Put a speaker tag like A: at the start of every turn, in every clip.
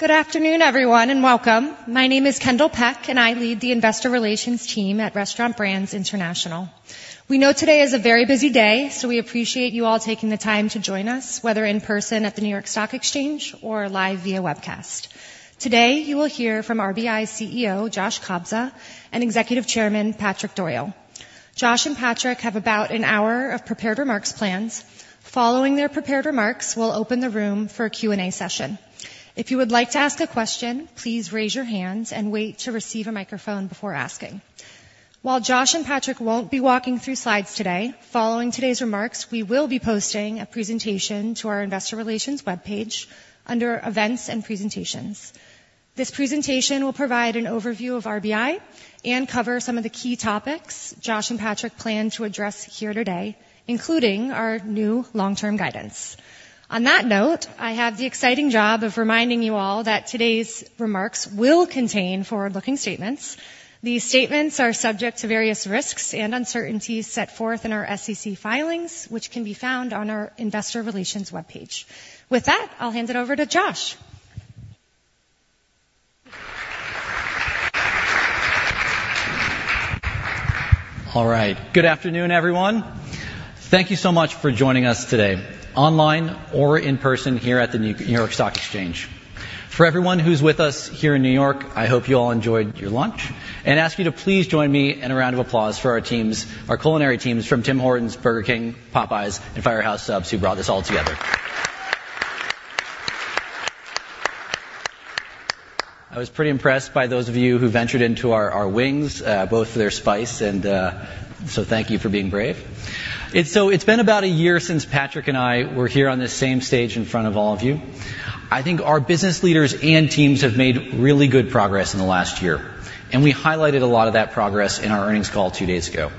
A: Good afternoon, everyone, and welcome. My name is Kendall Peck, and I lead the Investor Relations Team at Restaurant Brands International. We know today is a very busy day, so we appreciate you all taking the time to join us, whether in person at the New York Stock Exchange or live via webcast. Today you will hear from RBI CEO Josh Kobza and Executive Chairman Patrick Doyle. Josh and Patrick have about an hour of prepared remarks plans. Following their prepared remarks, we'll open the room for a Q&A session. If you would like to ask a question, please raise your hands and wait to receive a microphone before asking. While Josh and Patrick won't be walking through slides today, following today's remarks, we will be posting a presentation to our Investor Relations webpage under Events and Presentations. This presentation will provide an overview of RBI and cover some of the key topics Josh and Patrick plan to address here today, including our new long-term guidance. On that note, I have the exciting job of reminding you all that today's remarks will contain forward-looking statements. These statements are subject to various risks and uncertainties set forth in our SEC filings, which can be found on our Investor Relations webpage. With that, I'll hand it over to Josh.
B: All right. Good afternoon, everyone. Thank you so much for joining us today, online or in person here at the New York Stock Exchange. For everyone who's with us here in New York, I hope you all enjoyed your lunch, and ask you to please join me in a round of applause for our culinary teams from Tim Hortons, Burger King, Popeyes, and Firehouse Subs who brought this all together. I was pretty impressed by those of you who ventured into our wings, both for their spice, and so thank you for being brave. It's been about a year since Patrick and I were here on this same stage in front of all of you. I think our business leaders and teams have made really good progress in the last year, and we highlighted a lot of that progress in our earnings call two days ago.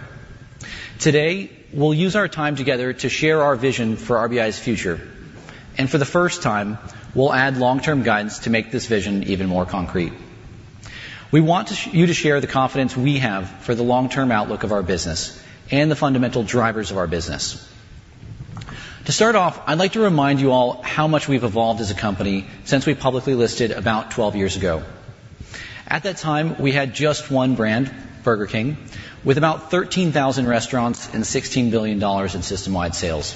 B: Today, we'll use our time together to share our vision for RBI's future, and for the first time, we'll add long-term guidance to make this vision even more concrete. We want you to share the confidence we have for the long-term outlook of our business and the fundamental drivers of our business. To start off, I'd like to remind you all how much we've evolved as a company since we publicly listed about 12 years ago. At that time, we had just one brand, Burger King, with about 13,000 restaurants and $16 billion in system-wide sales.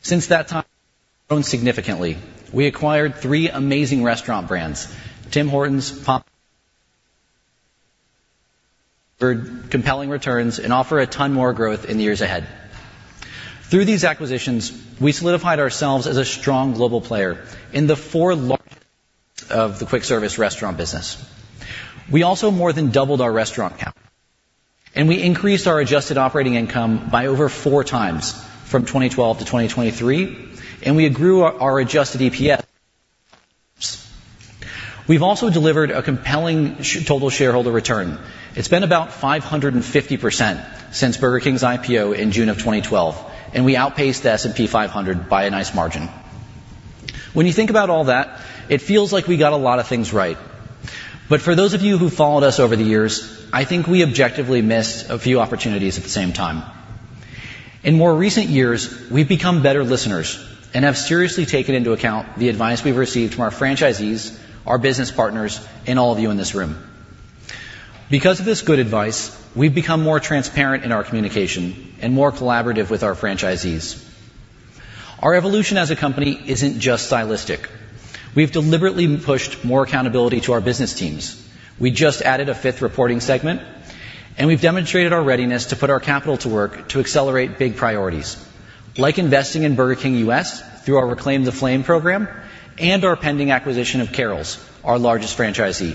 B: Since that time, we've grown significantly. We acquired three amazing restaurant brands, Tim Hortons, Popeyes, and Firehouse Subs compelling returns, and offer a ton more growth in the years ahead. Through these acquisitions, we solidified ourselves as a strong global player in the four largest segments of the quick-service restaurant business. We also more than doubled our restaurant count, and we increased our adjusted operating income by over four times from 2012 to 2023, and we grew our adjusted EPS. We've also delivered a compelling total shareholder return. It's been about 550% since Burger King's IPO in June of 2012, and we outpaced the S&P 500 by a nice margin. When you think about all that, it feels like we got a lot of things right. But for those of you who followed us over the years, I think we objectively missed a few opportunities at the same time. In more recent years, we've become better listeners and have seriously taken into account the advice we've received from our franchisees, our business partners, and all of you in this room. Because of this good advice, we've become more transparent in our communication and more collaborative with our franchisees. Our evolution as a company isn't just stylistic. We've deliberately pushed more accountability to our business teams. We just added a fifth reporting segment, and we've demonstrated our readiness to put our capital to work to accelerate big priorities, like investing in Burger King U.S. through our Reclaim the Flame program and our pending acquisition of Carrols', our largest franchisee.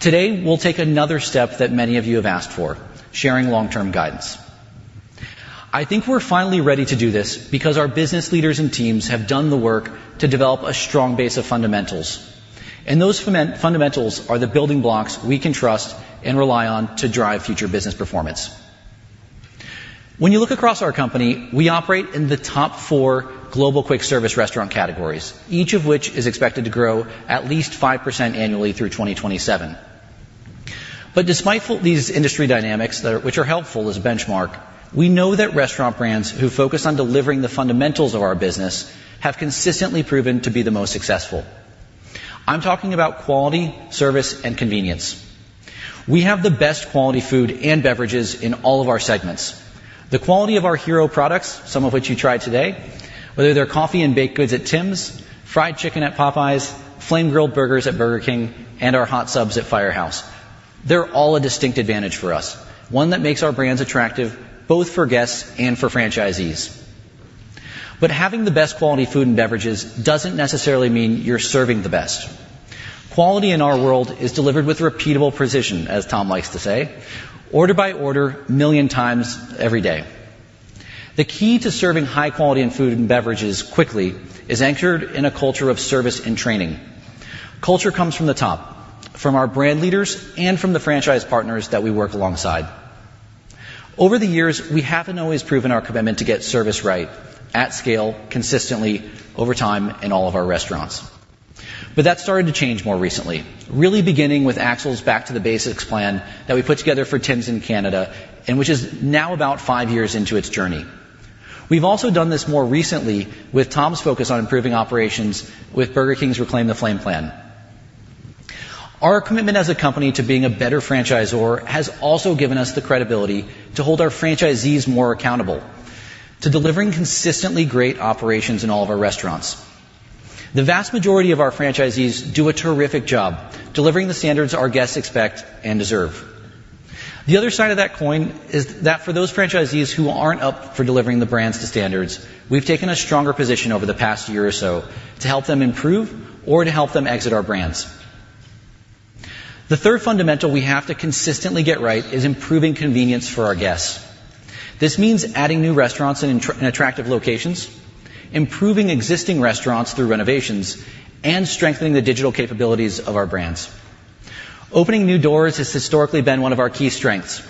B: Today, we'll take another step that many of you have asked for: sharing long-term guidance. I think we're finally ready to do this because our business leaders and teams have done the work to develop a strong base of fundamentals, and those fundamentals are the building blocks we can trust and rely on to drive future business performance. When you look across our company, we operate in the top four global quick-service restaurant categories, each of which is expected to grow at least 5% annually through 2027. But despite these industry dynamics, which are helpful as a benchmark, we know that restaurant brands who focus on delivering the fundamentals of our business have consistently proven to be the most successful. I'm talking about quality, service, and convenience. We have the best quality food and beverages in all of our segments. The quality of our hero products, some of which you tried today, whether they're coffee and baked goods at Tims, fried chicken at Popeyes, flame-grilled burgers at Burger King, and our hot subs at Firehouse, they're all a distinct advantage for us, one that makes our brands attractive both for guests and for franchisees. But having the best quality food and beverages doesn't necessarily mean you're serving the best. Quality in our world is delivered with repeatable precision, as Tom likes to say, order by order, million times every day. The key to serving high-quality food and beverages quickly is anchored in a culture of service and training. Culture comes from the top, from our brand leaders and from the franchise partners that we work alongside. Over the years, we haven't always proven our commitment to get service right, at scale, consistently, over time in all of our restaurants. But that started to change more recently, really beginning with Axel's Back to Basics plan that we put together for Tim's in Canada, and which is now about 5 years into its journey. We've also done this more recently with Tom's focus on improving operations with Burger King's Reclaim the Flame plan. Our commitment as a company to being a better franchisor has also given us the credibility to hold our franchisees more accountable to delivering consistently great operations in all of our restaurants. The vast majority of our franchisees do a terrific job delivering the standards our guests expect and deserve. The other side of that coin is that for those franchisees who aren't up for delivering the brand's standards, we've taken a stronger position over the past year or so to help them improve or to help them exit our brands. The third fundamental we have to consistently get right is improving convenience for our guests. This means adding new restaurants in attractive locations, improving existing restaurants through renovations, and strengthening the digital capabilities of our brands. Opening new doors has historically been one of our key strengths.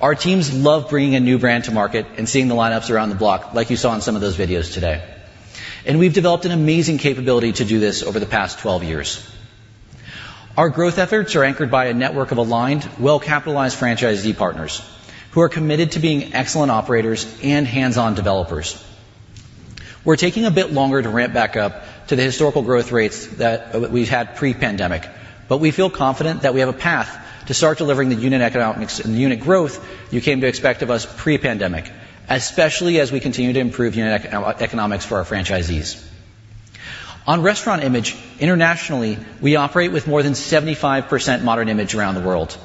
B: Our teams love bringing a new brand to market and seeing the lineups around the block, like you saw in some of those videos today. We've developed an amazing capability to do this over the past 12 years. Our growth efforts are anchored by a network of aligned, well-capitalized franchisee partners who are committed to being excellent operators and hands-on developers. We're taking a bit longer to ramp back up to the historical growth rates that we had pre-pandemic, but we feel confident that we have a path to start delivering the unit economics and the unit growth you came to expect of us pre-pandemic, especially as we continue to improve unit economics for our franchisees. On restaurant image, internationally, we operate with more than 75% Modern Image around the world.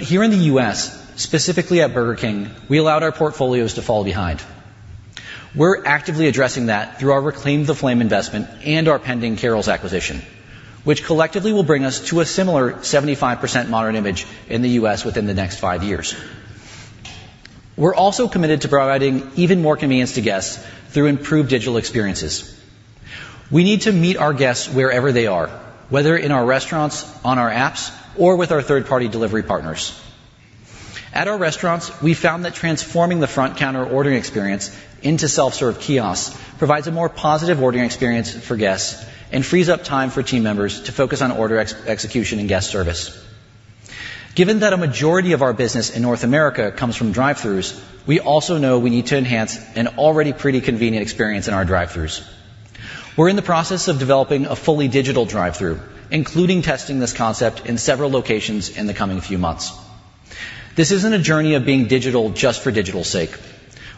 B: Here in the U.S., specifically at Burger King, we allowed our portfolios to fall behind. We're actively addressing that through our Reclaim the Flame investment and our pending Carrols acquisition, which collectively will bring us to a similar 75% Modern Image in the U.S. within the next five years. We're also committed to providing even more convenience to guests through improved digital experiences. We need to meet our guests wherever they are, whether in our restaurants, on our apps, or with our third-party delivery partners. At our restaurants, we found that transforming the front-counter ordering experience into self-serve kiosks provides a more positive ordering experience for guests and frees up time for team members to focus on order execution and guest service. Given that a majority of our business in North America comes from drive-throughs, we also know we need to enhance an already pretty convenient experience in our drive-throughs. We're in the process of developing a fully digital drive-through, including testing this concept in several locations in the coming few months. This isn't a journey of being digital just for digital's sake.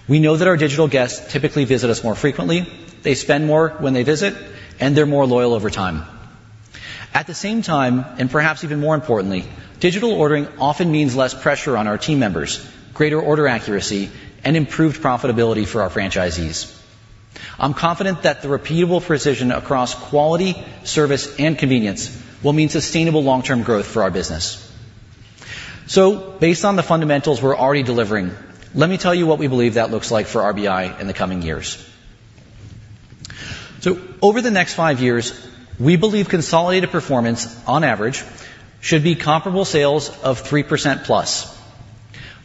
B: We know that our digital guests typically visit us more frequently, they spend more when they visit, and they're more loyal over time. At the same time, and perhaps even more importantly, digital ordering often means less pressure on our team members, greater order accuracy, and improved profitability for our franchisees. I'm confident that the repeatable precision across quality, service, and convenience will mean sustainable long-term growth for our business. So, based on the fundamentals we're already delivering, let me tell you what we believe that looks like for RBI in the coming years. Over the next 5 years, we believe consolidated performance, on average, should be comparable sales of 3%+,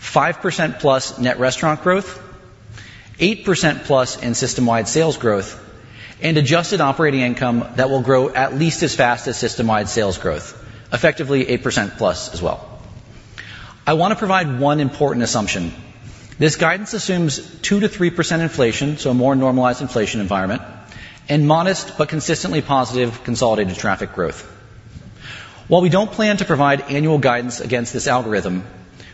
B: 5%+ net restaurant growth, 8%+ in system-wide sales growth, and adjusted operating income that will grow at least as fast as system-wide sales growth, effectively 8%+ as well. I want to provide one important assumption. This guidance assumes 2%-3% inflation, so a more normalized inflation environment, and modest but consistently positive consolidated traffic growth. While we don't plan to provide annual guidance against this algorithm,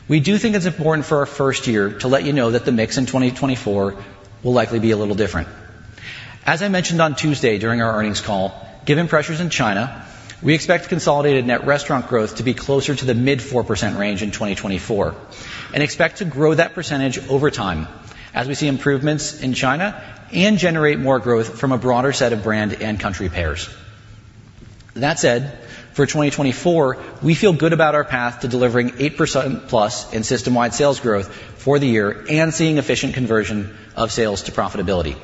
B: we do think it's important for our first year to let you know that the mix in 2024 will likely be a little different. As I mentioned on Tuesday during our earnings call, given pressures in China, we expect consolidated net restaurant growth to be closer to the mid-4% range in 2024 and expect to grow that percentage over time as we see improvements in China and generate more growth from a broader set of brand and country pairs. That said, for 2024, we feel good about our path to delivering 8%+ in system-wide sales growth for the year and seeing efficient conversion of sales to profitability.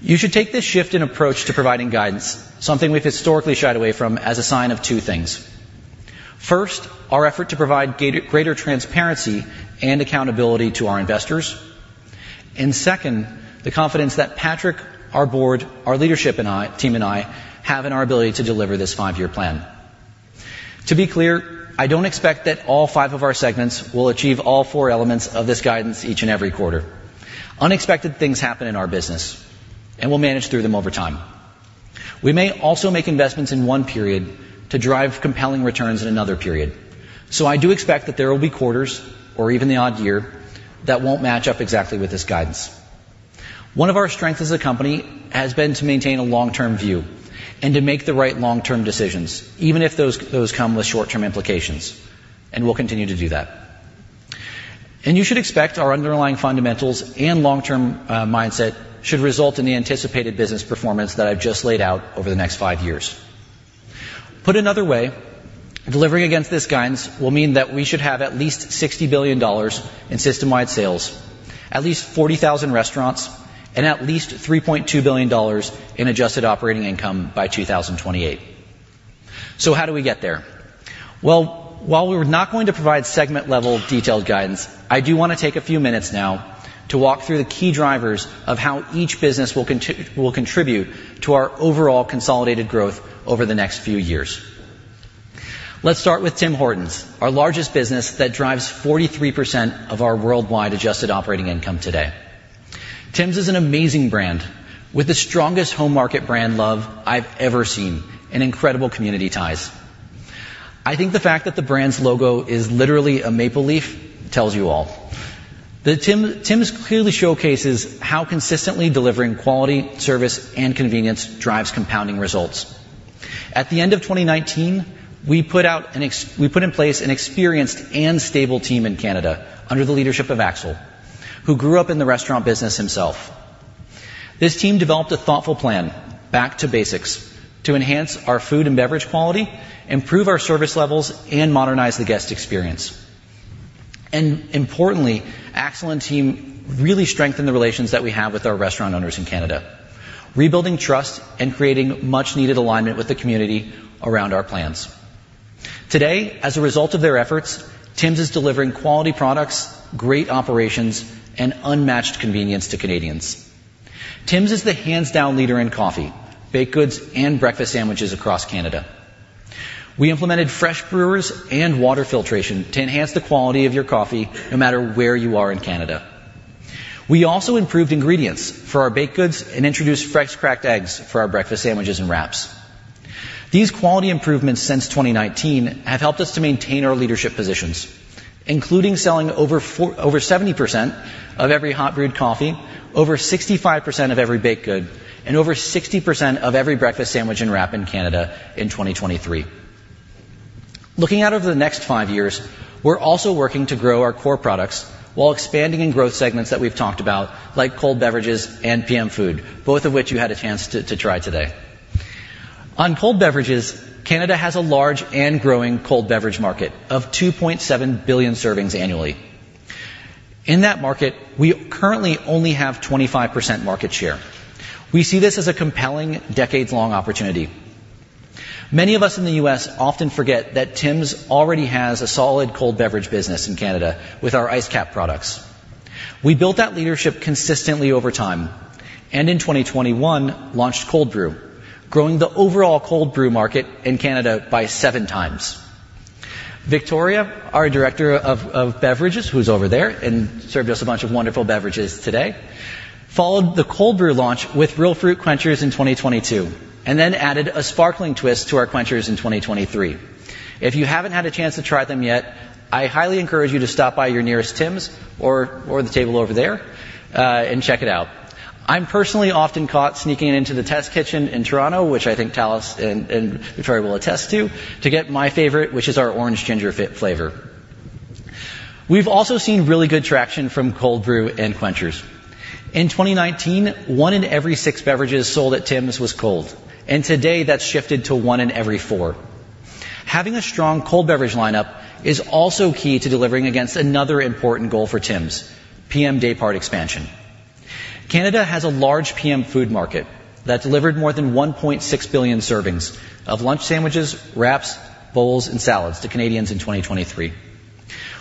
B: You should take this shift in approach to providing guidance, something we've historically shied away from, as a sign of two things. First, our effort to provide greater transparency and accountability to our investors. Second, the confidence that Patrick, our board, our leadership and team and I have in our ability to deliver this five-year plan. To be clear, I don't expect that all five of our segments will achieve all four elements of this guidance each and every quarter. Unexpected things happen in our business, and we'll manage through them over time. We may also make investments in one period to drive compelling returns in another period, so I do expect that there will be quarters or even the odd year that won't match up exactly with this guidance. One of our strengths as a company has been to maintain a long-term view and to make the right long-term decisions, even if those come with short-term implications, and we'll continue to do that. You should expect our underlying fundamentals and long-term mindset should result in the anticipated business performance that I've just laid out over the next five years. Put another way, delivering against this guidance will mean that we should have at least $60 billion in system-wide sales, at least 40,000 restaurants, and at least $3.2 billion in adjusted operating income by 2028. So how do we get there? Well, while we're not going to provide segment-level detailed guidance, I do want to take a few minutes now to walk through the key drivers of how each business will contribute to our overall consolidated growth over the next few years. Let's start with Tim Hortons, our largest business that drives 43% of our worldwide adjusted operating income today. Tim's is an amazing brand, with the strongest home-market brand love I've ever seen and incredible community ties. I think the fact that the brand's logo is literally a maple leaf tells you all. Tim's clearly showcases how consistently delivering quality, service, and convenience drives compounding results. At the end of 2019, we put in place an experienced and stable team in Canada under the leadership of Axel, who grew up in the restaurant business himself. This team developed a thoughtful plan, Back to Basics, to enhance our food and beverage quality, improve our service levels, and modernize the guest experience. Importantly, Axel and team really strengthened the relations that we have with our restaurant owners in Canada, rebuilding trust and creating much-needed alignment with the community around our plans. Today, as a result of their efforts, Tim's is delivering quality products, great operations, and unmatched convenience to Canadians. Tim's is the hands-down leader in coffee, baked goods, and breakfast sandwiches across Canada. We implemented fresh brewers and water filtration to enhance the quality of your coffee no matter where you are in Canada. We also improved ingredients for our baked goods and introduced fresh cracked eggs for our breakfast sandwiches and wraps. These quality improvements since 2019 have helped us to maintain our leadership positions, including selling over 70% of every hot brewed coffee, over 65% of every baked good, and over 60% of every breakfast sandwich and wrap in Canada in 2023. Looking out over the next five years, we're also working to grow our core products while expanding in growth segments that we've talked about, like cold beverages and PM food, both of which you had a chance to try today. On cold beverages, Canada has a large and growing cold beverage market of 2.7 billion servings annually. In that market, we currently only have 25% market share. We see this as a compelling, decades-long opportunity. Many of us in the U.S. Often forget that Tim's already has a solid cold beverage business in Canada with our Iced Capp products. We built that leadership consistently over time and in 2021 launched Cold Brew, growing the overall cold brew market in Canada by seven times. Victoria, our director of beverages, who's over there and served us a bunch of wonderful beverages today, followed the Cold Brew launch with Real Fruit Quenchers in 2022 and then added a sparkling twist to our quenchers in 2023. If you haven't had a chance to try them yet, I highly encourage you to stop by your nearest Tim's or the table over there and check it out. I'm personally often caught sneaking into the Test Kitchen in Toronto, which I think Talis and Victoria will attest to, to get my favorite, which is our orange ginger flavor. We've also seen really good traction from Cold Brew and Quenchers. In 2019, one in every six beverages sold at Tim's was cold, and today that's shifted to one in every four. Having a strong cold beverage lineup is also key to delivering against another important goal for Tim's: PM Daypart expansion. Canada has a large PM food market that delivered more than 1.6 billion servings of lunch sandwiches, wraps, bowls, and salads to Canadians in 2023.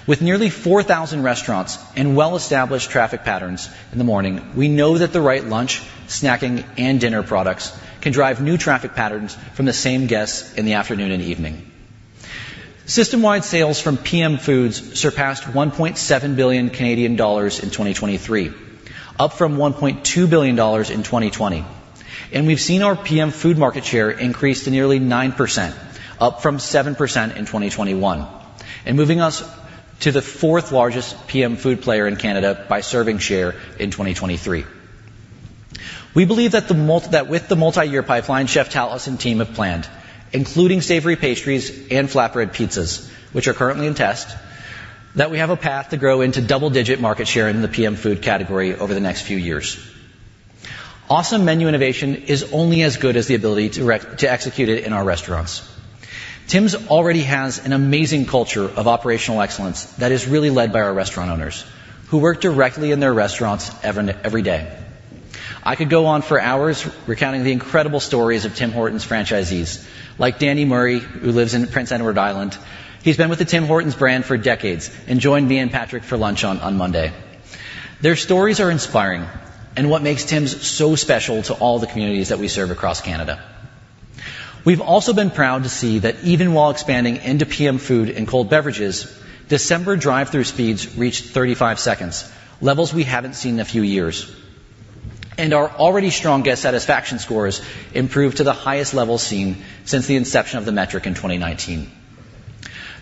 B: With nearly 4,000 restaurants and well-established traffic patterns in the morning, we know that the right lunch, snacking, and dinner products can drive new traffic patterns from the same guests in the afternoon and evening. System-wide sales from PM foods surpassed 1.7 billion Canadian dollars in 2023, up from 1.2 billion dollars in 2020, and we've seen our PM food market share increase to nearly 9%, up from 7% in 2021, and moving us to the fourth-largest PM food player in Canada by serving share in 2023. We believe that with the multi-year pipeline Chef Tallis and team have planned, including savory pastries and flatbread pizzas, which are currently in test, that we have a path to grow into double-digit market share in the PM food category over the next few years. Awesome menu innovation is only as good as the ability to execute it in our restaurants. Tim's already has an amazing culture of operational excellence that is really led by our restaurant owners, who work directly in their restaurants every day. I could go on for hours recounting the incredible stories of Tim Hortons' franchisees, like Danny Murphy, who lives in Prince Edward Island. He's been with the Tim Hortons brand for decades and joined me and Patrick for lunch on Monday. Their stories are inspiring and what makes Tim's so special to all the communities that we serve across Canada. We've also been proud to see that even while expanding into PM food and cold beverages, December drive-through speeds reached 35 seconds, levels we haven't seen in a few years, and our already strong guest satisfaction scores improved to the highest level seen since the inception of the metric in 2019.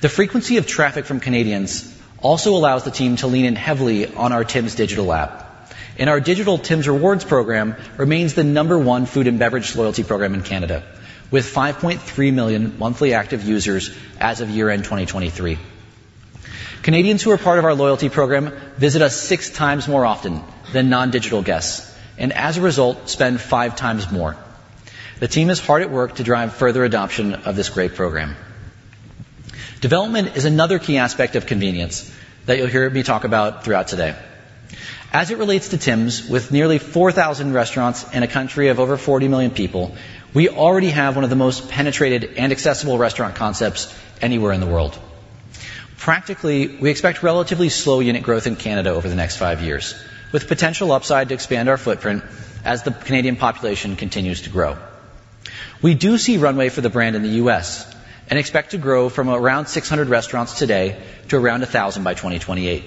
B: The frequency of traffic from Canadians also allows the team to lean in heavily on our Tim's digital app, and our digital Tim's Rewards program remains the number one food and beverage loyalty program in Canada, with 5.3 million monthly active users as of year-end 2023. Canadians who are part of our loyalty program visit us six times more often than non-digital guests and, as a result, spend five times more. The team is hard at work to drive further adoption of this great program. Development is another key aspect of convenience that you'll hear me talk about throughout today. As it relates to Tim's, with nearly 4,000 restaurants in a country of over 40 million people, we already have one of the most penetrated and accessible restaurant concepts anywhere in the world. Practically, we expect relatively slow unit growth in Canada over the next five years, with potential upside to expand our footprint as the Canadian population continues to grow. We do see runway for the brand in the U.S. and expect to grow from around 600 restaurants today to around 1,000 by 2028.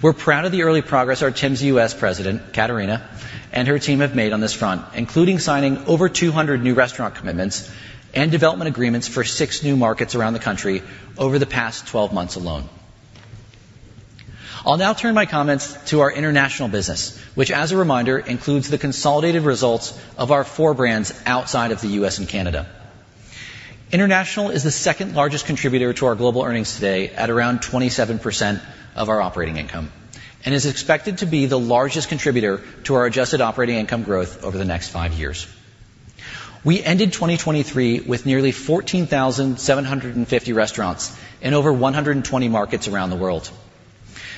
B: We're proud of the early progress our Tim's U.S. president, Katerina, and her team have made on this front, including signing over 200 new restaurant commitments and development agreements for six new markets around the country over the past 12 months alone. I'll now turn my comments to our international business, which, as a reminder, includes the consolidated results of our four brands outside of the U.S. and Canada. International is the second-largest contributor to our global earnings today, at around 27% of our operating income, and is expected to be the largest contributor to our adjusted operating income growth over the next 5 years. We ended 2023 with nearly 14,750 restaurants in over 120 markets around the world.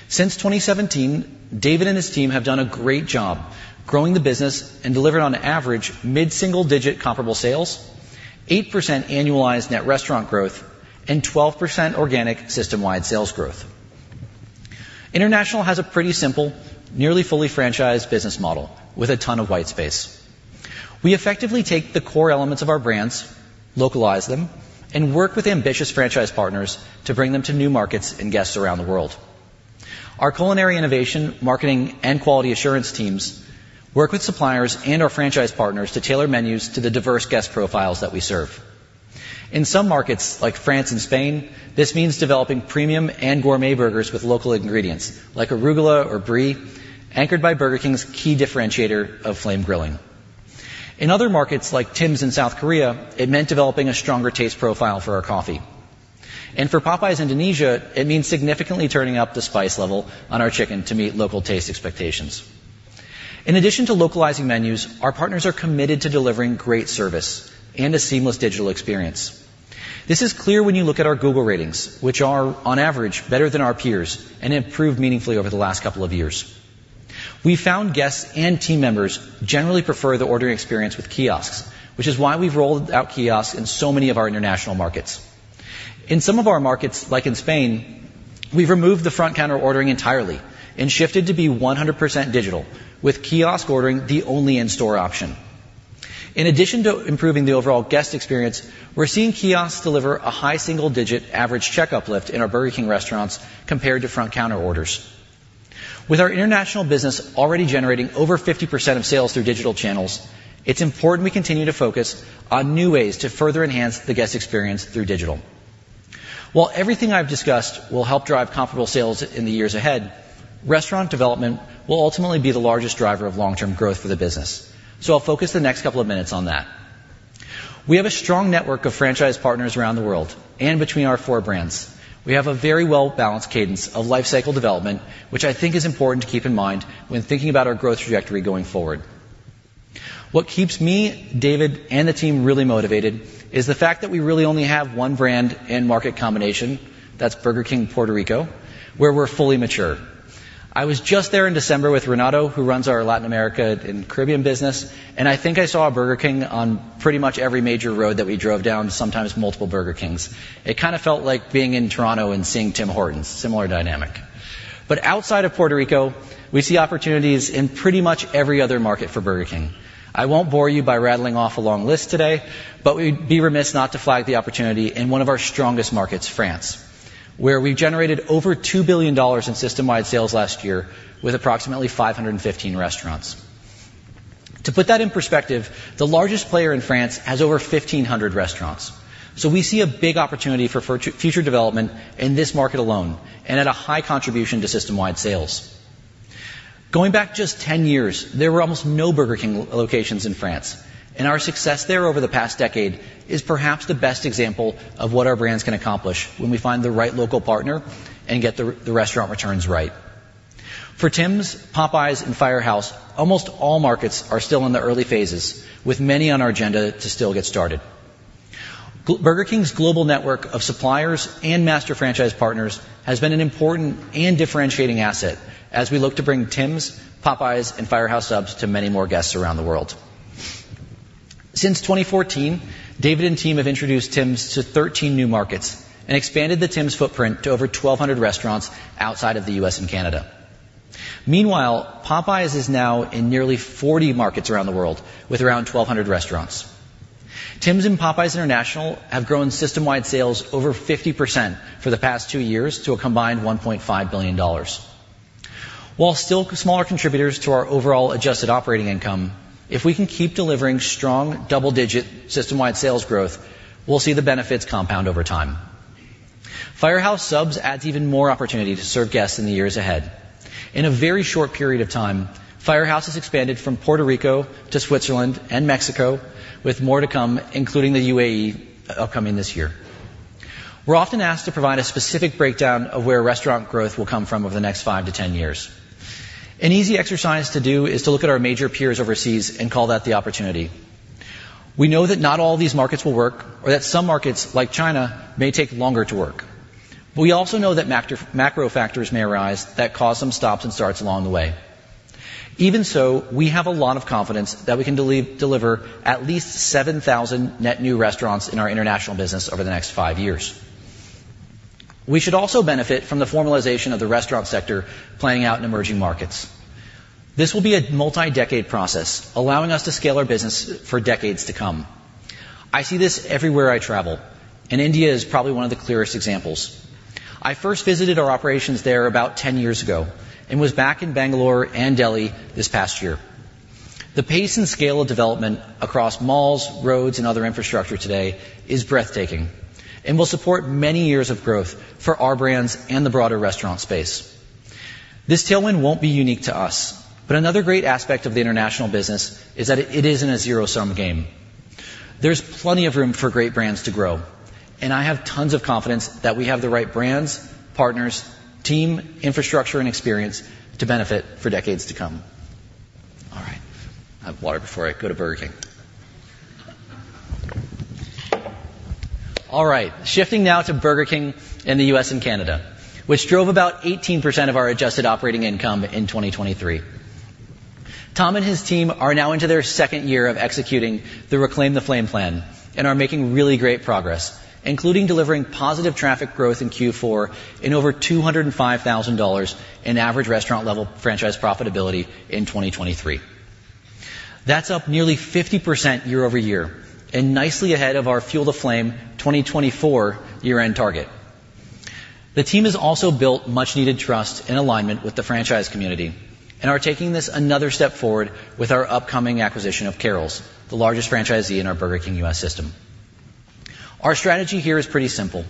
B: Since 2017, David and his team have done a great job growing the business and delivered, on average, mid-single-digit comparable sales, 8% annualized net restaurant growth, and 12% organic system-wide sales growth. International has a pretty simple, nearly fully franchised business model with a ton of white space. We effectively take the core elements of our brands, localize them, and work with ambitious franchise partners to bring them to new markets and guests around the world. Our culinary innovation, marketing, and quality assurance teams work with suppliers and our franchise partners to tailor menus to the diverse guest profiles that we serve. In some markets, like France and Spain, this means developing premium and gourmet burgers with local ingredients, like arugula or brie, anchored by Burger King's key differentiator of flame grilling. In other markets, like Tim's in South Korea, it meant developing a stronger taste profile for our coffee. And for Popeye's Indonesia, it means significantly turning up the spice level on our chicken to meet local taste expectations. In addition to localizing menus, our partners are committed to delivering great service and a seamless digital experience. This is clear when you look at our Google ratings, which are, on average, better than our peers and improved meaningfully over the last couple of years. We found guests and team members generally prefer the ordering experience with kiosks, which is why we've rolled out kiosks in so many of our international markets. In some of our markets, like in Spain, we've removed the front-counter ordering entirely and shifted to be 100% digital, with kiosk ordering the only in-store option. In addition to improving the overall guest experience, we're seeing kiosks deliver a high single-digit average checkup lift in our Burger King restaurants compared to front-counter orders. With our international business already generating over 50% of sales through digital channels, it's important we continue to focus on new ways to further enhance the guest experience through digital. While everything I've discussed will help drive comparable sales in the years ahead, restaurant development will ultimately be the largest driver of long-term growth for the business, so I'll focus the next couple of minutes on that. We have a strong network of franchise partners around the world and between our four brands. We have a very well-balanced cadence of lifecycle development, which I think is important to keep in mind when thinking about our growth trajectory going forward. What keeps me, David, and the team really motivated is the fact that we really only have one brand and market combination that's Burger King Puerto Rico, where we're fully mature. I was just there in December with Renato, who runs our Latin America and Caribbean business, and I think I saw a Burger King on pretty much every major road that we drove down, sometimes multiple Burger Kings. It kind of felt like being in Toronto and seeing Tim Hortons, similar dynamic. But outside of Puerto Rico, we see opportunities in pretty much every other market for Burger King. I won't bore you by rattling off a long list today, but we'd be remiss not to flag the opportunity in one of our strongest markets, France, where we've generated over $2 billion in system-wide sales last year with approximately 515 restaurants. To put that in perspective, the largest player in France has over 1,500 restaurants, so we see a big opportunity for future development in this market alone and at a high contribution to system-wide sales. Going back just 10 years, there were almost no Burger King locations in France, and our success there over the past decade is perhaps the best example of what our brands can accomplish when we find the right local partner and get the restaurant returns right. For Tim's, Popeye's, and Firehouse, almost all markets are still in the early phases, with many on our agenda to still get started. Burger King's global network of suppliers and master franchise partners has been an important and differentiating asset as we look to bring Tim's, Popeyes, and Firehouse Subs to many more guests around the world. Since 2014, David and team have introduced Tim's to 13 new markets and expanded the Tim's footprint to over 1,200 restaurants outside of the U.S. and Canada. Meanwhile, Popeyes is now in nearly 40 markets around the world with around 1,200 restaurants. Tim's and Popeyes International have grown system-wide sales over 50% for the past two years to a combined $1.5 billion. While still smaller contributors to our overall adjusted operating income, if we can keep delivering strong double-digit system-wide sales growth, we'll see the benefits compound over time. Firehouse Subs add even more opportunity to serve guests in the years ahead. In a very short period of time, Firehouse has expanded from Puerto Rico to Switzerland and Mexico, with more to come, including the UAE, upcoming this year. We're often asked to provide a specific breakdown of where restaurant growth will come from over the next 5 to 10 years. An easy exercise to do is to look at our major peers overseas and call that the opportunity. We know that not all these markets will work, or that some markets, like China, may take longer to work. But we also know that macro factors may arise that cause some stops and starts along the way. Even so, we have a lot of confidence that we can deliver at least 7,000 net new restaurants in our international business over the next 5 years. We should also benefit from the formalization of the restaurant sector planning out emerging markets. This will be a multi-decade process, allowing us to scale our business for decades to come. I see this everywhere I travel, and India is probably one of the clearest examples. I first visited our operations there about 10 years ago and was back in Bangalore and Delhi this past year. The pace and scale of development across malls, roads, and other infrastructure today is breathtaking and will support many years of growth for our brands and the broader restaurant space. This tailwind won't be unique to us, but another great aspect of the international business is that it isn't a zero-sum game. There's plenty of room for great brands to grow, and I have tons of confidence that we have the right brands, partners, team, infrastructure, and experience to benefit for decades to come. All right. I have water before I go to Burger King. All right. Shifting now to Burger King in the U.S. and Canada, which drove about 18% of our adjusted operating income in 2023. Tom and his team are now into their second year of executing the Reclaim the Flame plan and are making really great progress, including delivering positive traffic growth in Q4 and over $205,000 in average restaurant-level franchise profitability in 2023. That's up nearly 50% year-over-year and nicely ahead of our Fuel the Flame 2024 year-end target. The team has also built much-needed trust and alignment with the franchise community and are taking this another step forward with our upcoming acquisition of Carrols, the largest franchisee in our Burger King U.S. system. Our strategy here is pretty simple.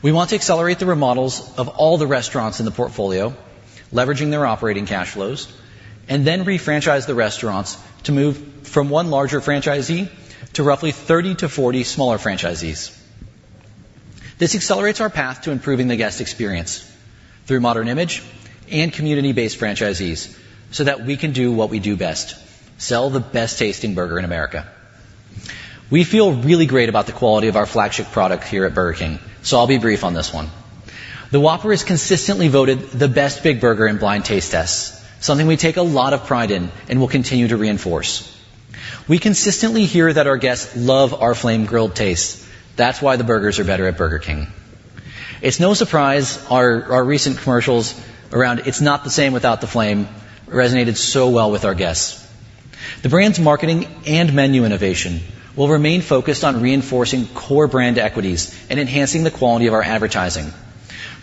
B: We want to accelerate the remodels of all the restaurants in the portfolio, leveraging their operating cash flows, and then refranchise the restaurants to move from one larger franchisee to roughly 30-40 smaller franchisees. This accelerates our path to improving the guest experience through Modern Image and community-based franchisees so that we can do what we do best: sell the best-tasting burger in America. We feel really great about the quality of our flagship product here at Burger King, so I'll be brief on this one. The Whopper has consistently voted the best big burger in blind taste tests, something we take a lot of pride in and will continue to reinforce. We consistently hear that our guests love our flame-grilled taste. That's why the burgers are better at Burger King. It's no surprise our recent commercials around "It's not the same without the flame" resonated so well with our guests. The brand's marketing and menu innovation will remain focused on reinforcing core brand equities and enhancing the quality of our advertising,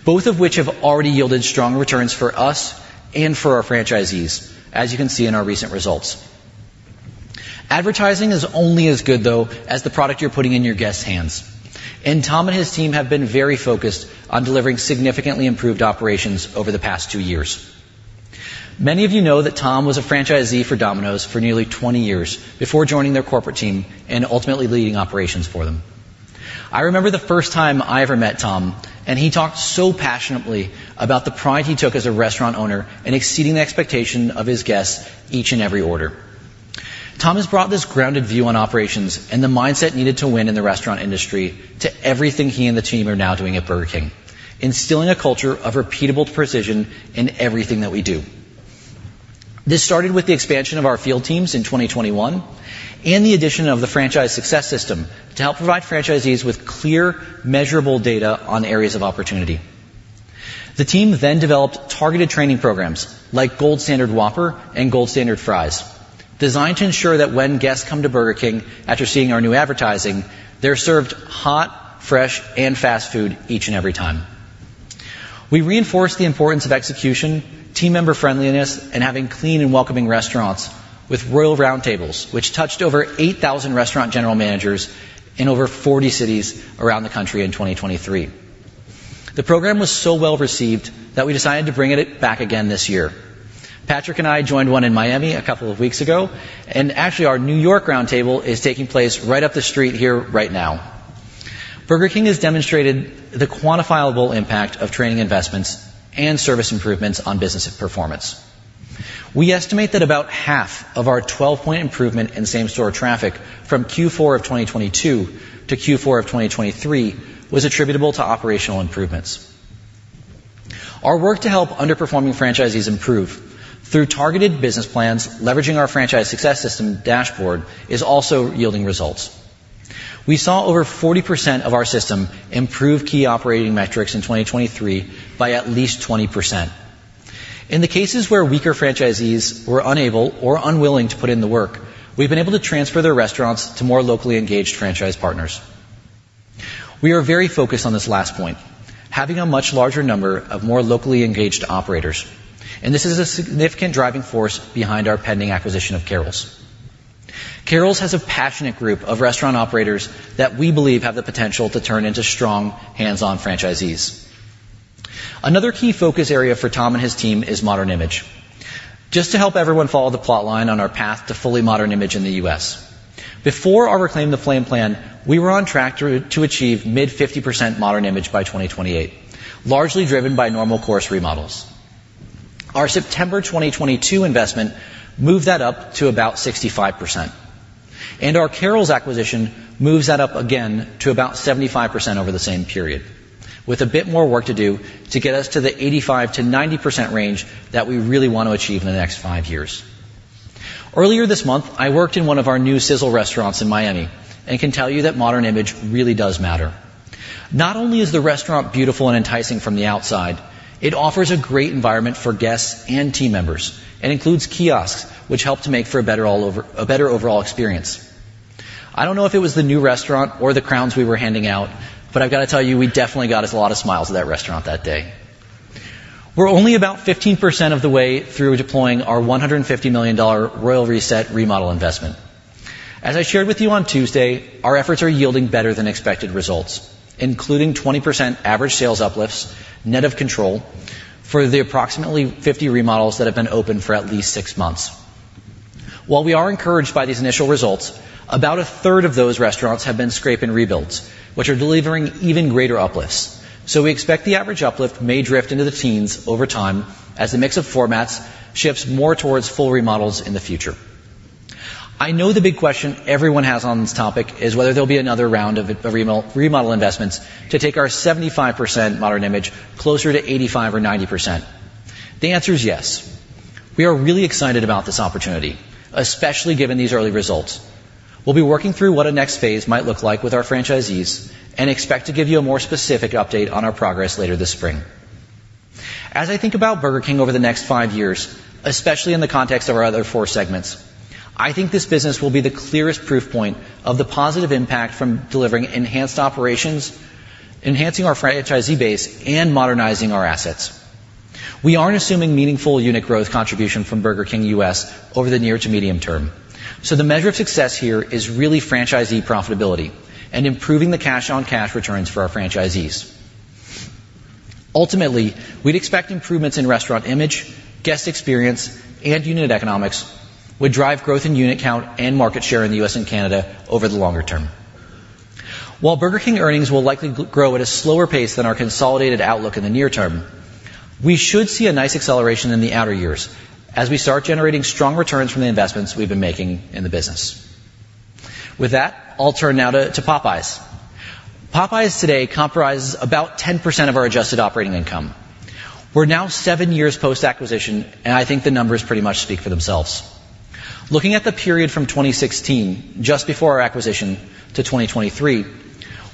B: both of which have already yielded strong returns for us and for our franchisees, as you can see in our recent results. Advertising is only as good, though, as the product you're putting in your guests' hands, and Tom and his team have been very focused on delivering significantly improved operations over the past two years. Many of you know that Tom was a franchisee for Domino's for nearly 20 years before joining their corporate team and ultimately leading operations for them. I remember the first time I ever met Tom, and he talked so passionately about the pride he took as a restaurant owner in exceeding the expectation of his guests each and every order. Tom has brought this grounded view on operations and the mindset needed to win in the restaurant industry to everything he and the team are now doing at Burger King, instilling a culture of repeatable precision in everything that we do. This started with the expansion of our field teams in 2021 and the addition of the franchise success system to help provide franchisees with clear, measurable data on areas of opportunity. The team then developed targeted training programs like Gold Standard Whopper and Gold Standard Fries, designed to ensure that when guests come to Burger King after seeing our new advertising, they're served hot, fresh, and fast food each and every time. We reinforced the importance of execution, team member-friendliness, and having clean and welcoming restaurants with Royal Roundtables, which touched over 8,000 restaurant general managers in over 40 cities around the country in 2023. The program was so well received that we decided to bring it back again this year. Patrick and I joined one in Miami a couple of weeks ago, and actually, our New York roundtable is taking place right up the street here right now. Burger King has demonstrated the quantifiable impact of training investments and service improvements on business performance. We estimate that about half of our 12-point improvement in same-store traffic from Q4 of 2022 to Q4 of 2023 was attributable to operational improvements. Our work to help underperforming franchisees improve through targeted business plans, leveraging our Franchise Success System dashboard, is also yielding results. We saw over 40% of our system improve key operating metrics in 2023 by at least 20%. In the cases where weaker franchisees were unable or unwilling to put in the work, we've been able to transfer their restaurants to more locally engaged franchise partners. We are very focused on this last point: having a much larger number of more locally engaged operators. And this is a significant driving force behind our pending acquisition of Carrols'. Carrols' has a passionate group of restaurant operators that we believe have the potential to turn into strong, hands-on franchisees. Another key focus area for Tom and his team is Modern Image, just to help everyone follow the plotline on our path to fully Modern Image in the U.S. Before our Reclaim the Flame plan, we were on track to achieve mid-50% Modern Image by 2028, largely driven by normal course remodels. Our September 2022 investment moved that up to about 65%, and our Carrols acquisition moves that up again to about 75% over the same period, with a bit more work to do to get us to the 85%-90% range that we really want to achieve in the next five years. Earlier this month, I worked in one of our new Sizzle restaurants in Miami and can tell you that Modern Image really does matter. Not only is the restaurant beautiful and enticing from the outside, it offers a great environment for guests and team members and includes kiosks, which help to make for a better overall experience. I don't know if it was the new restaurant or the crowns we were handing out, but I've got to tell you we definitely got us a lot of smiles at that restaurant that day. We're only about 15% of the way through deploying our $150 million Royal Reset remodel investment. As I shared with you on Tuesday, our efforts are yielding better than expected results, including 20% average sales uplifts net of control for the approximately 50 remodels that have been open for at least six months. While we are encouraged by these initial results, about a third of those restaurants have been scraping rebuilds, which are delivering even greater uplifts. So we expect the average uplift may drift into the teens over time as the mix of formats shifts more towards full remodels in the future. I know the big question everyone has on this topic is whether there'll be another round of remodel investments to take our 75% Modern Image closer to 85 or 90%. The answer is yes. We are really excited about this opportunity, especially given these early results. We'll be working through what a next phase might look like with our franchisees and expect to give you a more specific update on our progress later this spring. As I think about Burger King over the next five years, especially in the context of our other four segments, I think this business will be the clearest proof point of the positive impact from delivering enhanced operations, enhancing our franchisee base, and modernizing our assets. We aren't assuming meaningful unit growth contribution from Burger King U.S. over the near to medium term, so the measure of success here is really franchisee profitability and improving the cash-on-cash returns for our franchisees. Ultimately, we'd expect improvements in restaurant image, guest experience, and unit economics would drive growth in unit count and market share in the U.S. and Canada over the longer term. While Burger King earnings will likely grow at a slower pace than our consolidated outlook in the near term, we should see a nice acceleration in the outer years as we start generating strong returns from the investments we've been making in the business. With that, I'll turn now to Popeyes. Popeyes today comprises about 10% of our adjusted operating income. We're now seven years post-acquisition, and I think the numbers pretty much speak for themselves. Looking at the period from 2016, just before our acquisition, to 2023,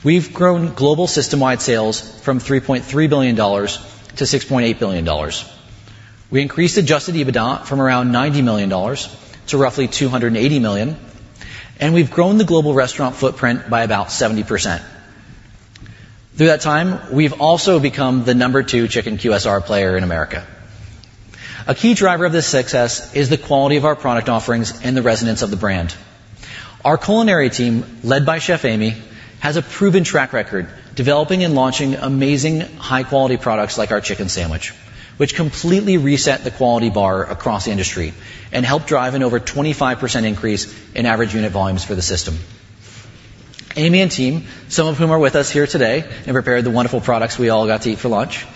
B: we've grown global system-wide sales from $3.3 billion to $6.8 billion. We increased adjusted EBITDA from around $90 million to roughly $280 million, and we've grown the global restaurant footprint by about 70%. Through that time, we've also become the number two chicken QSR player in America. A key driver of this success is the quality of our product offerings and the resonance of the brand. Our culinary team, led by Chef Amy, has a proven track record developing and launching amazing, high-quality products like our chicken sandwich, which completely reset the quality bar across the industry and helped drive an over 25% increase in average unit volumes for the system. Amy and team, some of whom are with us here today and prepared the wonderful products we all got to eat for lunch,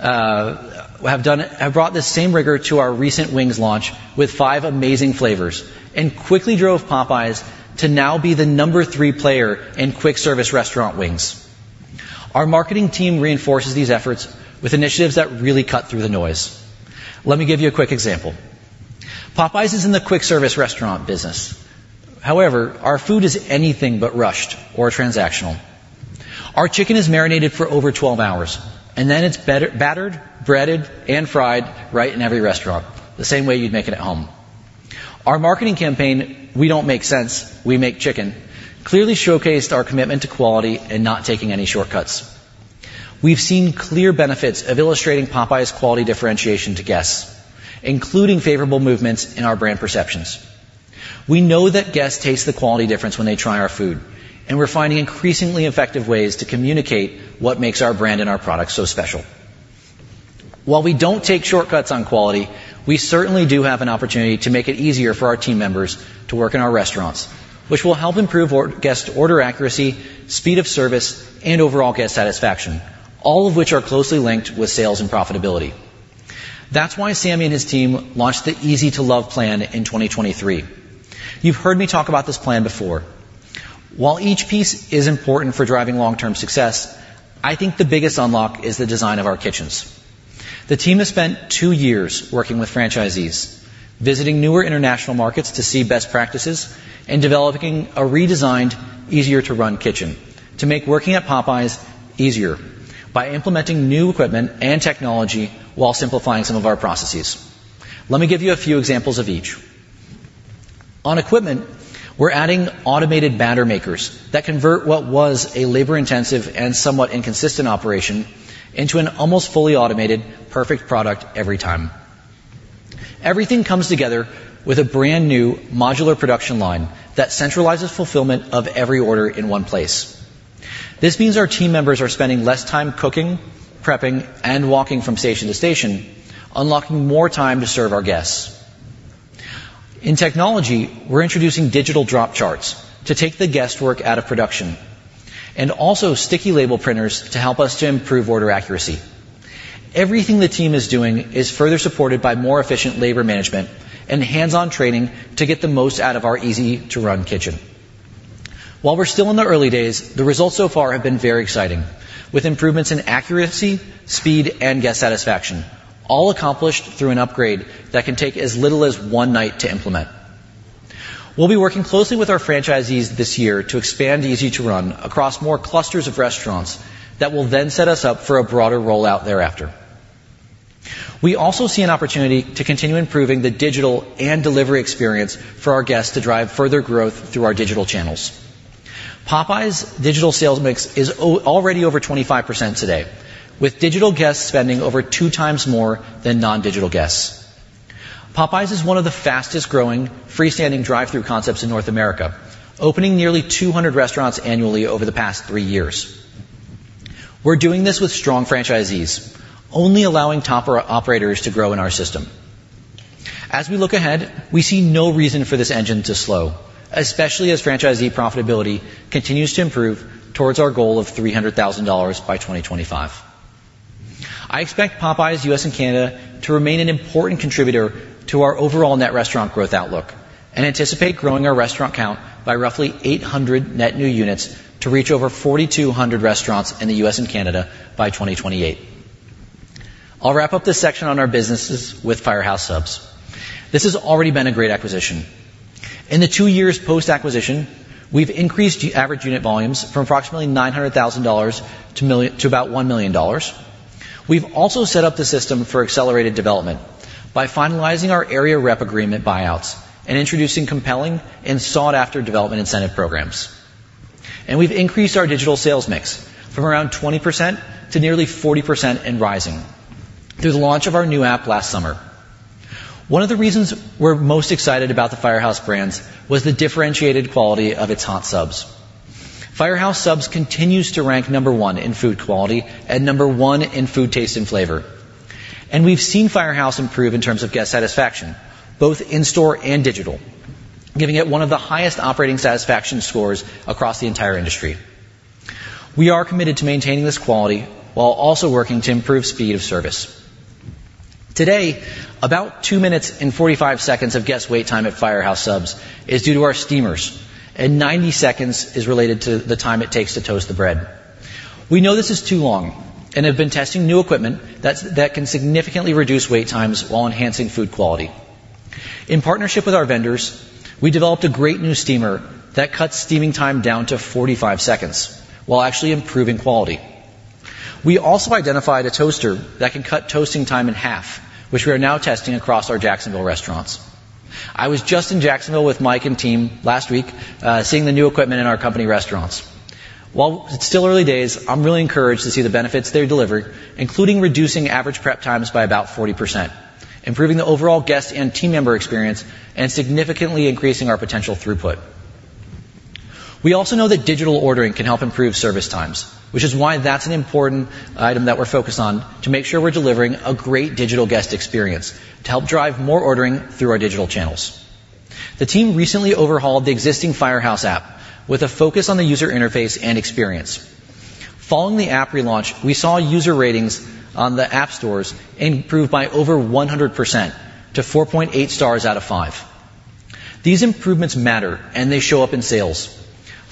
B: have brought the same rigor to our recent Wings launch with five amazing flavors and quickly drove Popeyes to now be the number three player in quick-service restaurant Wings. Our marketing team reinforces these efforts with initiatives that really cut through the noise. Let me give you a quick example. Popeyes is in the quick-service restaurant business. However, our food is anything but rushed or transactional. Our chicken is marinated for over 12 hours, and then it's battered, breaded, and fried right in every restaurant, the same way you'd make it at home. Our marketing campaign, "We don't make sense, we make chicken," clearly showcased our commitment to quality and not taking any shortcuts. We've seen clear benefits of illustrating Popeyes quality differentiation to guests, including favorable movements in our brand perceptions. We know that guests taste the quality difference when they try our food, and we're finding increasingly effective ways to communicate what makes our brand and our products so special. While we don't take shortcuts on quality, we certainly do have an opportunity to make it easier for our team members to work in our restaurants, which will help improve guest order accuracy, speed of service, and overall guest satisfaction, all of which are closely linked with sales and profitability. That's why Sami and his team launched the Easy to Love plan in 2023. You've heard me talk about this plan before. While each piece is important for driving long-term success, I think the biggest unlock is the design of our kitchens. The team has spent two years working with franchisees, visiting newer international markets to see best practices and developing a redesigned, easier-to-run kitchen to make working at Popeyes easier by implementing new equipment and technology while simplifying some of our processes. Let me give you a few examples of each. On equipment, we're adding automated batter makers that convert what was a labor-intensive and somewhat inconsistent operation into an almost fully automated, perfect product every time. Everything comes together with a brand new modular production line that centralizes fulfillment of every order in one place. This means our team members are spending less time cooking, prepping, and walking from station to station, unlocking more time to serve our guests. In technology, we're introducing digital drop charts to take the guesswork out of production, and also sticky label printers to help us to improve order accuracy. Everything the team is doing is further supported by more efficient labor management and hands-on training to get the most out of our Easy-to-Run Kitchen. While we're still in the early days, the results so far have been very exciting, with improvements in accuracy, speed, and guest satisfaction, all accomplished through an upgrade that can take as little as one night to implement. We'll be working closely with our franchisees this year to expand Easy to Run across more clusters of restaurants that will then set us up for a broader rollout thereafter. We also see an opportunity to continue improving the digital and delivery experience for our guests to drive further growth through our digital channels. Popeyes digital sales mix is already over 25% today, with digital guests spending over two times more than non-digital guests. Popeyes is one of the fastest-growing freestanding drive-thru concepts in North America, opening nearly 200 restaurants annually over the past 3 years. We're doing this with strong franchisees, only allowing top operators to grow in our system. As we look ahead, we see no reason for this engine to slow, especially as franchisee profitability continues to improve towards our goal of $300,000 by 2025. I expect Popeyes U.S. and Canada to remain an important contributor to our overall net restaurant growth outlook and anticipate growing our restaurant count by roughly 800 net new units to reach over 4,200 restaurants in the U.S. and Canada by 2028. I'll wrap up this section on our businesses with Firehouse Subs. This has already been a great acquisition. In the two years post-acquisition, we've increased average unit volumes from approximately $900,000 to about $1 million. We've also set up the system for accelerated development by finalizing our area rep agreement buyouts and introducing compelling and sought-after development incentive programs. We've increased our digital sales mix from around 20% to nearly 40% and rising through the launch of our new app last summer. One of the reasons we're most excited about the Firehouse Subs was the differentiated quality of its hot subs. Firehouse Subs continues to rank number one in food quality and number one in food taste and flavor. We've seen Firehouse Subs improve in terms of guest satisfaction, both in-store and digital, giving it one of the highest operating satisfaction scores across the entire industry. We are committed to maintaining this quality while also working to improve speed of service. Today, about 2 minutes and 45 seconds of guest wait time at Firehouse Subs is due to our steamers, and 90 seconds is related to the time it takes to toast the bread. We know this is too long and have been testing new equipment that can significantly reduce wait times while enhancing food quality. In partnership with our vendors, we developed a great new steamer that cuts steaming time down to 45 seconds while actually improving quality. We also identified a toaster that can cut toasting time in half, which we are now testing across our Jacksonville restaurants. I was just in Jacksonville with Mike and team last week seeing the new equipment in our company restaurants. While it's still early days, I'm really encouraged to see the benefits they deliver, including reducing average prep times by about 40%, improving the overall guest and team member experience, and significantly increasing our potential throughput. We also know that digital ordering can help improve service times, which is why that's an important item that we're focused on to make sure we're delivering a great digital guest experience to help drive more ordering through our digital channels. The team recently overhauled the existing Firehouse app with a focus on the user interface and experience. Following the app relaunch, we saw user ratings on the app stores improve by over 100% to 4.8 stars out of 5. These improvements matter, and they show up in sales.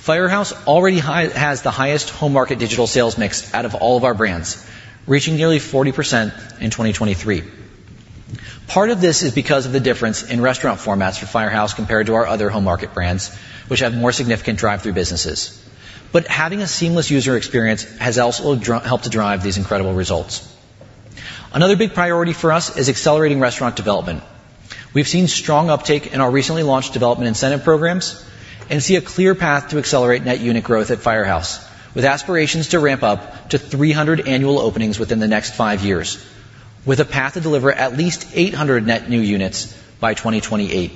B: Firehouse already has the highest home market digital sales mix out of all of our brands, reaching nearly 40% in 2023. Part of this is because of the difference in restaurant formats for Firehouse compared to our other home market brands, which have more significant drive-thru businesses. But having a seamless user experience has also helped to drive these incredible results. Another big priority for us is accelerating restaurant development. We've seen strong uptake in our recently launched development incentive programs and see a clear path to accelerate net unit growth at Firehouse, with aspirations to ramp up to 300 annual openings within the next five years, with a path to deliver at least 800 net new units by 2028.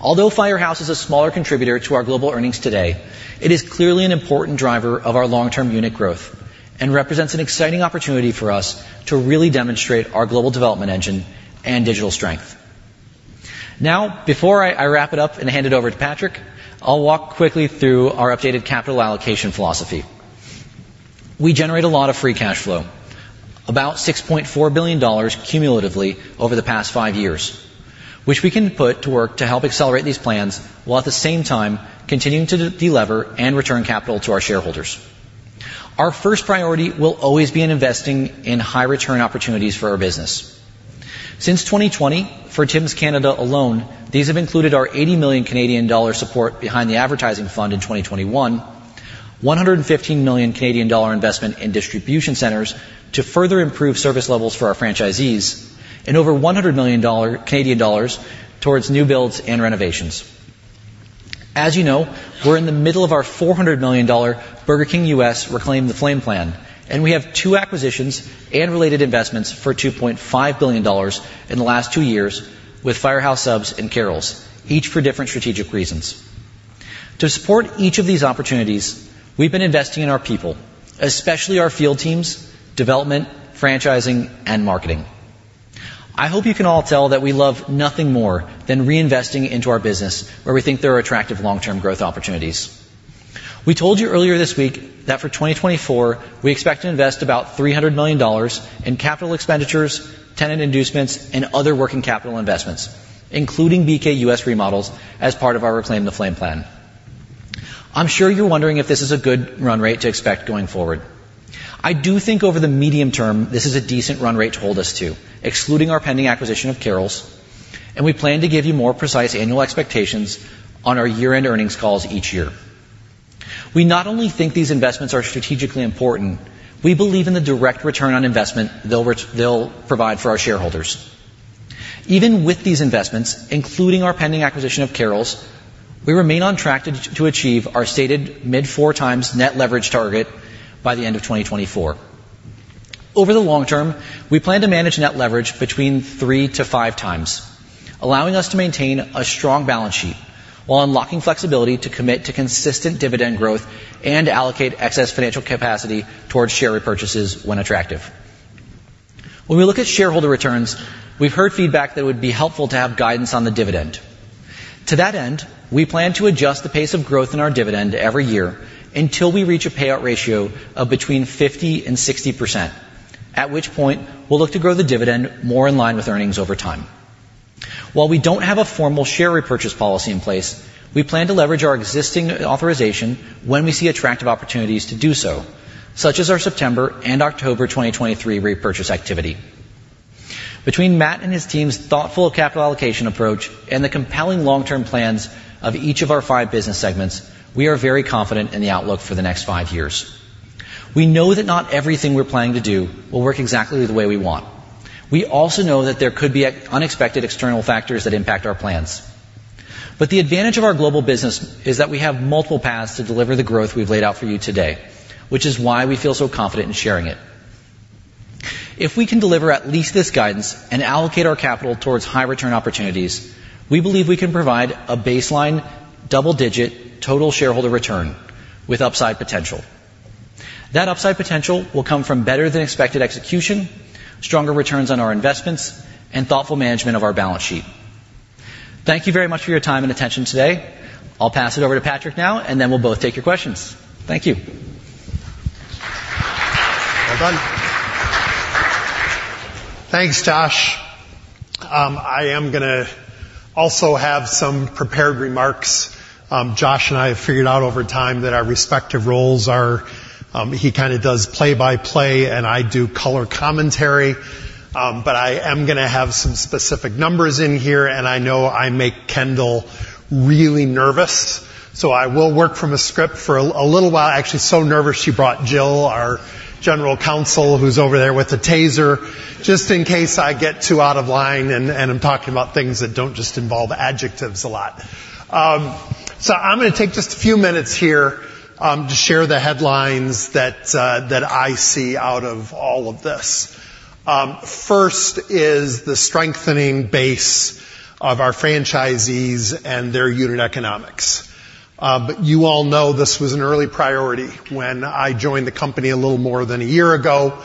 B: Although Firehouse is a smaller contributor to our global earnings today, it is clearly an important driver of our long-term unit growth and represents an exciting opportunity for us to really demonstrate our global development engine and digital strength. Now, before I wrap it up and hand it over to Patrick, I'll walk quickly through our updated capital allocation philosophy. We generate a lot of free cash flow, about $6.4 billion cumulatively over the past five years, which we can put to work to help accelerate these plans while at the same time continuing to delever and return capital to our shareholders. Our first priority will always be investing in high-return opportunities for our business. Since 2020, for Tim Hortons Canada alone, these have included our $80 million support behind the advertising fund in 2021, $115 million investment in distribution centers to further improve service levels for our franchisees, and over $100 million towards new builds and renovations. As you know, we're in the middle of our $400 million Burger King U.S. Reclaim the Flame plan, and we have two acquisitions and related investments for $2.5 billion in the last two years with Firehouse Subs and Carrols, each for different strategic reasons. To support each of these opportunities, we've been investing in our people, especially our field teams, development, franchising, and marketing. I hope you can all tell that we love nothing more than reinvesting into our business where we think there are attractive long-term growth opportunities. We told you earlier this week that for 2024, we expect to invest about $300 million in capital expenditures, tenant inducements, and other working capital investments, including BK U.S. remodels as part of our Reclaim the Flame plan. I'm sure you're wondering if this is a good run rate to expect going forward. I do think over the medium term, this is a decent run rate to hold us to, excluding our pending acquisition of Carrols, and we plan to give you more precise annual expectations on our year-end earnings calls each year. We not only think these investments are strategically important, we believe in the direct return on investment they'll provide for our shareholders. Even with these investments, including our pending acquisition of Carrols, we remain on track to achieve our stated mid-4x net leverage target by the end of 2024. Over the long term, we plan to manage net leverage between 3x-5x, allowing us to maintain a strong balance sheet while unlocking flexibility to commit to consistent dividend growth and allocate excess financial capacity towards share repurchases when attractive. When we look at shareholder returns, we've heard feedback that it would be helpful to have guidance on the dividend. To that end, we plan to adjust the pace of growth in our dividend every year until we reach a payout ratio of between 50%-60%, at which point we'll look to grow the dividend more in line with earnings over time. While we don't have a formal share repurchase policy in place, we plan to leverage our existing authorization when we see attractive opportunities to do so, such as our September and October 2023 repurchase activity. Between Matt and his team's thoughtful capital allocation approach and the compelling long-term plans of each of our five business segments, we are very confident in the outlook for the next five years. We know that not everything we're planning to do will work exactly the way we want. We also know that there could be unexpected external factors that impact our plans. But the advantage of our global business is that we have multiple paths to deliver the growth we've laid out for you today, which is why we feel so confident in sharing it. If we can deliver at least this guidance and allocate our capital towards high-return opportunities, we believe we can provide a baseline double-digit total shareholder return with upside potential. That upside potential will come from better-than-expected execution, stronger returns on our investments, and thoughtful management of our balance sheet. Thank you very much for your time and attention today. I'll pass it over to Patrick now, and then we'll both take your questions. Thank you.
A: Well done. Thanks, Josh. I am going to also have some prepared remarks. Josh and I have figured out over time that our respective roles are he kind of does play by play, and I do color commentary. But I am going to have some specific numbers in here, and I know I make Kendall really nervous. So I will work from a script for a little while. Actually, so nervous she brought Jill, our general counsel, who's over there with a taser, just in case I get too out of line and I'm talking about things that don't just involve adjectives a lot. So I'm going to take just a few minutes here to share the headlines that I see out of all of this. First is the strengthening base of our franchisees and their unit economics. You all know this was an early priority when I joined the company a little more than a year ago.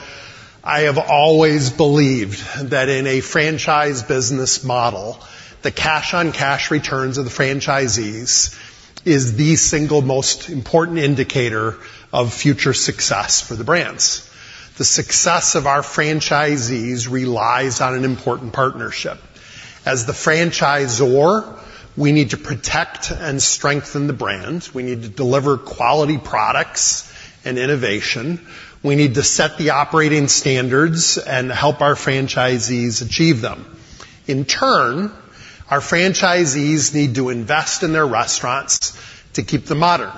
A: I have always believed that in a franchise business model, the cash-on-cash returns of the franchisees is the single most important indicator of future success for the brands. The success of our franchisees relies on an important partnership. As the franchisor, we need to protect and strengthen the brand. We need to deliver quality products and innovation. We need to set the operating standards and help our franchisees achieve them. In turn, our franchisees need to invest in their restaurants to keep them modern.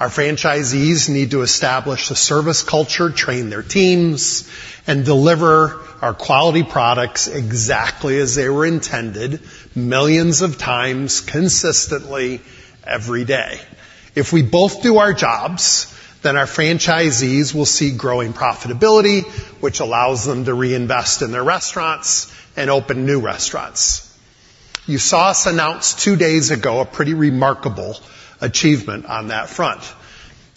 A: Our franchisees need to establish a service culture, train their teams, and deliver our quality products exactly as they were intended millions of times consistently every day. If we both do our jobs, then our franchisees will see growing profitability, which allows them to reinvest in their restaurants and open new restaurants. You saw us announce two days ago a pretty remarkable achievement on that front: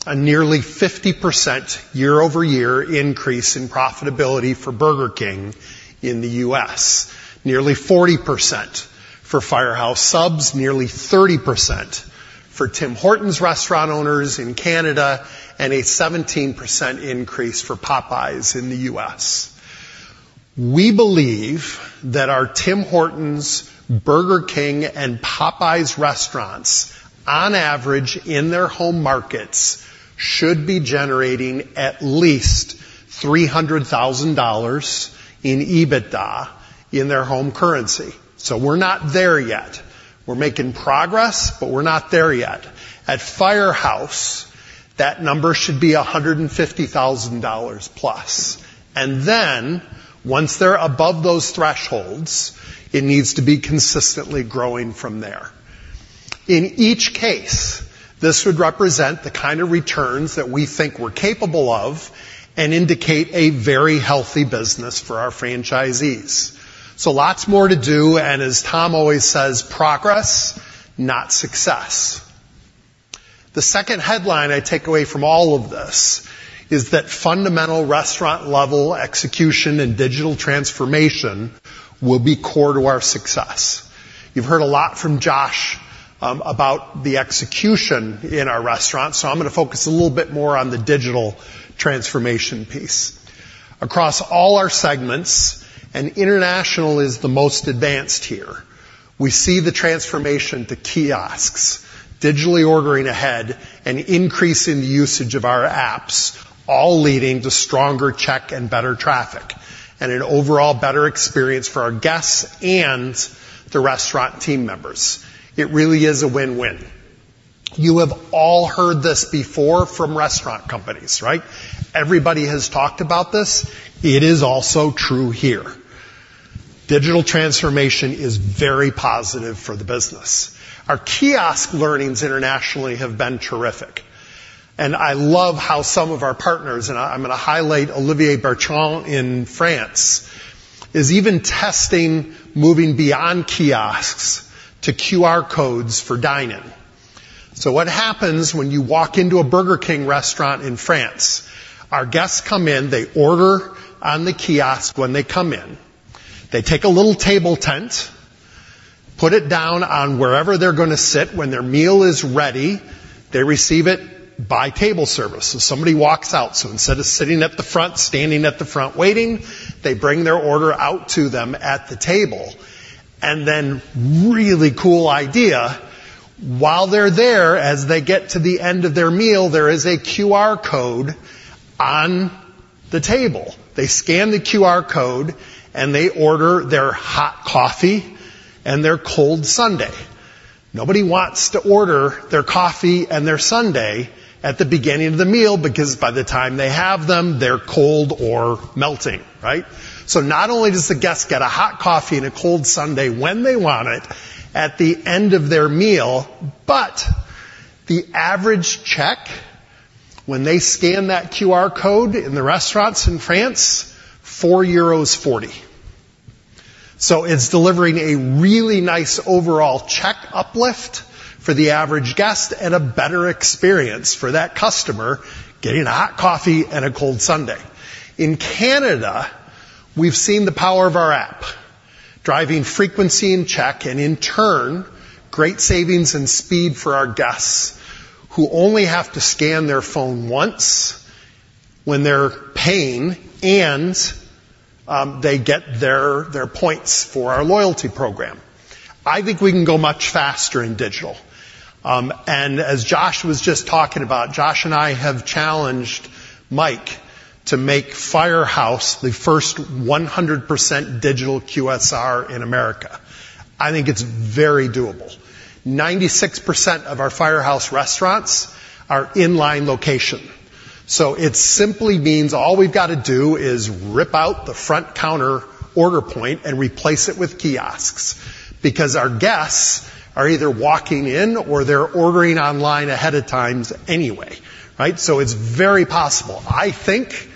A: a nearly 50% year-over-year increase in profitability for Burger King in the U.S., nearly 40% for Firehouse Subs, nearly 30% for Tim Hortons restaurant owners in Canada, and a 17% increase for Popeyes in the U.S. We believe that our Tim Hortons, Burger King, and Popeyes restaurants, on average, in their home markets, should be generating at least $300,000 in EBITDA in their home currency. So we're not there yet. We're making progress, but we're not there yet. At Firehouse, that number should be $150,000 plus. And then, once they're above those thresholds, it needs to be consistently growing from there. In each case, this would represent the kind of returns that we think we're capable of and indicate a very healthy business for our franchisees. So lots more to do, and as Tom always says, progress, not success. The second headline I take away from all of this is that fundamental restaurant-level execution and digital transformation will be core to our success. You've heard a lot from Josh about the execution in our restaurants, so I'm going to focus a little bit more on the digital transformation piece. Across all our segments, and international is the most advanced here, we see the transformation to kiosks, digitally ordering ahead, and increasing the usage of our apps, all leading to stronger check and better traffic, and an overall better experience for our guests and the restaurant team members. It really is a win-win. You have all heard this before from restaurant companies, right? Everybody has talked about this. It is also true here. Digital transformation is very positive for the business. Our kiosk learnings internationally have been terrific. And I love how some of our partners - and I'm going to highlight Olivier Bertrand in France - is even testing moving beyond kiosks to QR codes for dining. So what happens when you walk into a Burger King restaurant in France? Our guests come in, they order on the kiosk when they come in. They take a little table tent, put it down on wherever they're going to sit when their meal is ready. They receive it by table service. So somebody walks out. So instead of sitting at the front, standing at the front waiting, they bring their order out to them at the table. Then, really cool idea, while they're there, as they get to the end of their meal, there is a QR code on the table. They scan the QR code, and they order their hot coffee and their cold sundae. Nobody wants to order their coffee and their sundae at the beginning of the meal because by the time they have them, they're cold or melting, right? So not only does the guest get a hot coffee and a cold sundae when they want it at the end of their meal, but the average check when they scan that QR code in the restaurants in France, 4.40 euros. So it's delivering a really nice overall check uplift for the average guest and a better experience for that customer getting a hot coffee and a cold sundae. In Canada, we've seen the power of our app, driving frequency and check and, in turn, great savings and speed for our guests who only have to scan their phone once when they're paying and they get their points for our loyalty program. I think we can go much faster in digital. And as Josh was just talking about, Josh and I have challenged Mike to make Firehouse the first 100% digital QSR in America. I think it's very doable. 96% of our Firehouse restaurants are in-line location. So it simply means all we've got to do is rip out the front-counter order point and replace it with kiosks because our guests are either walking in or they're ordering online ahead of time anyway, right? So it's very possible. I think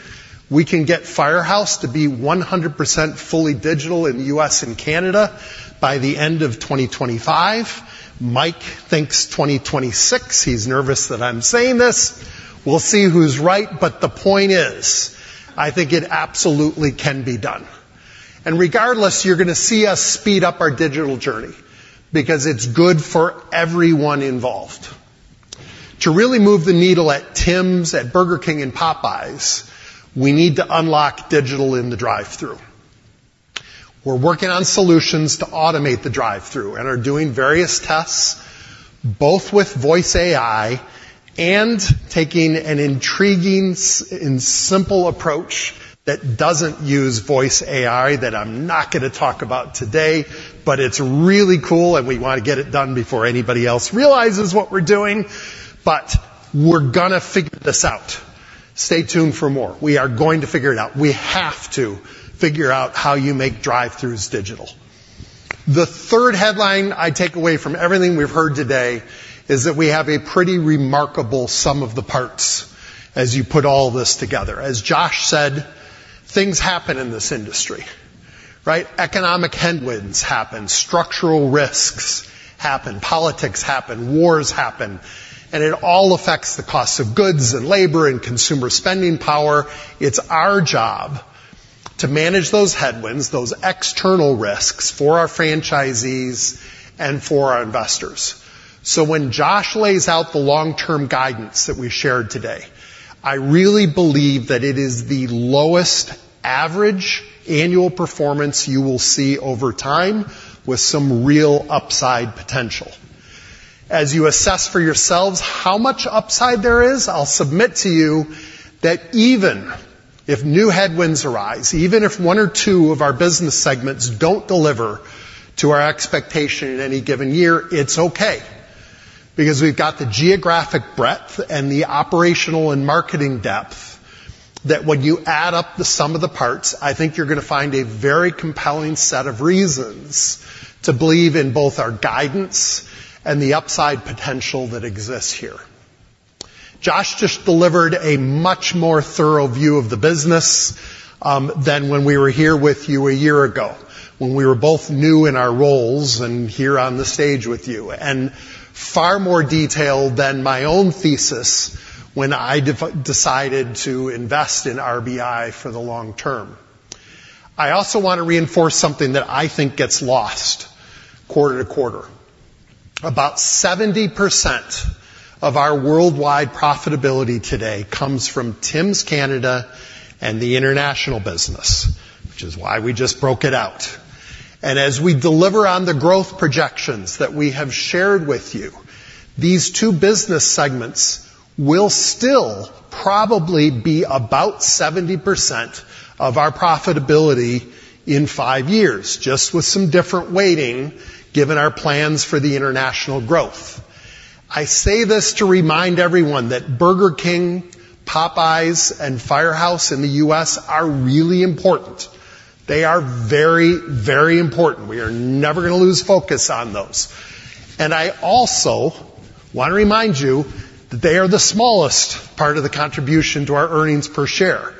A: we can get Firehouse to be 100% fully digital in the U.S. and Canada by the end of 2025. Mike thinks 2026. He's nervous that I'm saying this. We'll see who's right, but the point is, I think it absolutely can be done. Regardless, you're going to see us speed up our digital journey because it's good for everyone involved. To really move the needle at Tim's, at Burger King, and Popeyes, we need to unlock digital in the drive-through. We're working on solutions to automate the drive-through and are doing various tests, both with voice AI and taking an intriguing and simple approach that doesn't use voice AI that I'm not going to talk about today, but it's really cool and we want to get it done before anybody else realizes what we're doing. But we're going to figure this out. Stay tuned for more. We are going to figure it out. We have to figure out how you make drive-throughs digital. The third headline I take away from everything we've heard today is that we have a pretty remarkable sum of the parts as you put all this together. As Josh said, things happen in this industry, right? Economic headwinds happen, structural risks happen, politics happen, wars happen, and it all affects the cost of goods and labor and consumer spending power. It's our job to manage those headwinds, those external risks for our franchisees and for our investors. So when Josh lays out the long-term guidance that we shared today, I really believe that it is the lowest average annual performance you will see over time with some real upside potential. As you assess for yourselves how much upside there is, I'll submit to you that even if new headwinds arise, even if one or two of our business segments don't deliver to our expectation in any given year, it's okay because we've got the geographic breadth and the operational and marketing depth that when you add up the sum of the parts, I think you're going to find a very compelling set of reasons to believe in both our guidance and the upside potential that exists here. Josh just delivered a much more thorough view of the business than when we were here with you a year ago, when we were both new in our roles and here on the stage with you, and far more detailed than my own thesis when I decided to invest in RBI for the long term. I also want to reinforce something that I think gets lost quarter to quarter. About 70% of our worldwide profitability today comes from Tim's Canada and the international business, which is why we just broke it out. As we deliver on the growth projections that we have shared with you, these two business segments will still probably be about 70% of our profitability in five years, just with some different weighting given our plans for the international growth. I say this to remind everyone that Burger King, Popeyes, and Firehouse in the U.S. are really important. They are very, very important. We are never going to lose focus on those. I also want to remind you that they are the smallest part of the contribution to our earnings per share.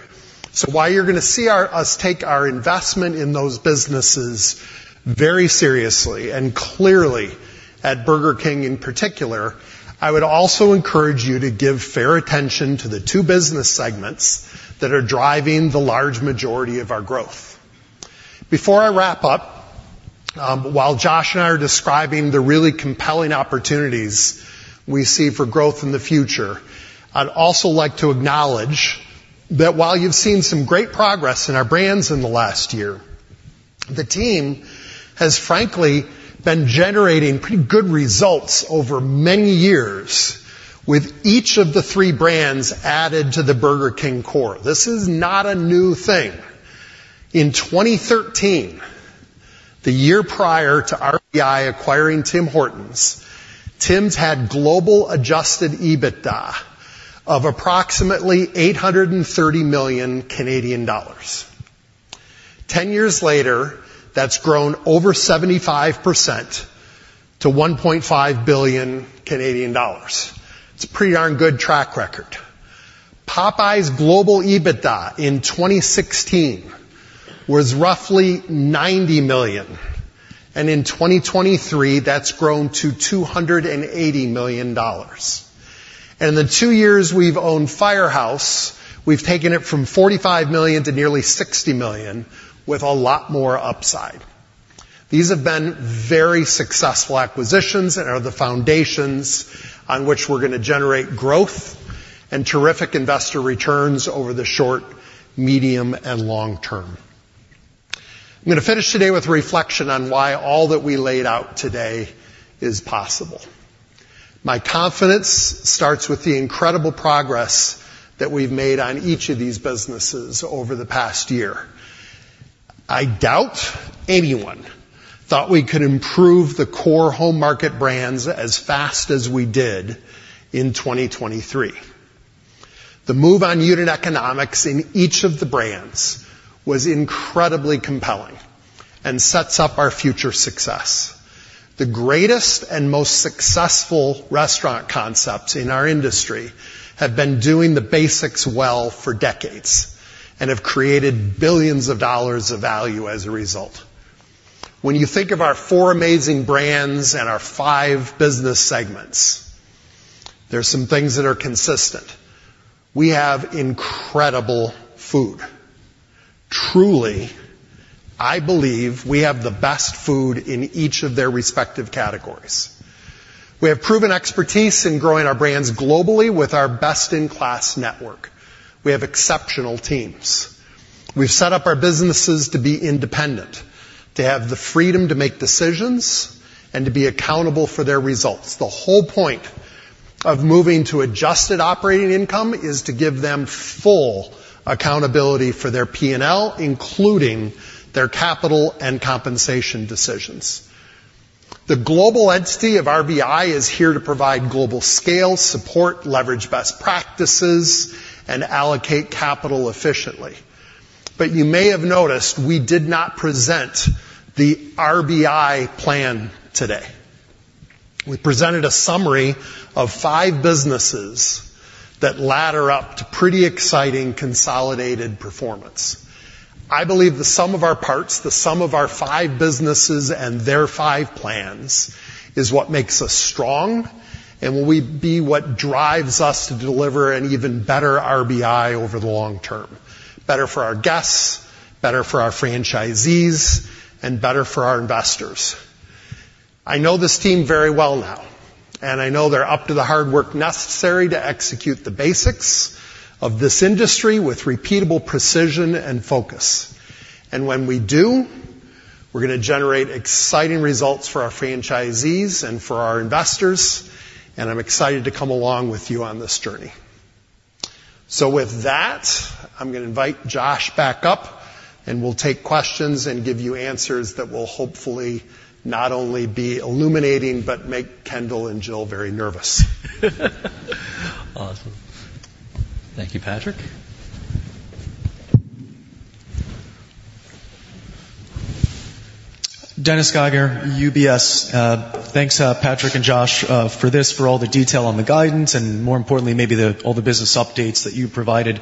A: So while you're going to see us take our investment in those businesses very seriously and clearly, at Burger King in particular, I would also encourage you to give fair attention to the two business segments that are driving the large majority of our growth. Before I wrap up, while Josh and I are describing the really compelling opportunities we see for growth in the future, I'd also like to acknowledge that while you've seen some great progress in our brands in the last year, the team has, frankly, been generating pretty good results over many years with each of the three brands added to the Burger King core. This is not a new thing. In 2013, the year prior to RBI acquiring Tim Hortons, Tim's had global Adjusted EBITDA of approximately 830 million Canadian dollars. 10 years later, that's grown over 75% to 1.5 billion Canadian dollars. It's a pretty darn good track record. Popeyes' global EBITDA in 2016 was roughly $90 million, and in 2023, that's grown to $280 million. And in the two years we've owned Firehouse, we've taken it from $45 million to nearly $60 million with a lot more upside. These have been very successful acquisitions and are the foundations on which we're going to generate growth and terrific investor returns over the short, medium, and long term. I'm going to finish today with reflection on why all that we laid out today is possible. My confidence starts with the incredible progress that we've made on each of these businesses over the past year. I doubt anyone thought we could improve the core home market brands as fast as we did in 2023. The move on unit economics in each of the brands was incredibly compelling and sets up our future success. The greatest and most successful restaurant concepts in our industry have been doing the basics well for decades and have created billions of dollars of value as a result. When you think of our four amazing brands and our five business segments, there are some things that are consistent. We have incredible food. Truly, I believe we have the best food in each of their respective categories. We have proven expertise in growing our brands globally with our best-in-class network. We have exceptional teams. We've set up our businesses to be independent, to have the freedom to make decisions, and to be accountable for their results. The whole point of moving to Adjusted Operating Income is to give them full accountability for their P&L, including their capital and compensation decisions. The global entity of RBI is here to provide global scale, support, leverage best practices, and allocate capital efficiently. But you may have noticed we did not present the RBI plan today. We presented a summary of five businesses that ladder up to pretty exciting consolidated performance. I believe the sum of our parts, the sum of our five businesses and their five plans is what makes us strong and will be what drives us to deliver an even better RBI over the long term, better for our guests, better for our franchisees, and better for our investors. I know this team very well now, and I know they're up to the hard work necessary to execute the basics of this industry with repeatable precision and focus. And when we do, we're going to generate exciting results for our franchisees and for our investors, and I'm excited to come along with you on this journey. So with that, I'm going to invite Josh back up, and we'll take questions and give you answers that will hopefully not only be illuminating but make Kendall and Jill very nervous.
B: Awesome. Thank you, Patrick.
C: Dennis Geiger, UBS. Thanks, Patrick and Josh, for this, for all the detail on the guidance and, more importantly, maybe all the business updates that you provided.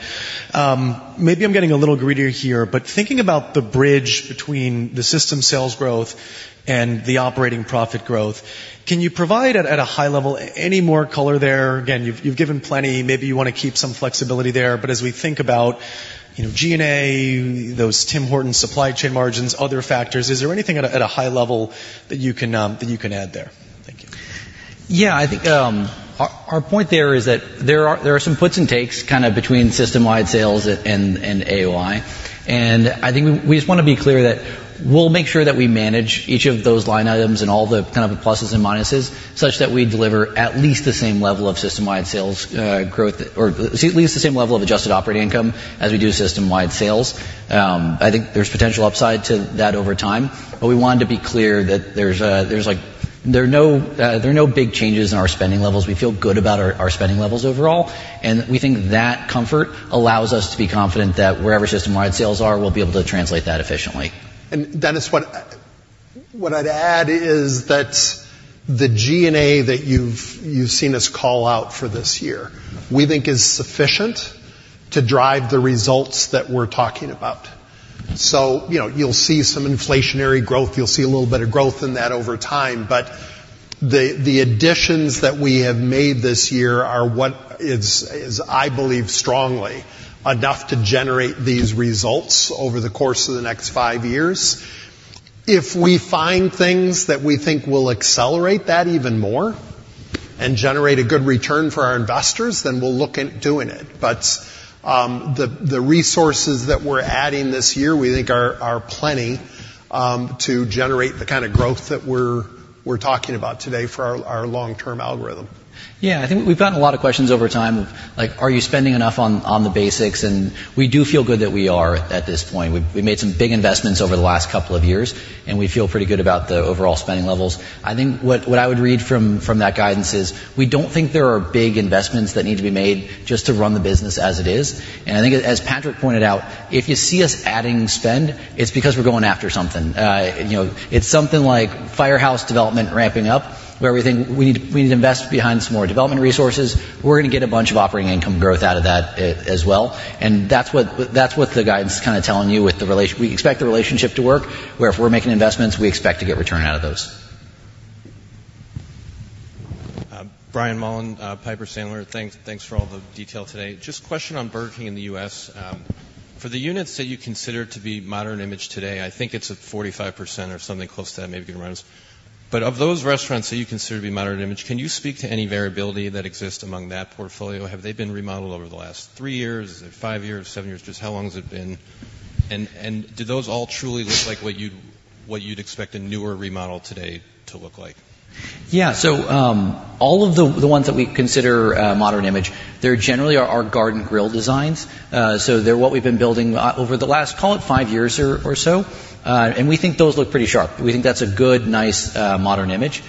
C: Maybe I'm getting a little greedier here, but thinking about the bridge between the system sales growth and the operating profit growth, can you provide, at a high level, any more color there? Again, you've given plenty. Maybe you want to keep some flexibility there, but as we think about G&A, those Tim Hortons supply chain margins, other factors, is there anything, at a high level, that you can add there? Thank you.
D: Yeah. I think our point there is that there are some puts and takes kind of between system-wide sales and AOI. And I think we just want to be clear that we'll make sure that we manage each of those line items and all the kind of pluses and minuses such that we deliver at least the same level of system-wide sales growth or at least the same level of adjusted operating income as we do system-wide sales. I think there's potential upside to that over time, but we wanted to be clear that there's no big changes in our spending levels. We feel good about our spending levels overall, and we think that comfort allows us to be confident that wherever system-wide sales are, we'll be able to translate that efficiently.
E: Dennis, what I'd add is that the G&A that you've seen us call out for this year we think is sufficient to drive the results that we're talking about. You'll see some inflationary growth. You'll see a little bit of growth in that over time, but the additions that we have made this year are, as I believe strongly, enough to generate these results over the course of the next five years. If we find things that we think will accelerate that even more and generate a good return for our investors, then we'll look at doing it. But the resources that we're adding this year we think are plenty to generate the kind of growth that we're talking about today for our long-term algorithm.
D: Yeah. I think we've gotten a lot of questions over time of, like, "Are you spending enough on the basics?" And we do feel good that we are at this point. We made some big investments over the last couple of years, and we feel pretty good about the overall spending levels. I think what I would read from that guidance is we don't think there are big investments that need to be made just to run the business as it is. And I think, as Patrick pointed out, if you see us adding spend, it's because we're going after something. It's something like Firehouse development ramping up where we think we need to invest behind some more development resources. We're going to get a bunch of operating income growth out of that as well. That's what the guidance is kind of telling you with the relation we expect the relationship to work where if we're making investments, we expect to get return out of those.
C: Brian Mullen, Piper Sandler. Thanks for all the detail today. Just a question on Burger King in the U.S. For the units that you consider to be Modern Image today, I think it's 45% or something close to that, maybe getting around 50%. But of those restaurants that you consider to be Modern Image, can you speak to any variability that exists among that portfolio? Have they been remodeled over the last three years? Is it five years, seven years? Just how long has it been? Do those all truly look like what you'd expect a newer remodel today to look like?
D: Yeah. So all of the ones that we consider Modern Image, they're generally our Garden Grill designs. So they're what we've been building over the last, call it, five years or so. And we think those look pretty sharp. We think that's a good, nice, Modern Image.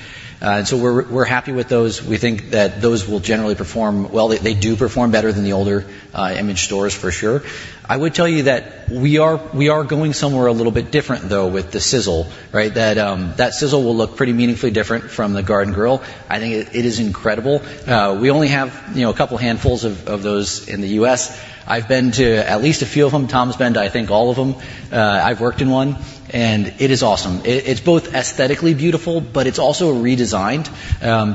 D: And so we're happy with those. We think that those will generally perform well; they do perform better than the older image stores, for sure. I would tell you that we are going somewhere a little bit different, though, with the Sizzle, right? That Sizzle will look pretty meaningfully different from the Garden Grill. I think it is incredible. We only have a couple handfuls of those in the U.S. I've been to at least a few of them. Tom's been to, I think, all of them. I've worked in one, and it is awesome. It's both aesthetically beautiful, but it's also redesigned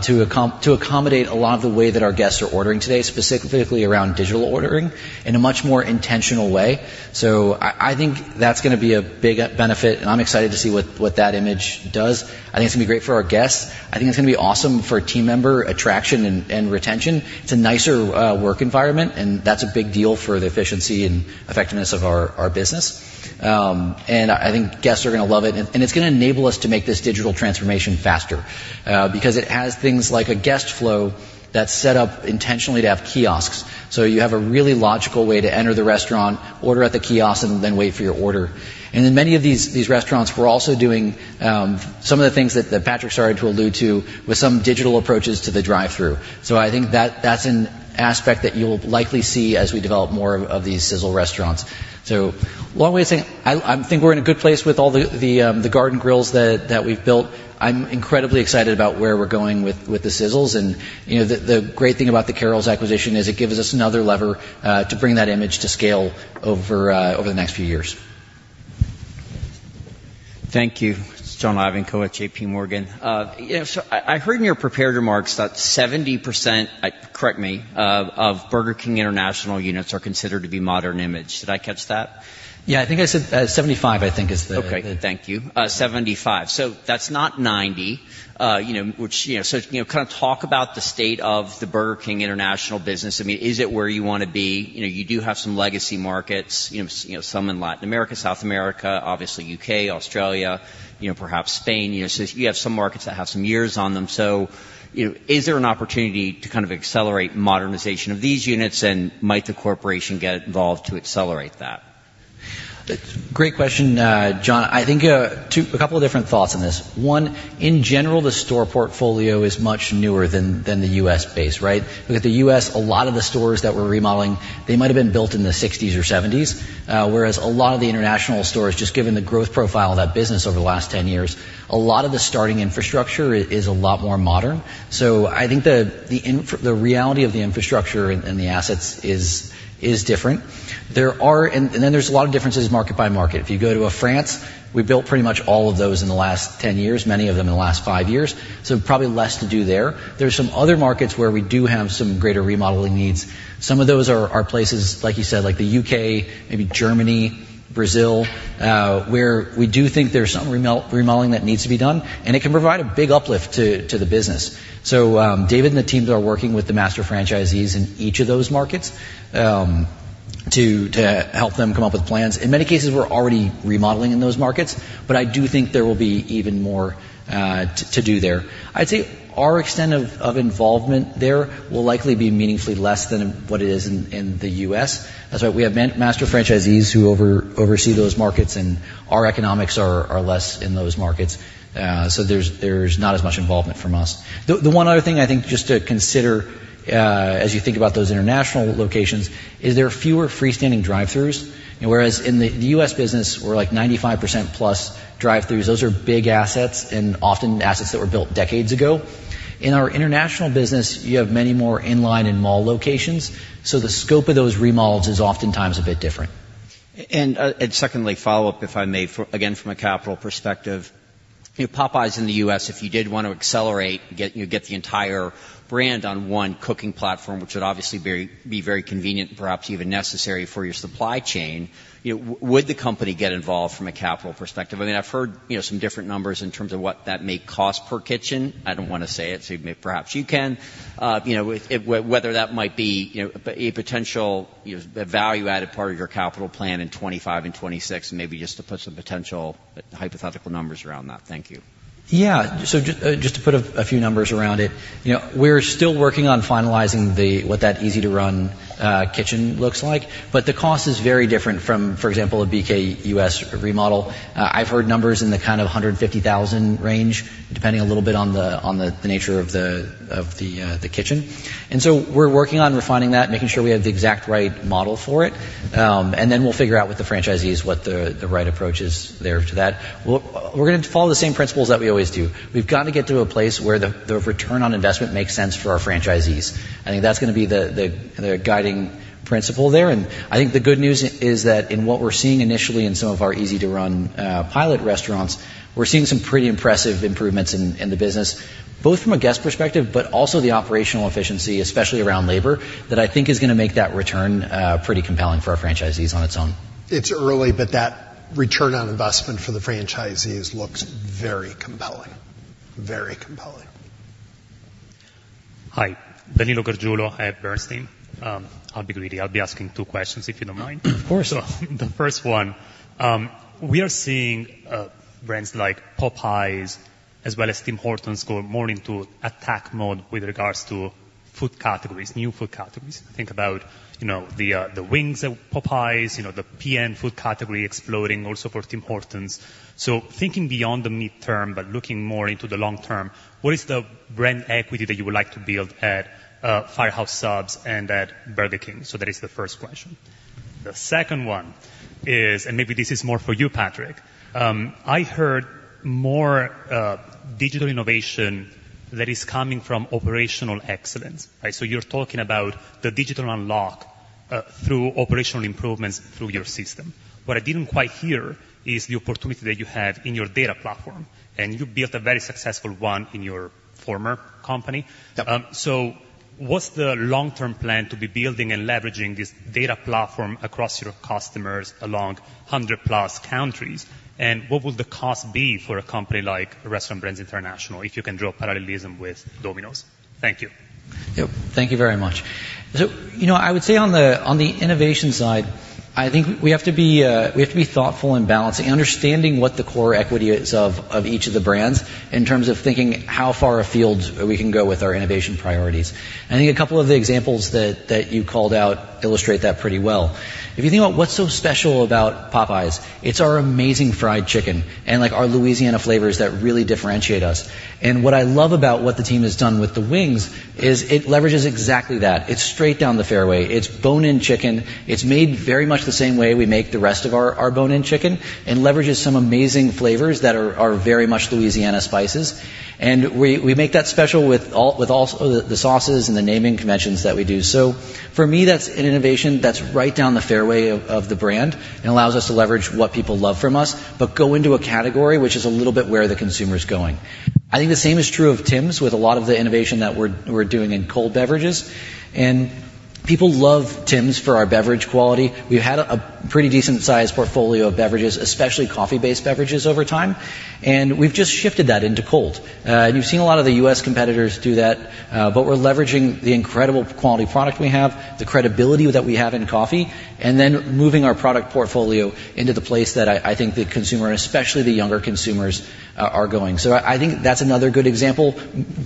D: to accommodate a lot of the way that our guests are ordering today, specifically around digital ordering in a much more intentional way. So I think that's going to be a big benefit, and I'm excited to see what that image does. I think it's going to be great for our guests. I think it's going to be awesome for team member attraction and retention. It's a nicer work environment, and that's a big deal for the efficiency and effectiveness of our business. And I think guests are going to love it, and it's going to enable us to make this digital transformation faster because it has things like a guest flow that's set up intentionally to have kiosks. So you have a really logical way to enter the restaurant, order at the kiosk, and then wait for your order. In many of these restaurants, we're also doing some of the things that Patrick started to allude to with some digital approaches to the drive-through. I think that's an aspect that you'll likely see as we develop more of these Sizzle restaurants. Long way of saying I think we're in a good place with all the garden grills that we've built. I'm incredibly excited about where we're going with the Sizzles. The great thing about the Carrols acquisition is it gives us another lever to bring that image to scale over the next few years.
B: Thank you. It's John Ivankoe at JPMorgan. So I heard in your prepared remarks that 70%, correct me, of Burger King international units are considered to be Modern Image. Did I catch that?
D: Yeah. I think I said 75, I think, is the.
B: Okay. Thank you. 75. So that's not 90, which so kind of talk about the state of the Burger King International business. I mean, is it where you want to be? You do have some legacy markets, some in Latin America, South America, obviously U.K., Australia, perhaps Spain. So you have some markets that have some years on them. So is there an opportunity to kind of accelerate modernization of these units, and might the corporation get involved to accelerate that?
F: Great question, John. I think a couple different thoughts on this. One, in general, the store portfolio is much newer than the U.S.-based, right? Look at the U.S., a lot of the stores that we're remodeling, they might have been built in the '60s or '70s, whereas a lot of the international stores, just given the growth profile of that business over the last 10 years, a lot of the starting infrastructure is a lot more modern. So I think the reality of the infrastructure and the assets is different. And then there's a lot of differences market by market. If you go to France, we built pretty much all of those in the last 10 years, many of them in the last five years, so probably less to do there. There's some other markets where we do have some greater remodeling needs. Some of those are places, like you said, like the U.K., maybe Germany, Brazil, where we do think there's some remodeling that needs to be done, and it can provide a big uplift to the business. So David and the team are working with the master franchisees in each of those markets to help them come up with plans. In many cases, we're already remodeling in those markets, but I do think there will be even more to do there. I'd say our extent of involvement there will likely be meaningfully less than what it is in the U.S. That's right. We have master franchisees who oversee those markets, and our economics are less in those markets, so there's not as much involvement from us. The one other thing I think just to consider as you think about those international locations is there are fewer freestanding drive-throughs, whereas in the U.S. business, we're like 95%+ drive-throughs. Those are big assets and often assets that were built decades ago. In our international business, you have many more inline and mall locations, so the scope of those remodels is oftentimes a bit different.
B: And secondly, follow-up if I may, again, from a capital perspective. Popeyes in the U.S., if you did want to accelerate, get the entire brand on one cooking platform, which would obviously be very convenient and perhaps even necessary for your supply chain, would the company get involved from a capital perspective? I mean, I've heard some different numbers in terms of what that may cost per kitchen. I don't want to say it, so perhaps you can, whether that might be a potential value-added part of your capital plan in 2025 and 2026, maybe just to put some potential hypothetical numbers around that. Thank you.
D: Yeah. So just to put a few numbers around it, we're still working on finalizing what that Easy-to-Run Kitchen looks like, but the cost is very different from, for example, a BKUS remodel. I've heard numbers in the kind of $150,000 range, depending a little bit on the nature of the kitchen. And so we're working on refining that, making sure we have the exact right model for it, and then we'll figure out with the franchisees what the right approach is there to that. We're going to follow the same principles that we always do. We've got to get to a place where the return on investment makes sense for our franchisees. I think that's going to be the guiding principle there. I think the good news is that in what we're seeing initially in some of our easy-to-run pilot restaurants, we're seeing some pretty impressive improvements in the business, both from a guest perspective but also the operational efficiency, especially around labor, that I think is going to make that return pretty compelling for our franchisees on its own.
E: It's early, but that return on investment for the franchisees looks very compelling, very compelling.
G: Hi. Danilo Gargiulo at Bernstein. I'll be greedy. I'll be asking two questions, if you don't mind.
C: Of course.
G: So the first one, we are seeing brands like Popeyes as well as Tim Hortons go more into attack mode with regards to food categories, new food categories. Think about the wings at Popeyes, the PM food category exploding also for Tim Hortons. So thinking beyond the mid-term but looking more into the long-term, what is the brand equity that you would like to build at Firehouse Subs and at Burger King? So that is the first question. The second one is, and maybe this is more for you, Patrick, I heard more digital innovation that is coming from operational excellence, right? So you're talking about the digital unlock through operational improvements through your system. What I didn't quite hear is the opportunity that you have in your data platform, and you built a very successful one in your former company. So what's the long-term plan to be building and leveraging this data platform across your customers along 100+ countries, and what would the cost be for a company like Restaurant Brands International if you can draw parallelism with Domino's? Thank you.
D: Yep. Thank you very much. So I would say on the innovation side, I think we have to be thoughtful and balancing, understanding what the core equity is of each of the brands in terms of thinking how far afield we can go with our innovation priorities. And I think a couple of the examples that you called out illustrate that pretty well. If you think about what's so special about Popeyes, it's our amazing fried chicken and our Louisiana flavors that really differentiate us. And what I love about what the team has done with the wings is it leverages exactly that. It's straight down the fairway. It's bone-in chicken. It's made very much the same way we make the rest of our bone-in chicken and leverages some amazing flavors that are very much Louisiana spices. And we make that special with all the sauces and the naming conventions that we do. So for me, that's an innovation that's right down the fairway of the brand and allows us to leverage what people love from us but go into a category, which is a little bit where the consumer's going. I think the same is true of Tim's with a lot of the innovation that we're doing in cold beverages. And people love Tim's for our beverage quality. We've had a pretty decent-sized portfolio of beverages, especially coffee-based beverages, over time, and we've just shifted that into cold. And you've seen a lot of the U.S. competitors do that, but we're leveraging the incredible quality product we have, the credibility that we have in coffee, and then moving our product portfolio into the place that I think the consumer, especially the younger consumers, are going. So I think that's another good example,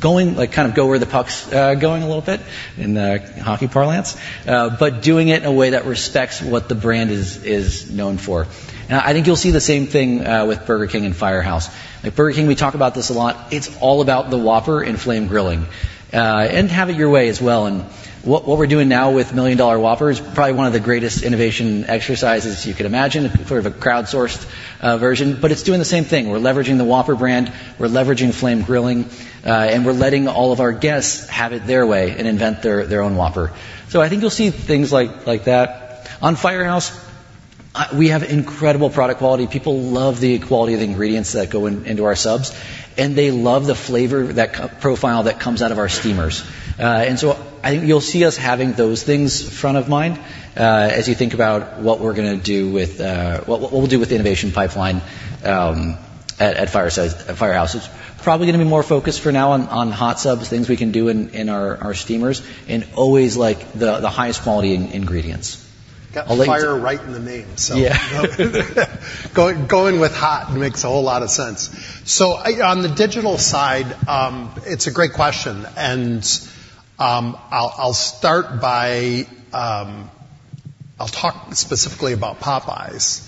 D: kind of go where the puck's going a little bit in hockey parlance, but doing it in a way that respects what the brand is known for. And I think you'll see the same thing with Burger King and Firehouse. At Burger King, we talk about this a lot. It's all about the Whopper and Flame Grilling and Have It Your Way as well. And what we're doing now with Million Dollar Whopper is probably one of the greatest innovation exercises you could imagine, sort of a crowdsourced version, but it's doing the same thing. We're leveraging the Whopper brand. We're leveraging Flame Grilling, and we're letting all of our guests have it their way and invent their own Whopper. So I think you'll see things like that. On Firehouse, we have incredible product quality. People love the quality of the ingredients that go into our subs, and they love the flavor profile that comes out of our steamers. And so I think you'll see us having those things front of mind as you think about what we're going to do with what we'll do with the innovation pipeline at Firehouse. It's probably going to be more focused for now on hot subs, things we can do in our steamers, and always the highest quality ingredients.
E: Got the fire right in the name, so going with hot makes a whole lot of sense. So on the digital side, it's a great question, and I'll start by I'll talk specifically about Popeyes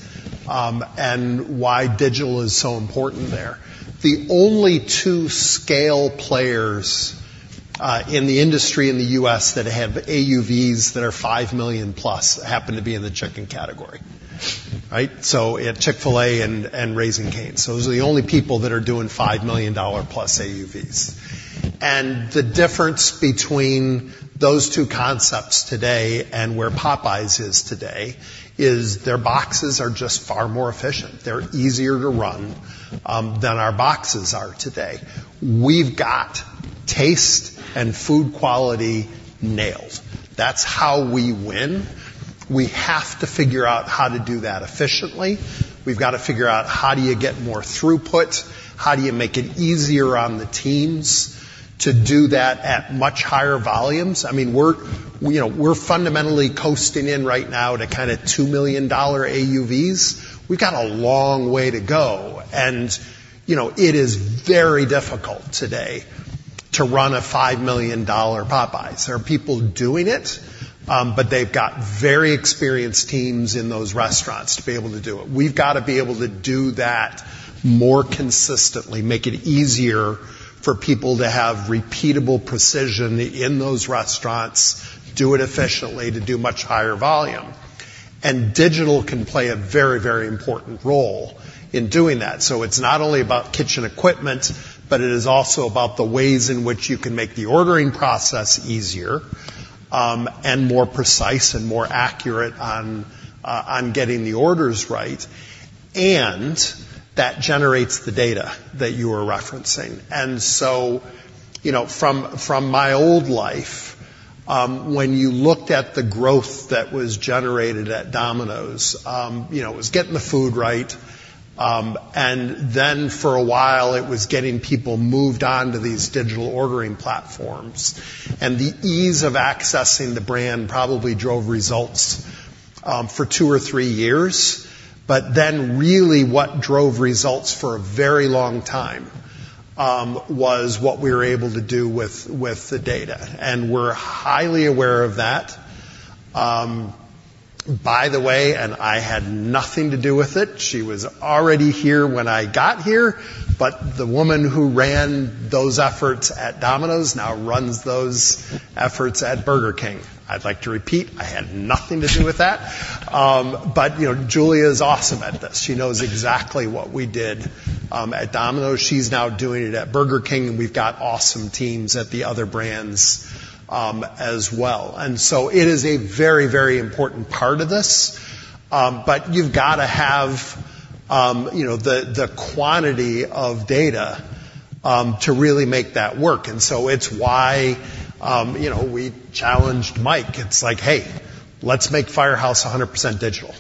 E: and why digital is so important there. The only two scale players in the industry in the U.S. that have AUVs that are $5 million-plus happen to be in the chicken category, right? So Chick-fil-A and Raising Cane's. So those are the only people that are doing $5 million-plus AUVs. And the difference between those two concepts today and where Popeyes is today is their boxes are just far more efficient. They're easier to run than our boxes are today. We've got taste and food quality nailed. That's how we win. We have to figure out how to do that efficiently. We've got to figure out how do you get more throughput, how do you make it easier on the teams to do that at much higher volumes. I mean, we're fundamentally coasting in right now to kind of $2 million AUVs. We've got a long way to go, and it is very difficult today to run a $5 million Popeyes. There are people doing it, but they've got very experienced teams in those restaurants to be able to do it. We've got to be able to do that more consistently, make it easier for people to have repeatable precision in those restaurants, do it efficiently to do much higher volume. And digital can play a very, very important role in doing that. So it's not only about kitchen equipment, but it is also about the ways in which you can make the ordering process easier and more precise and more accurate on getting the orders right, and that generates the data that you were referencing. And so from my old life, when you looked at the growth that was generated at Domino's, it was getting the food right, and then for a while, it was getting people moved on to these digital ordering platforms. And the ease of accessing the brand probably drove results for two or three years, but then really what drove results for a very long time was what we were able to do with the data. And we're highly aware of that. By the way, and I had nothing to do with it. She was already here when I got here, but the woman who ran those efforts at Domino's now runs those efforts at Burger King. I'd like to repeat, I had nothing to do with that. But Julia is awesome at this. She knows exactly what we did at Domino's. She's now doing it at Burger King, and we've got awesome teams at the other brands as well. And so it is a very, very important part of this, but you've got to have the quantity of data to really make that work. And so it's why we challenged Mike. It's like, "Hey, let's make Firehouse 100% digital.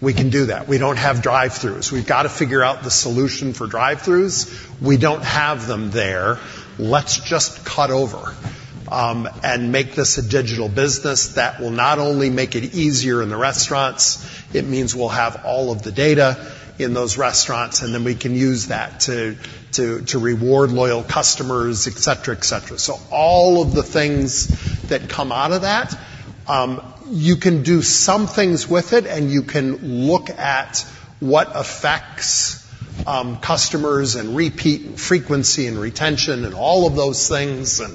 E: We can do that. We don't have drive-throughs. We've got to figure out the solution for drive-throughs. We don't have them there. Let's just cut over and make this a digital business that will not only make it easier in the restaurants, it means we'll have all of the data in those restaurants, and then we can use that to reward loyal customers, etc., etc. So all of the things that come out of that, you can do some things with it, and you can look at what affects customers and repeat and frequency and retention and all of those things and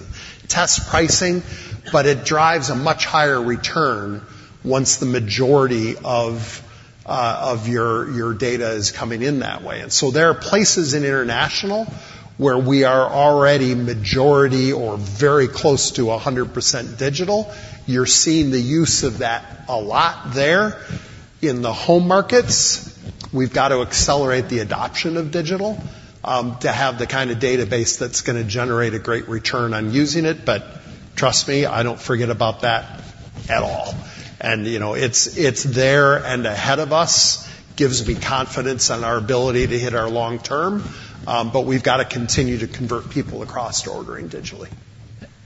E: test pricing, but it drives a much higher return once the majority of your data is coming in that way. And so there are places in international where we are already majority or very close to 100% digital. You're seeing the use of that a lot there in the home markets. We've got to accelerate the adoption of digital to have the kind of database that's going to generate a great return on using it, but trust me, I don't forget about that at all. And it's there and ahead of us, gives me confidence in our ability to hit our long-term, but we've got to continue to convert people across to ordering digitally.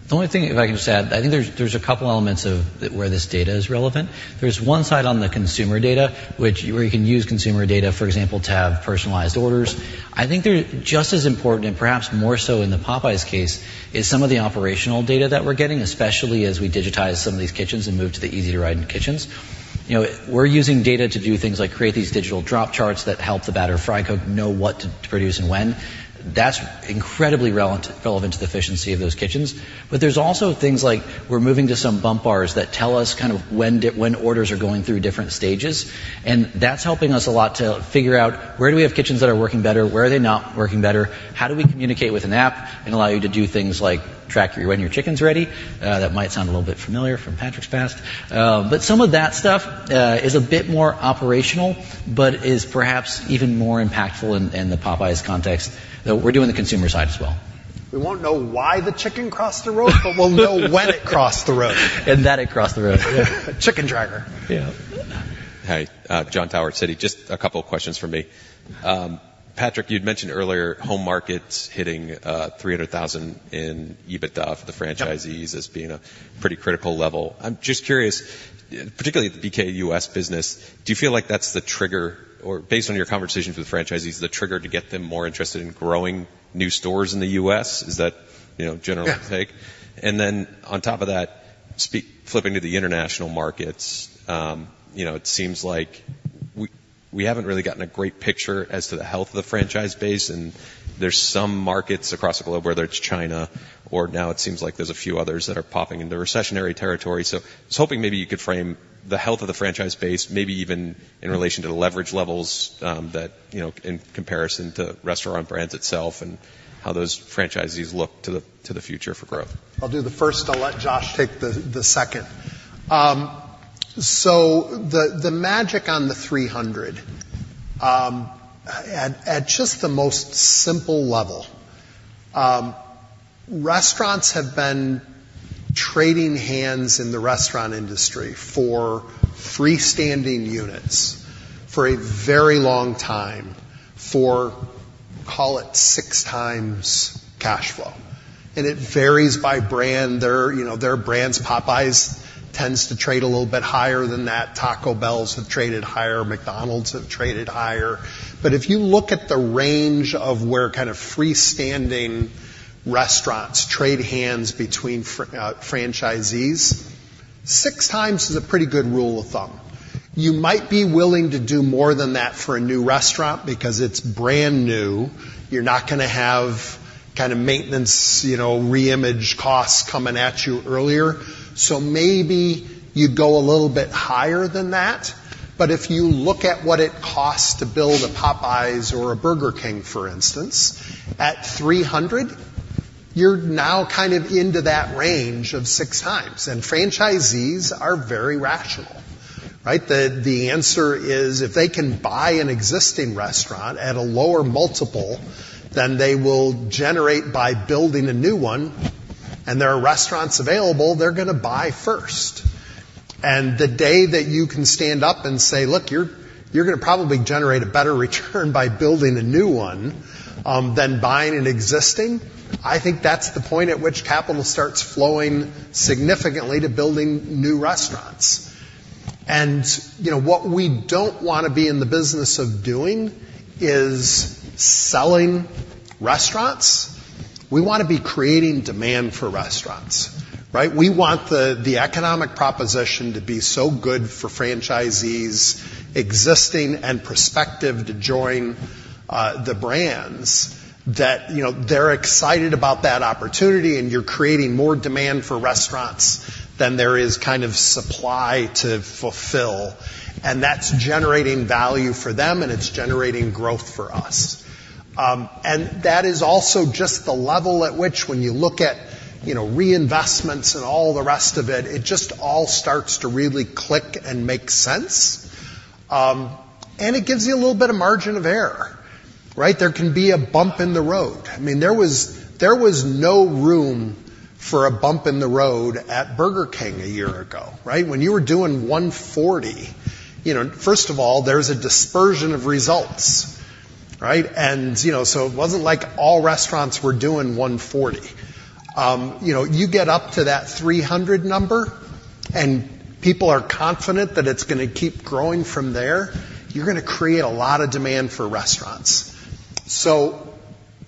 D: The only thing if I can just add, I think there's a couple of elements where this data is relevant. There's one side on the consumer data, where you can use consumer data, for example, to have personalized orders. I think just as important and perhaps more so in the Popeyes case is some of the operational data that we're getting, especially as we digitize some of these kitchens and move to the easy-to-run kitchens. We're using data to do things like create these digital drop charts that help the batter fry cook know what to produce and when. That's incredibly relevant to the efficiency of those kitchens. But there's also things like we're moving to some bump bars that tell us kind of when orders are going through different stages, and that's helping us a lot to figure out where do we have kitchens that are working better, where are they not working better, how do we communicate with an app and allow you to do things like track when your chicken's ready. That might sound a little bit familiar from Patrick's past. But some of that stuff is a bit more operational but is perhaps even more impactful in the Popeyes context. We're doing the consumer side as well.
E: We won't know why the chicken crossed the road, but we'll know when it crossed the road.
D: That it crossed the road. Chicken Tracker.
H: Yeah. Hey, John Tower at Citi, just a couple of questions from me. Patrick, you'd mentioned earlier home markets hitting $300,000 in EBITDA for the franchisees as being a pretty critical level. I'm just curious, particularly at the BKUS business, do you feel like that's the trigger or based on your conversations with franchisees, the trigger to get them more interested in growing new stores in the U.S.? Is that general take? And then on top of that, flipping to the international markets, it seems like we haven't really gotten a great picture as to the health of the franchise base, and there's some markets across the globe where there's China or now it seems like there's a few others that are popping into recessionary territory. I was hoping maybe you could frame the health of the franchise base, maybe even in relation to the leverage levels in comparison to Restaurant Brands itself and how those franchisees look to the future for growth?
E: I'll do the first. I'll let Josh take the second. So the magic on the 300, at just the most simple level, restaurants have been trading hands in the restaurant industry for freestanding units for a very long time, for, call it, 6x cash flow. And it varies by brand. Their brands, Popeyes, tend to trade a little bit higher than that. Taco Bells have traded higher. McDonald's have traded higher. But if you look at the range of where kind of freestanding restaurants trade hands between franchisees, 6x is a pretty good rule of thumb. You might be willing to do more than that for a new restaurant because it's brand new. You're not going to have kind of maintenance, reimage costs coming at you earlier. So maybe you'd go a little bit higher than that. But if you look at what it costs to build a Popeyes or a Burger King, for instance, at $300, you're now kind of into that range of 6x. And franchisees are very rational, right? The answer is if they can buy an existing restaurant at a lower multiple, then they will generate by building a new one, and there are restaurants available, they're going to buy first. And the day that you can stand up and say, "Look, you're going to probably generate a better return by building a new one than buying an existing," I think that's the point at which capital starts flowing significantly to building new restaurants. And what we don't want to be in the business of doing is selling restaurants. We want to be creating demand for restaurants, right? We want the economic proposition to be so good for franchisees, existing and prospective to join the brands, that they're excited about that opportunity, and you're creating more demand for restaurants than there is kind of supply to fulfill. That's generating value for them, and it's generating growth for us. That is also just the level at which when you look at reinvestments and all the rest of it, it just all starts to really click and make sense, and it gives you a little bit of margin of error, right? There can be a bump in the road. I mean, there was no room for a bump in the road at Burger King a year ago, right? When you were doing 140, first of all, there's a dispersion of results, right? So it wasn't like all restaurants were doing 140. You get up to that 300 number, and people are confident that it's going to keep growing from there, you're going to create a lot of demand for restaurants. So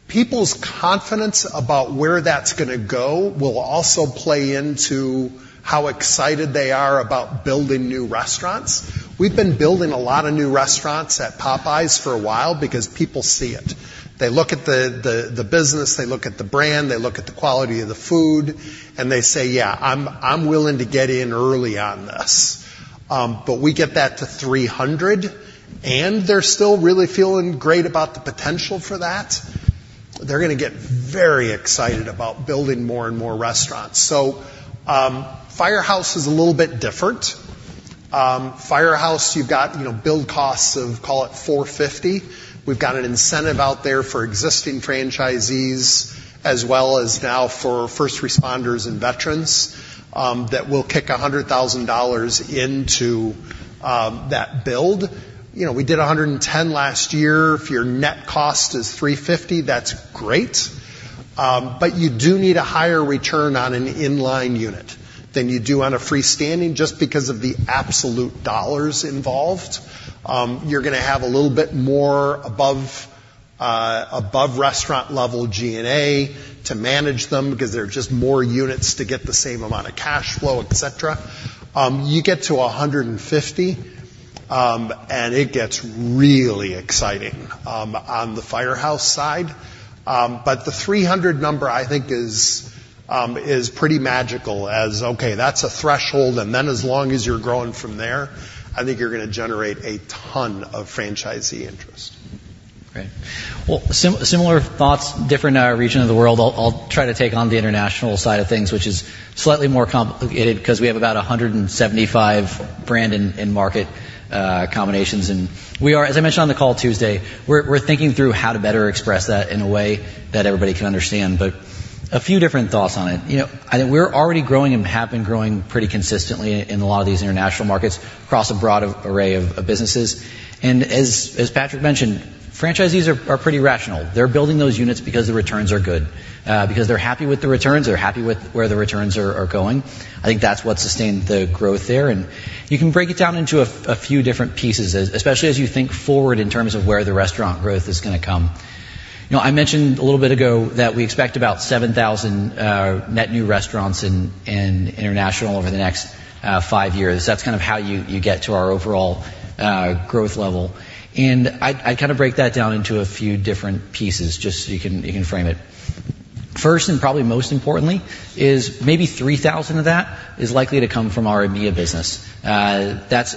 E: people's confidence about where that's going to go will also play into how excited they are about building new restaurants. We've been building a lot of new restaurants at Popeyes for a while because people see it. They look at the business. They look at the brand. They look at the quality of the food, and they say, "Yeah, I'm willing to get in early on this." But we get that to 300, and they're still really feeling great about the potential for that, they're going to get very excited about building more and more restaurants. So Firehouse is a little bit different. Firehouse, you've got build costs of, call it, $450. We've got an incentive out there for existing franchisees as well as now for first responders and veterans that will kick $100,000 into that build. We did 110 last year. If your net cost is $350,000, that's great. But you do need a higher return on an inline unit than you do on a freestanding just because of the absolute dollars involved. You're going to have a little bit more above-restaurant-level G&A to manage them because there are just more units to get the same amount of cash flow, etc. You get to 150, and it gets really exciting on the Firehouse side. But the 300 number, I think, is pretty magical as, "Okay, that's a threshold, and then as long as you're growing from there, I think you're going to generate a ton of franchisee interest.
D: Great. Well, similar thoughts, different region of the world. I'll try to take on the international side of things, which is slightly more complicated because we have about 175 brand and market combinations. As I mentioned on the call Tuesday, we're thinking through how to better express that in a way that everybody can understand, but a few different thoughts on it. I think we're already growing and have been growing pretty consistently in a lot of these international markets across a broad array of businesses. As Patrick mentioned, franchisees are pretty rational. They're building those units because the returns are good, because they're happy with the returns. They're happy with where the returns are going. I think that's what sustained the growth there. You can break it down into a few different pieces, especially as you think forward in terms of where the restaurant growth is going to come. I mentioned a little bit ago that we expect about 7,000 net new restaurants in international over the next five years. That's kind of how you get to our overall growth level. I'd kind of break that down into a few different pieces just so you can frame it. First and probably most importantly is maybe 3,000 of that is likely to come from our EMEA business.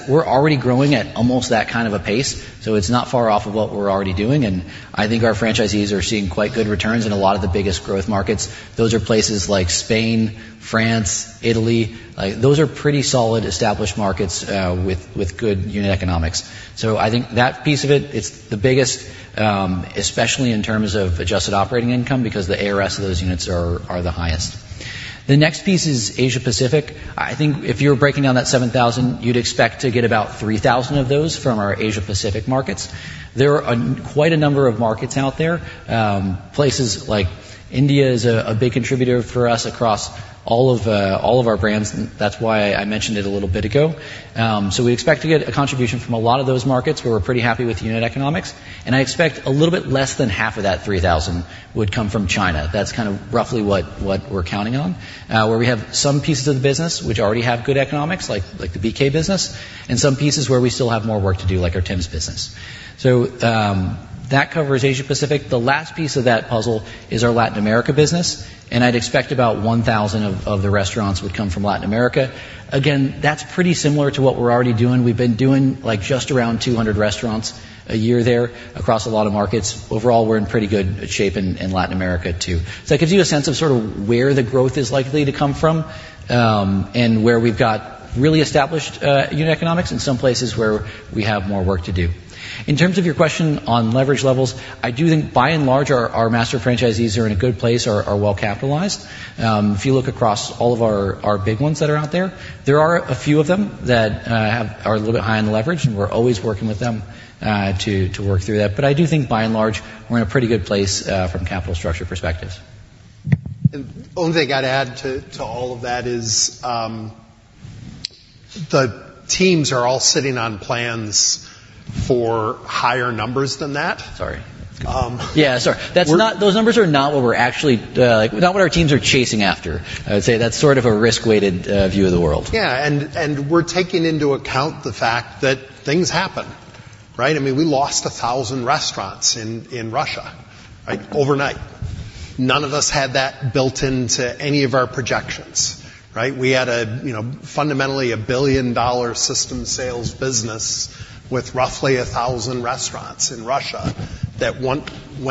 D: We're already growing at almost that kind of a pace, so it's not far off of what we're already doing. I think our franchisees are seeing quite good returns in a lot of the biggest growth markets. Those are places like Spain, France, Italy. Those are pretty solid established markets with good unit economics. So I think that piece of it, it's the biggest, especially in terms of Adjusted Operating Income because the AUVs of those units are the highest. The next piece is Asia-Pacific. I think if you were breaking down that 7,000, you'd expect to get about 3,000 of those from our Asia-Pacific markets. There are quite a number of markets out there. Places like India is a big contributor for us across all of our brands. That's why I mentioned it a little bit ago. So we expect to get a contribution from a lot of those markets where we're pretty happy with unit economics. And I expect a little bit less than half of that 3,000 would come from China. That's kind of roughly what we're counting on, where we have some pieces of the business which already have good economics like the BK business and some pieces where we still have more work to do like our Tim's business. So that covers Asia-Pacific. The last piece of that puzzle is our Latin America business, and I'd expect about 1,000 of the restaurants would come from Latin America. Again, that's pretty similar to what we're already doing. We've been doing just around 200 restaurants a year there across a lot of markets. Overall, we're in pretty good shape in Latin America too. So that gives you a sense of sort of where the growth is likely to come from and where we've got really established unit economics and some places where we have more work to do. In terms of your question on leverage levels, I do think by and large our master franchisees are in a good place, are well capitalized. If you look across all of our big ones that are out there, there are a few of them that are a little bit high on the leverage, and we're always working with them to work through that. I do think by and large we're in a pretty good place from capital structure perspectives.
E: The only thing I'd add to all of that is the teams are all sitting on plans for higher numbers than that.
D: Sorry.
E: Yeah, sorry. Those numbers are not what we're actually not what our teams are chasing after. I would say that's sort of a risk-weighted view of the world. Yeah, and we're taking into account the fact that things happen, right? I mean, we lost 1,000 restaurants in Russia, right, overnight. None of us had that built into any of our projections, right? We had fundamentally a billion-dollar system sales business with roughly 1,000 restaurants in Russia that went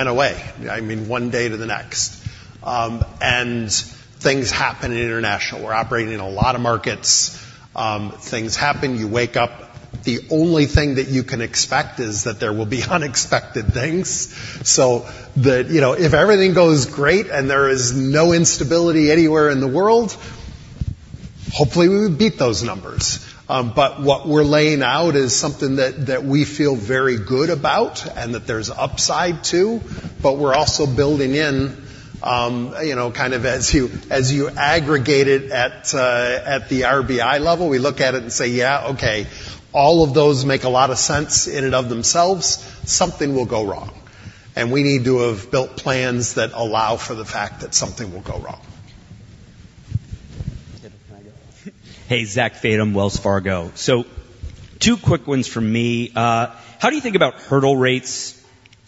E: away, I mean, one day to the next. And things happen in international. We're operating in a lot of markets. Things happen. You wake up. The only thing that you can expect is that there will be unexpected things. So if everything goes great and there is no instability anywhere in the world, hopefully, we would beat those numbers. But what we're laying out is something that we feel very good about and that there's upside to, but we're also building in kind of as you aggregate it at the RBI level, we look at it and say, "Yeah, okay, all of those make a lot of sense in and of themselves. Something will go wrong." And we need to have built plans that allow for the fact that something will go wrong.
D: Hey, Zach Fadem, Wells Fargo. So two quick ones from me. How do you think about hurdle rates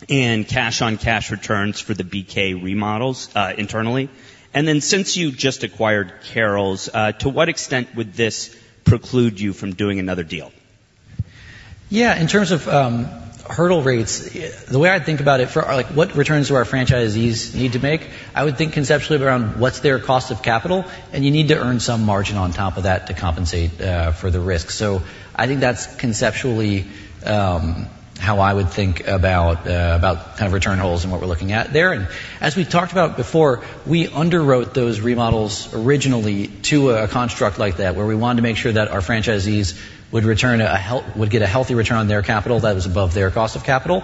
D: and cash-on-cash returns for the BK remodels internally? And then since you just acquired Carrols, to what extent would this preclude you from doing another deal?
G: Yeah, in terms of hurdle rates, the way I'd think about it for what returns do our franchisees need to make, I would think conceptually around what's their cost of capital, and you need to earn some margin on top of that to compensate for the risk. I think that's conceptually how I would think about kind of return holes and what we're looking at there. As we talked about before, we underwrote those remodels originally to a construct like that where we wanted to make sure that our franchisees would get a healthy return on their capital that was above their cost of capital.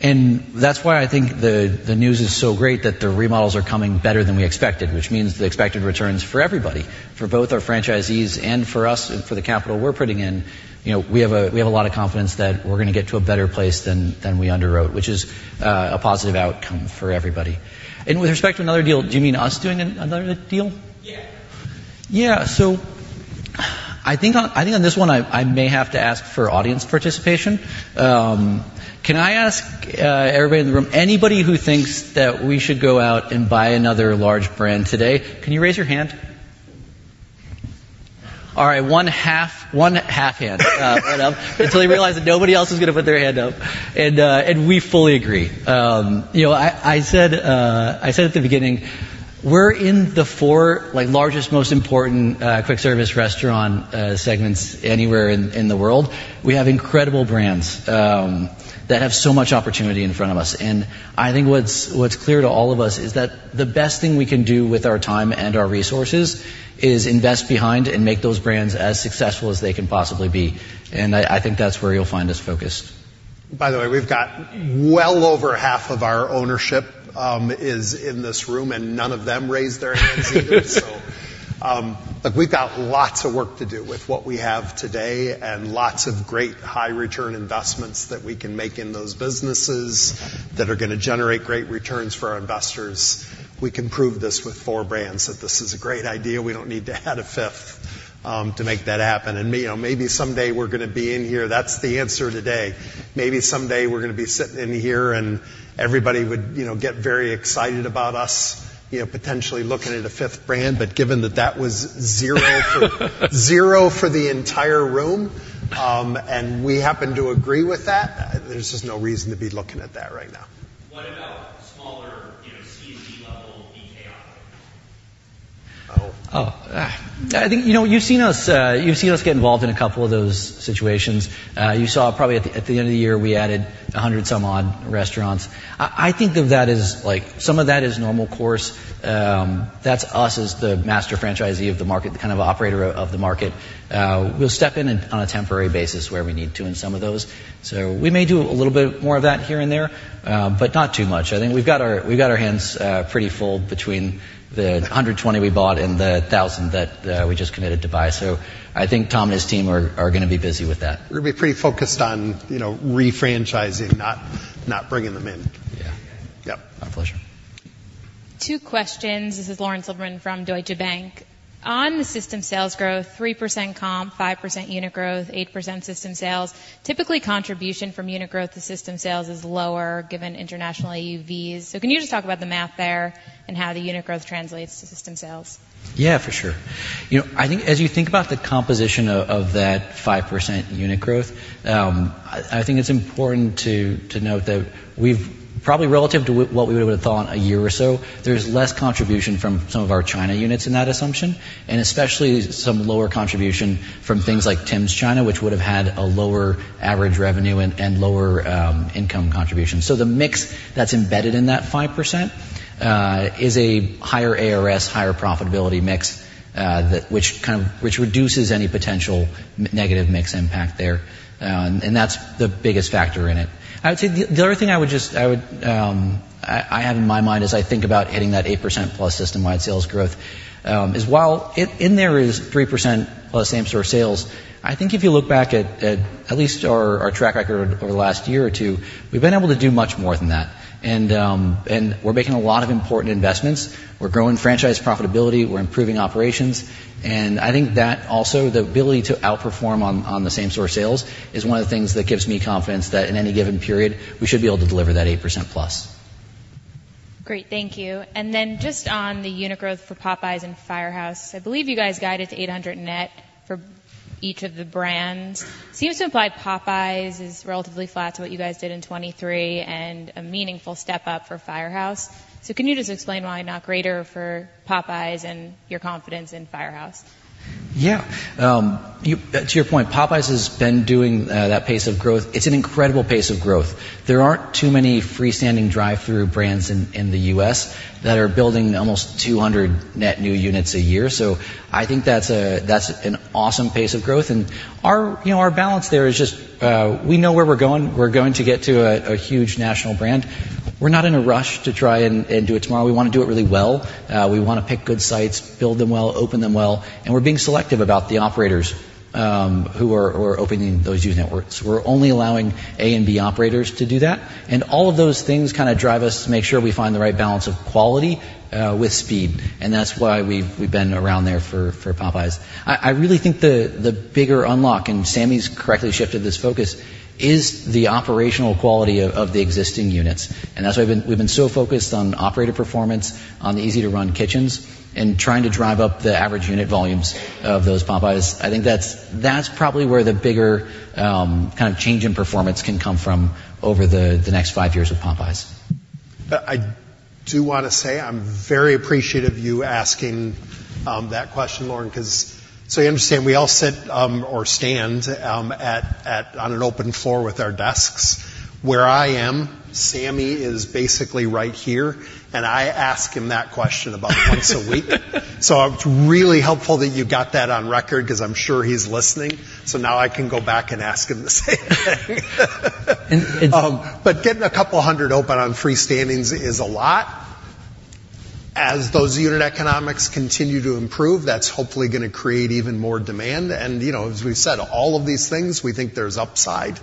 G: That's why I think the news is so great that the remodels are coming better than we expected, which means the expected returns for everybody, for both our franchisees and for us and for the capital we're putting in, we have a lot of confidence that we're going to get to a better place than we underwrote, which is a positive outcome for everybody. With respect to another deal, do you mean us doing another deal?
H: Yeah.
G: Yeah, so I think on this one, I may have to ask for audience participation. Can I ask everybody in the room, anybody who thinks that we should go out and buy another large brand today, can you raise your hand? All right, one half hand right up until they realize that nobody else is going to put their hand up. And we fully agree. I said at the beginning, we're in the four largest, most important quick-service restaurant segments anywhere in the world. We have incredible brands that have so much opportunity in front of us. And I think what's clear to all of us is that the best thing we can do with our time and our resources is invest behind and make those brands as successful as they can possibly be. And I think that's where you'll find us focused.
E: By the way, we've got well over half of our ownership is in this room, and none of them raised their hands either. So we've got lots of work to do with what we have today and lots of great high-return investments that we can make in those businesses that are going to generate great returns for our investors. We can prove this with four brands that this is a great idea. We don't need to add a fifth to make that happen. And maybe someday we're going to be in here. That's the answer today. Maybe someday we're going to be sitting in here, and everybody would get very excited about us potentially looking at a fifth brand. But given that that was zero for the entire room, and we happen to agree with that, there's just no reason to be looking at that right now.
H: What about smaller C&G-level BK operators?
G: Oh.
E: Oh.
G: I think you've seen us get involved in a couple of those situations. You saw probably at the end of the year, we added 100-some-odd restaurants. I think of that as some of that is normal course. That's us as the master franchisee of the market, the kind of operator of the market. We'll step in on a temporary basis where we need to in some of those. So we may do a little bit more of that here and there, but not too much. I think we've got our hands pretty full between the 120 we bought and the 1,000 that we just committed to buy. So I think Tom and his team are going to be busy with that.
E: We're going to be pretty focused on refranchising, not bringing them in.
G: Yeah.
E: Yep.
G: My pleasure.
I: Two questions. This is Lauren Silverman from Deutsche Bank. On the system sales growth, 3% comp, 5% unit growth, 8% system sales, typically contribution from unit growth to system sales is lower given international AUVs. So can you just talk about the math there and how the unit growth translates to system sales?
G: Yeah, for sure. I think as you think about the composition of that 5% unit growth, I think it's important to note that we've probably relative to what we would have thought a year or so, there's less contribution from some of our China units in that assumption, and especially some lower contribution from things like Tims China, which would have had a lower average revenue and lower income contribution. So the mix that's embedded in that 5% is a higher ARS, higher profitability mix, which reduces any potential negative mix impact there. And that's the biggest factor in it. I would say the other thing I would just have in my mind as I think about hitting that 8%+ system-wide sales growth is while in there is 3%+ same-store sales, I think if you look back at least our track record over the last year or two, we've been able to do much more than that. And we're making a lot of important investments. We're growing franchise profitability. We're improving operations. And I think that also, the ability to outperform on the same-store sales is one of the things that gives me confidence that in any given period, we should be able to deliver that 8%+.
I: Great. Thank you. Then just on the unit growth for Popeyes and Firehouse, I believe you guys guided to 800 net for each of the brands. Seems to imply Popeyes is relatively flat to what you guys did in 2023 and a meaningful step up for Firehouse. So can you just explain why not greater for Popeyes and your confidence in Firehouse?
G: Yeah. To your point, Popeyes has been doing that pace of growth. It's an incredible pace of growth. There aren't too many freestanding drive-through brands in the U.S. that are building almost 200 net new units a year. So I think that's an awesome pace of growth. And our balance there is just we know where we're going. We're going to get to a huge national brand. We're not in a rush to try and do it tomorrow. We want to do it really well. We want to pick good sites, build them well, open them well. And we're being selective about the operators who are opening those new units. We're only allowing A and B operators to do that. And all of those things kind of drive us to make sure we find the right balance of quality with speed. And that's why we've been around there for Popeyes. I really think the bigger unlock, and Sami's correctly shifted this focus, is the operational quality of the existing units. That's why we've been so focused on operator performance, on the Easy-to-Run Kitchens, and trying to drive up the average unit volumes of those Popeyes. I think that's probably where the bigger kind of change in performance can come from over the next five years with Popeyes.
E: I do want to say I'm very appreciative of you asking that question, Lauren, because so you understand, we all sit or stand on an open floor with our desks. Where I am, Sami is basically right here, and I ask him that question about once a week. So it's really helpful that you got that on record because I'm sure he's listening. So now I can go back and ask him the same thing. But getting a couple hundred open on freestanding is a lot. As those unit economics continue to improve, that's hopefully going to create even more demand. And as we've said, all of these things, we think there's upside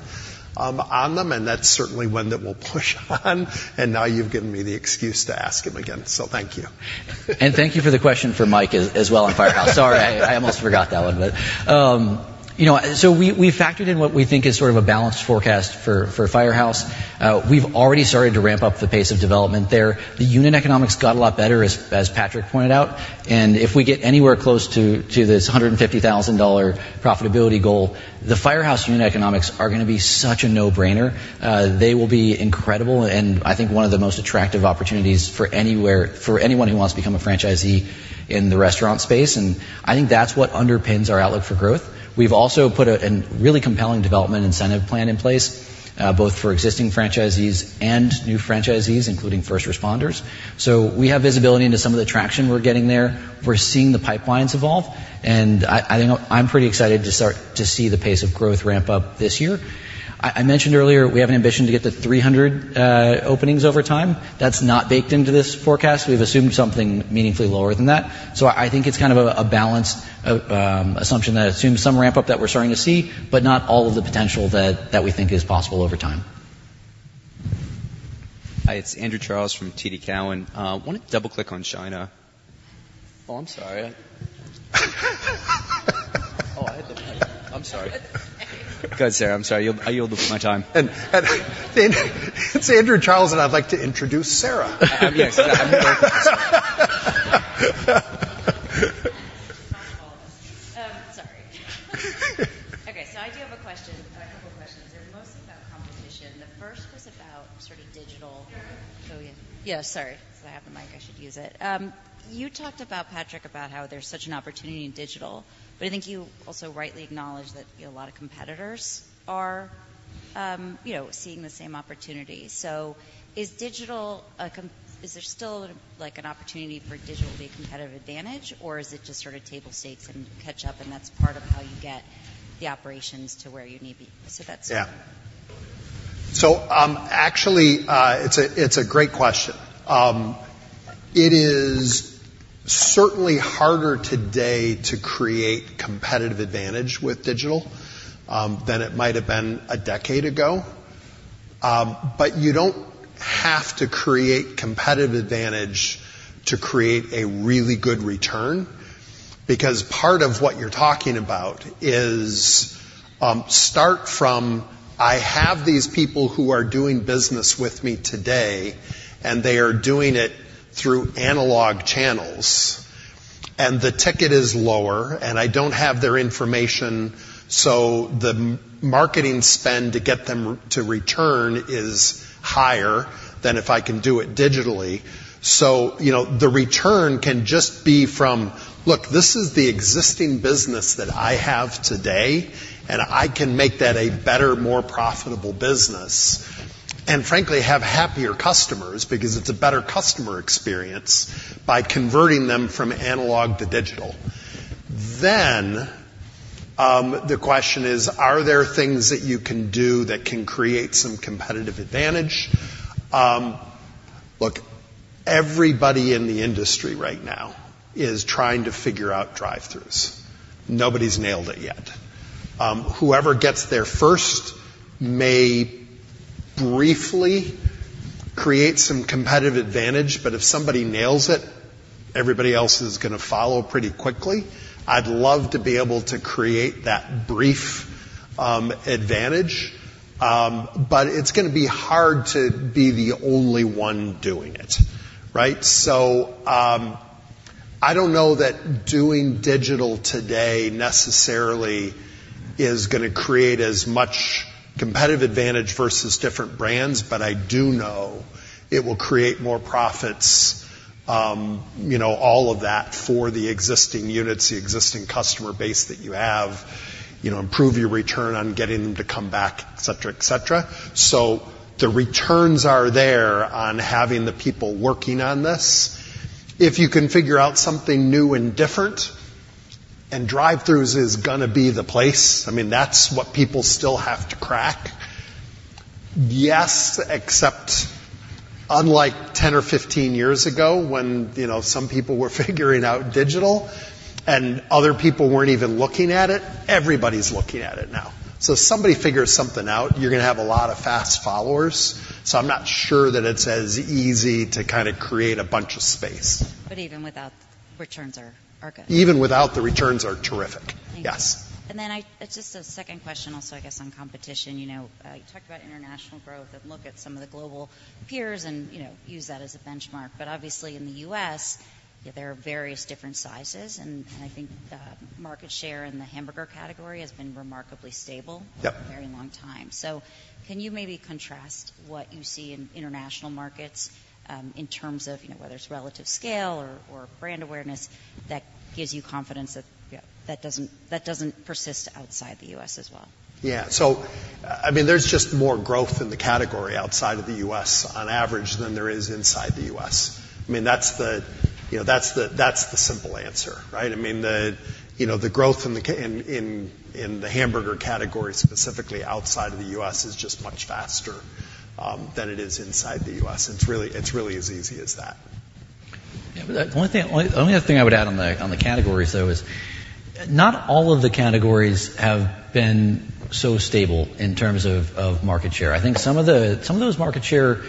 E: on them, and that's certainly one that will push on. And now you've given me the excuse to ask him again. So thank you.
G: Thank you for the question for Mike as well on Firehouse. Sorry, I almost forgot that one, but. We've factored in what we think is sort of a balanced forecast for Firehouse. We've already started to ramp up the pace of development there. The unit economics got a lot better, as Patrick pointed out. And if we get anywhere close to this $150,000 profitability goal, the Firehouse unit economics are going to be such a no-brainer. They will be incredible and I think one of the most attractive opportunities for anyone who wants to become a franchisee in the restaurant space. And I think that's what underpins our outlook for growth. We've also put a really compelling development incentive plan in place both for existing franchisees and new franchisees, including first responders. So we have visibility into some of the traction we're getting there. We're seeing the pipelines evolve. I think I'm pretty excited to see the pace of growth ramp up this year. I mentioned earlier, we have an ambition to get to 300 openings over time. That's not baked into this forecast. We've assumed something meaningfully lower than that. I think it's kind of a balanced assumption that assumes some ramp-up that we're starting to see, but not all of the potential that we think is possible over time.
J: Hi, it's Andrew Charles from TD Cowen. Want to double-click on China?
G: Oh, I'm sorry.
J: Go ahead, Sara. I'm sorry. You owed my time.
E: It's Andrew Charles, and I'd like to introduce Sara.
G: Yeah, sorry.
I: Sorry. Okay, so I do have a question, a couple of questions. They're mostly about competition. The first was about sort of digital.
H: Sara?
I: Oh, yeah. Yeah, sorry. So I have the mic. I should use it. You talked about, Patrick, about how there's such an opportunity in digital, but I think you also rightly acknowledge that a lot of competitors are seeing the same opportunity. So is digital is there still an opportunity for digital to be a competitive advantage, or is it just sort of table stakes and catch-up, and that's part of how you get the operations to where you need to be? So that's sort of.
E: Yeah. So actually, it's a great question. It is certainly harder today to create competitive advantage with digital than it might have been a decade ago. But you don't have to create competitive advantage to create a really good return because part of what you're talking about is start from, "I have these people who are doing business with me today, and they are doing it through analog channels. The ticket is lower, and I don't have their information, so the marketing spend to get them to return is higher than if I can do it digitally. So the return can just be from, "Look, this is the existing business that I have today, and I can make that a better, more profitable business, and frankly, have happier customers because it's a better customer experience by converting them from analog to digital." Then the question is, are there things that you can do that can create some competitive advantage? Look, everybody in the industry right now is trying to figure out drive-throughs. Nobody's nailed it yet. Whoever gets there first may briefly create some competitive advantage, but if somebody nails it, everybody else is going to follow pretty quickly. I'd love to be able to create that brief advantage, but it's going to be hard to be the only one doing it, right? So I don't know that doing digital today necessarily is going to create as much competitive advantage versus different brands, but I do know it will create more profits, all of that, for the existing units, the existing customer base that you have, improve your return on getting them to come back, etc., etc. So the returns are there on having the people working on this. If you can figure out something new and different and drive-throughs is going to be the place, I mean, that's what people still have to crack. Yes, except unlike 10 or 15 years ago when some people were figuring out digital and other people weren't even looking at it, everybody's looking at it now. If somebody figures something out, you're going to have a lot of fast followers. I'm not sure that it's as easy to kind of create a bunch of space.
I: But even without, returns are good.
E: Even without the returns are terrific. Yes.
I: And then it's just a second question also, I guess, on competition. You talked about international growth and look at some of the global peers and use that as a benchmark. But obviously, in the US, there are various different sizes, and I think market share in the hamburger category has been remarkably stable for a very long time. So can you maybe contrast what you see in international markets in terms of whether it's relative scale or brand awareness that gives you confidence that doesn't persist outside the US as well?
E: Yeah. So I mean, there's just more growth in the category outside of the U.S. on average than there is inside the U.S. I mean, that's the simple answer, right? I mean, the growth in the hamburger category specifically outside of the U.S. is just much faster than it is inside the U.S. It really is easy as that.
G: Yeah. The only other thing I would add on the categories, though, is not all of the categories have been so stable in terms of market share. I think some of those market share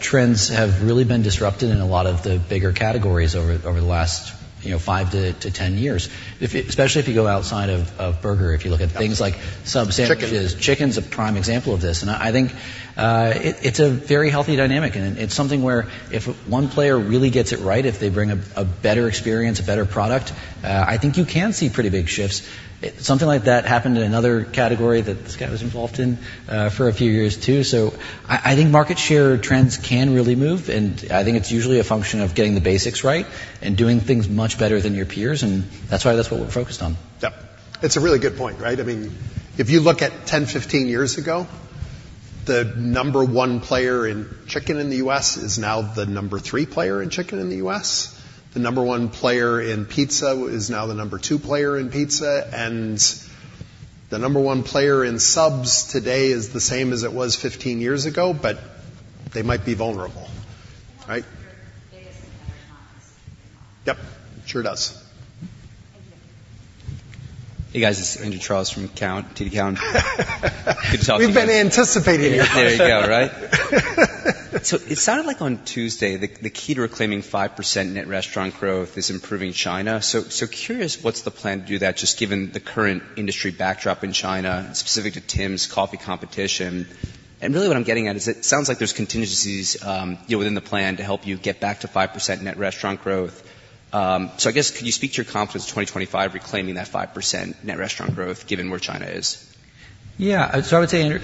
G: trends have really been disrupted in a lot of the bigger categories over the last 5-10 years, especially if you go outside of burger, if you look at things like sub sandwiches.
E: Chicken.
G: Chicken's a prime example of this. I think it's a very healthy dynamic. It's something where if one player really gets it right, if they bring a better experience, a better product, I think you can see pretty big shifts. Something like that happened in another category that this guy was involved in for a few years too. I think market share trends can really move, and I think it's usually a function of getting the basics right and doing things much better than your peers. That's why that's what we're focused on.
E: Yep. It's a really good point, right? I mean, if you look at 10, 15 years ago, the number one player in chicken in the U.S. is now the number three player in chicken in the U.S. The number one player in pizza is now the number two player in pizza. And the number one player in subs today is the same as it was 15 years ago, but they might be vulnerable, right?
I: That's one of your biggest competitors now is chicken and pizza.
E: Yep. It sure does.
I: Thank you.
J: Hey, guys. It's Andrew Charles from TD Cowen. Good to talk to you.
E: We've been anticipating your call.
J: There you go, right?
G: So it sounded like on Tuesday, the key to reclaiming 5% net restaurant growth is improving China. So, curious, what's the plan to do that just given the current industry backdrop in China, specific to Tim's coffee competition? And really, what I'm getting at is it sounds like there's contingencies within the plan to help you get back to 5% net restaurant growth. So I guess, could you speak to your confidence in 2025 reclaiming that 5% net restaurant growth given where China is? Yeah. So I would say, Andrew,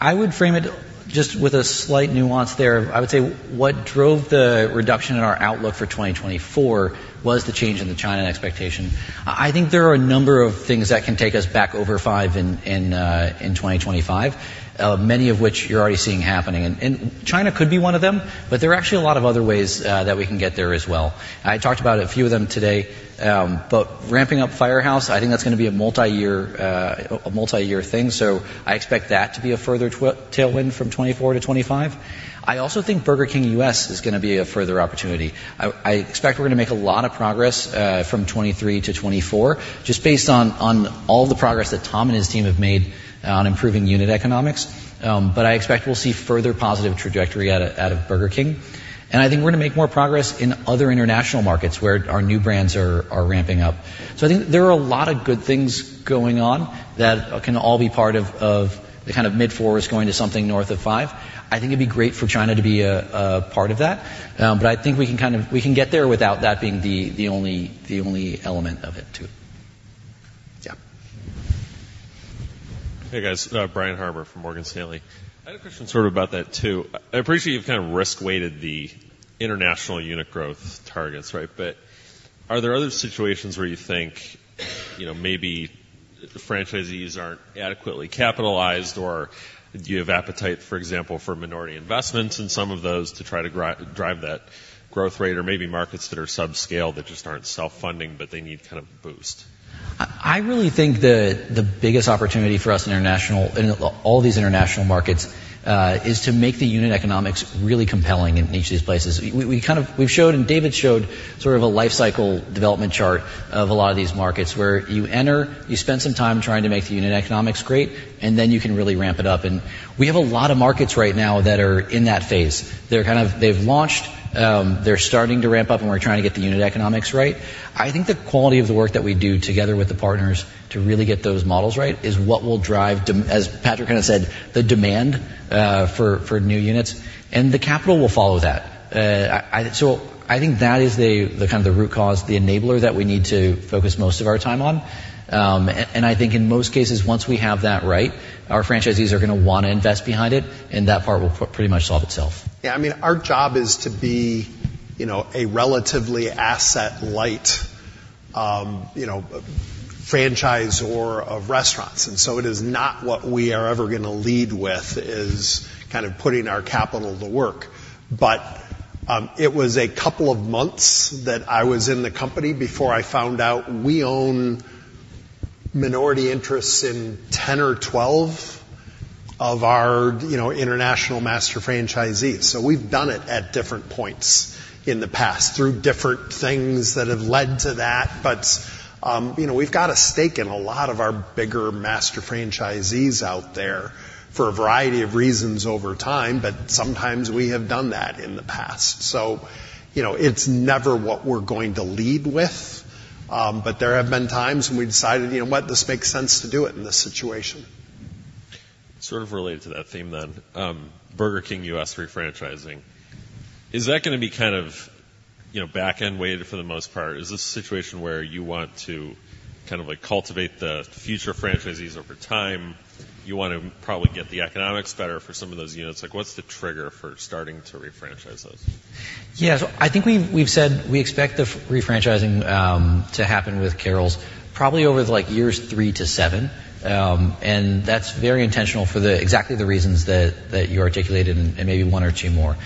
G: I would frame it just with a slight nuance there. I would say what drove the reduction in our outlook for 2024 was the change in the China expectation. I think there are a number of things that can take us back over 5% in 2025, many of which you're already seeing happening. China could be one of them, but there are actually a lot of other ways that we can get there as well. I talked about a few of them today. Ramping up Firehouse, I think that's going to be a multi-year thing. I expect that to be a further tailwind from 2024 to 2025. I also think Burger King U.S. is going to be a further opportunity. I expect we're going to make a lot of progress from 2023 to 2024 just based on all of the progress that Tom and his team have made on improving unit economics. But I expect we'll see further positive trajectory out of Burger King. And I think we're going to make more progress in other international markets where our new brands are ramping up. So I think there are a lot of good things going on that can all be part of the kind of mid-four is going to something north of five. I think it'd be great for China to be a part of that. But I think we can kind of get there without that being the only element of it too.
J: Yeah.
K: Hey, guys. Brian Harbour from Morgan Stanley. I had a question sort of about that too. I appreciate you've kind of risk-weighted the international unit growth targets, right? But are there other situations where you think maybe franchisees aren't adequately capitalized, or do you have appetite, for example, for minority investments in some of those to try to drive that growth rate or maybe markets that are subscale that just aren't self-funding, but they need kind of a boost? I really think the biggest opportunity for us in international in all these international markets is to make the unit economics really compelling in each of these places. We've showed, and David showed, sort of a lifecycle development chart of a lot of these markets where you enter, you spend some time trying to make the unit economics great, and then you can really ramp it up. We have a lot of markets right now that are in that phase. They've launched, they're starting to ramp up, and we're trying to get the unit economics right. I think the quality of the work that we do together with the partners to really get those models right is what will drive, as Patrick kind of said, the demand for new units. The capital will follow that. I think that is the kind of the root cause, the enabler that we need to focus most of our time on. I think in most cases, once we have that right, our franchisees are going to want to invest behind it, and that part will pretty much solve itself.
E: Yeah. I mean, our job is to be a relatively asset-light franchisor of restaurants. And so it is not what we are ever going to lead with is kind of putting our capital to work. But it was a couple of months that I was in the company before I found out we own minority interests in 10 or 12 of our international master franchisees. So we've done it at different points in the past through different things that have led to that. But we've got a stake in a lot of our bigger master franchisees out there for a variety of reasons over time, but sometimes we have done that in the past. So it's never what we're going to lead with. But there have been times when we decided, "You know what? This makes sense to do it in this situation.
K: Sort of related to that theme then, Burger King U.S. refranchising, is that going to be kind of backend-weighted for the most part? Is this a situation where you want to kind of cultivate the future franchisees over time? You want to probably get the economics better for some of those units. What's the trigger for starting to refranchise those?
G: Yeah. So I think we've said we expect the refranchising to happen with Carrols probably over the years 3 to 7. And that's very intentional for exactly the reasons that you articulated and maybe one or two more.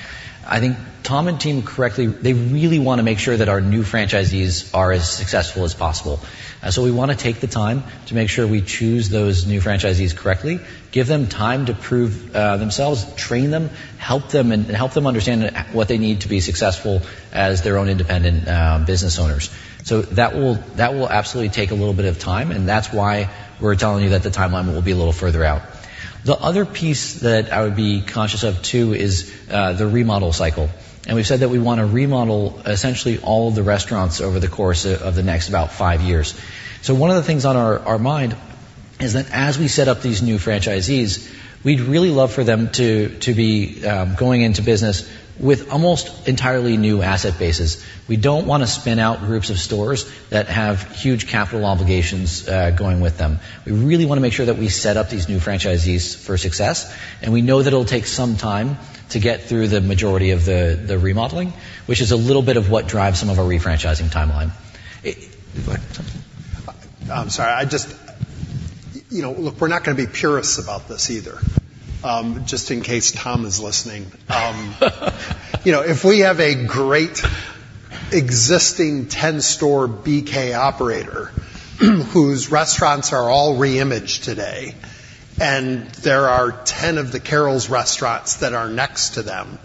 G: I think Tom and team correctly, they really want to make sure that our new franchisees are as successful as possible. So we want to take the time to make sure we choose those new franchisees correctly, give them time to prove themselves, train them, help them, and help them understand what they need to be successful as their own independent business owners. So that will absolutely take a little bit of time, and that's why we're telling you that the timeline will be a little further out. The other piece that I would be conscious of too is the remodel cycle. We've said that we want to remodel essentially all of the restaurants over the course of the next about five years. One of the things on our mind is that as we set up these new franchisees, we'd really love for them to be going into business with almost entirely new asset bases. We don't want to spin out groups of stores that have huge capital obligations going with them. We really want to make sure that we set up these new franchisees for success. We know that it'll take some time to get through the majority of the remodeling, which is a little bit of what drives some of our refranchising timeline.
E: I'm sorry. Look, we're not going to be purists about this either, just in case Tom is listening. If we have a great existing 10-store BK operator whose restaurants are all reimaged today, and there are 10 of the Carrols restaurants that are next to them,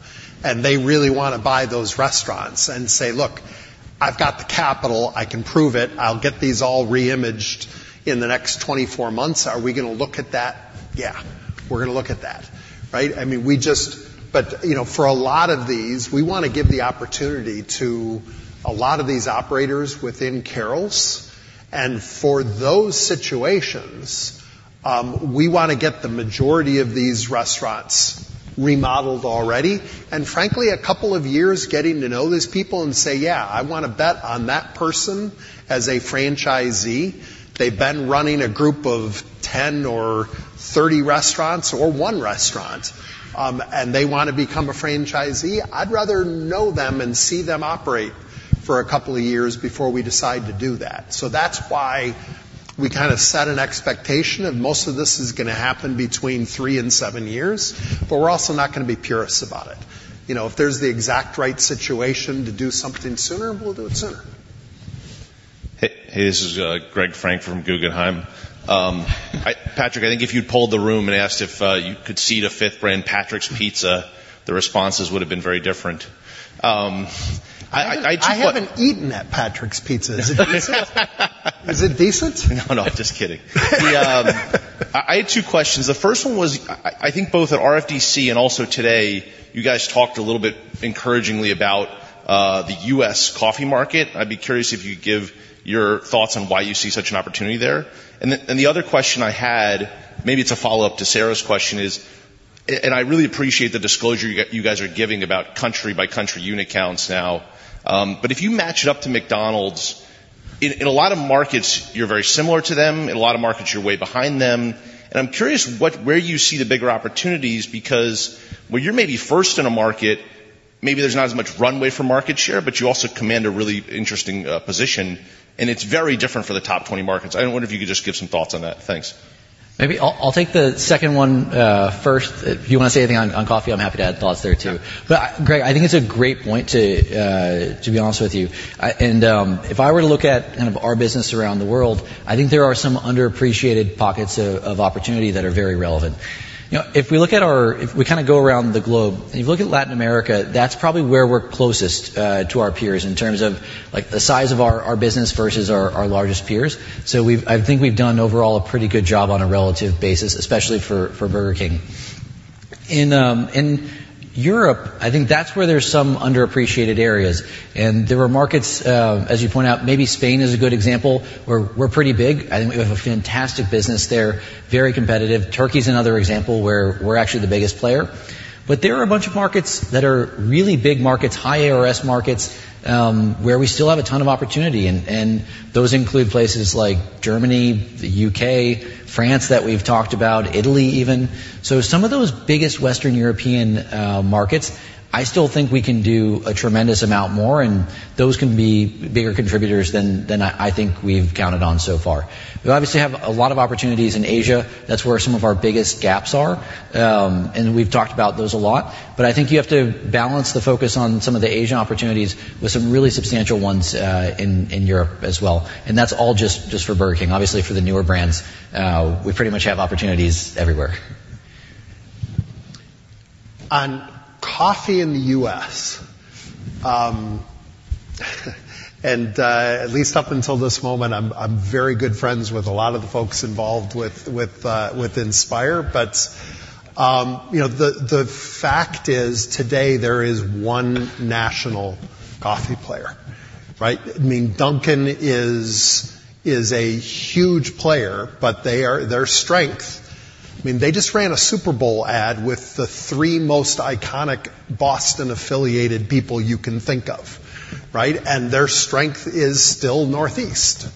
E: and they really want to buy those restaurants and say, "Look, I've got the capital. I can prove it. I'll get these all reimaged in the next 24 months. Are we going to look at that?" Yeah. We're going to look at that, right? I mean, we just but for a lot of these, we want to give the opportunity to a lot of these operators within Carrols. And for those situations, we want to get the majority of these restaurants remodeled already. Frankly, a couple of years getting to know these people and say, "Yeah, I want to bet on that person as a franchisee." They've been running a group of 10 or 30 restaurants or one restaurant, and they want to become a franchisee. I'd rather know them and see them operate for a couple of years before we decide to do that. So that's why we kind of set an expectation of most of this is going to happen between three and seven years. But we're also not going to be purists about it. If there's the exact right situation to do something sooner, we'll do it sooner.
K: Hey, this is Greg Francfort from Guggenheim. Patrick, I think if you'd polled the room and asked if you could see the fifth brand, Patrick's Pizza, the responses would have been very different. I just want.
E: I haven't eaten at Patrick's Pizza. Is it decent? Is it decent?
K: No, no. Just kidding. I had two questions. The first one was, I think both at RFDC and also today, you guys talked a little bit encouragingly about the U.S. coffee market. I'd be curious if you could give your thoughts on why you see such an opportunity there. And the other question I had, maybe it's a follow-up to Sarah's question, is and I really appreciate the disclosure you guys are giving about country-by-country unit counts now. But if you match it up to McDonald's, in a lot of markets, you're very similar to them. In a lot of markets, you're way behind them. And I'm curious where you see the bigger opportunities because when you're maybe first in a market, maybe there's not as much runway for market share, but you also command a really interesting position. And it's very different for the top 20 markets. I wonder if you could just give some thoughts on that. Thanks.
G: Maybe I'll take the second one first. If you want to say anything on coffee, I'm happy to add thoughts there too. But Greg, I think it's a great point, to be honest with you. And if I were to look at kind of our business around the world, I think there are some underappreciated pockets of opportunity that are very relevant. If we kind of go around the globe, and you look at Latin America, that's probably where we're closest to our peers in terms of the size of our business versus our largest peers. So I think we've done overall a pretty good job on a relative basis, especially for Burger King. In Europe, I think that's where there's some underappreciated areas. And there are markets, as you point out, maybe Spain is a good example where we're pretty big. I think we have a fantastic business there, very competitive. Turkey's another example where we're actually the biggest player. But there are a bunch of markets that are really big markets, high ARS markets, where we still have a ton of opportunity. And those include places like Germany, the U.K., France that we've talked about, Italy even. So some of those biggest Western European markets, I still think we can do a tremendous amount more. And those can be bigger contributors than I think we've counted on so far. We obviously have a lot of opportunities in Asia. That's where some of our biggest gaps are. And we've talked about those a lot. But I think you have to balance the focus on some of the Asian opportunities with some really substantial ones in Europe as well. And that's all just for Burger King. Obviously, for the newer brands, we pretty much have opportunities everywhere.
E: On coffee in the U.S., and at least up until this moment, I'm very good friends with a lot of the folks involved with Inspire. But the fact is, today, there is one national coffee player, right? I mean, Dunkin' is a huge player, but their strength I mean, they just ran a Super Bowl ad with the three most iconic Boston-affiliated people you can think of, right? And their strength is still Northeast,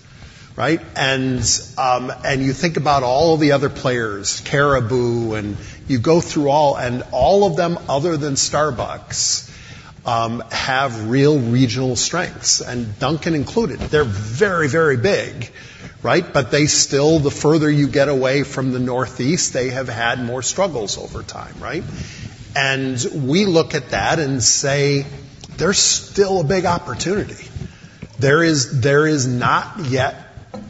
E: right? And you think about all of the other players, Caribou, and you go through all and all of them, other than Starbucks, have real regional strengths, and Dunkin' included. They're very, very big, right? But the further you get away from the Northeast, they have had more struggles over time, right? And we look at that and say, "There's still a big opportunity. There is not yet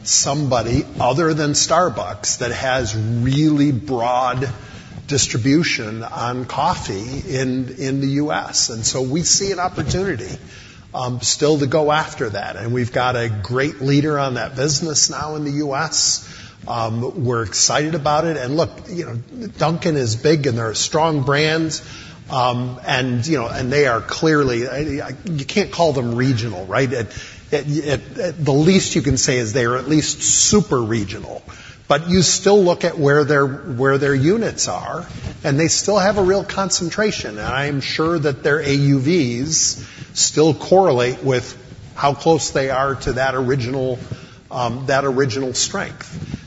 E: somebody other than Starbucks that has really broad distribution on coffee in the U.S." And so we see an opportunity still to go after that. And we've got a great leader on that business now in the U.S. We're excited about it. And look, Dunkin' is big, and they're a strong brand. And they are clearly you can't call them regional, right? The least you can say is they are at least super regional. But you still look at where their units are, and they still have a real concentration. And I am sure that their AUVs still correlate with how close they are to that original strength.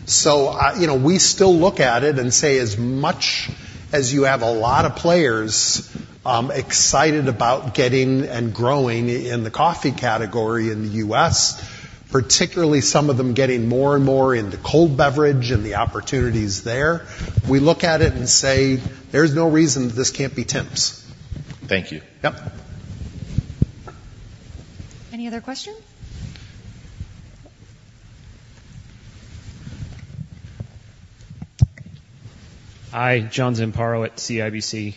E: We still look at it and say, "As much as you have a lot of players excited about getting and growing in the coffee category in the U.S., particularly some of them getting more and more into cold beverage and the opportunities there, we look at it and say, 'There's no reason this can't be Tim's.'
K: Thank you. Yep.
A: Any other questions?
L: Hi. John Zamparo at CIBC.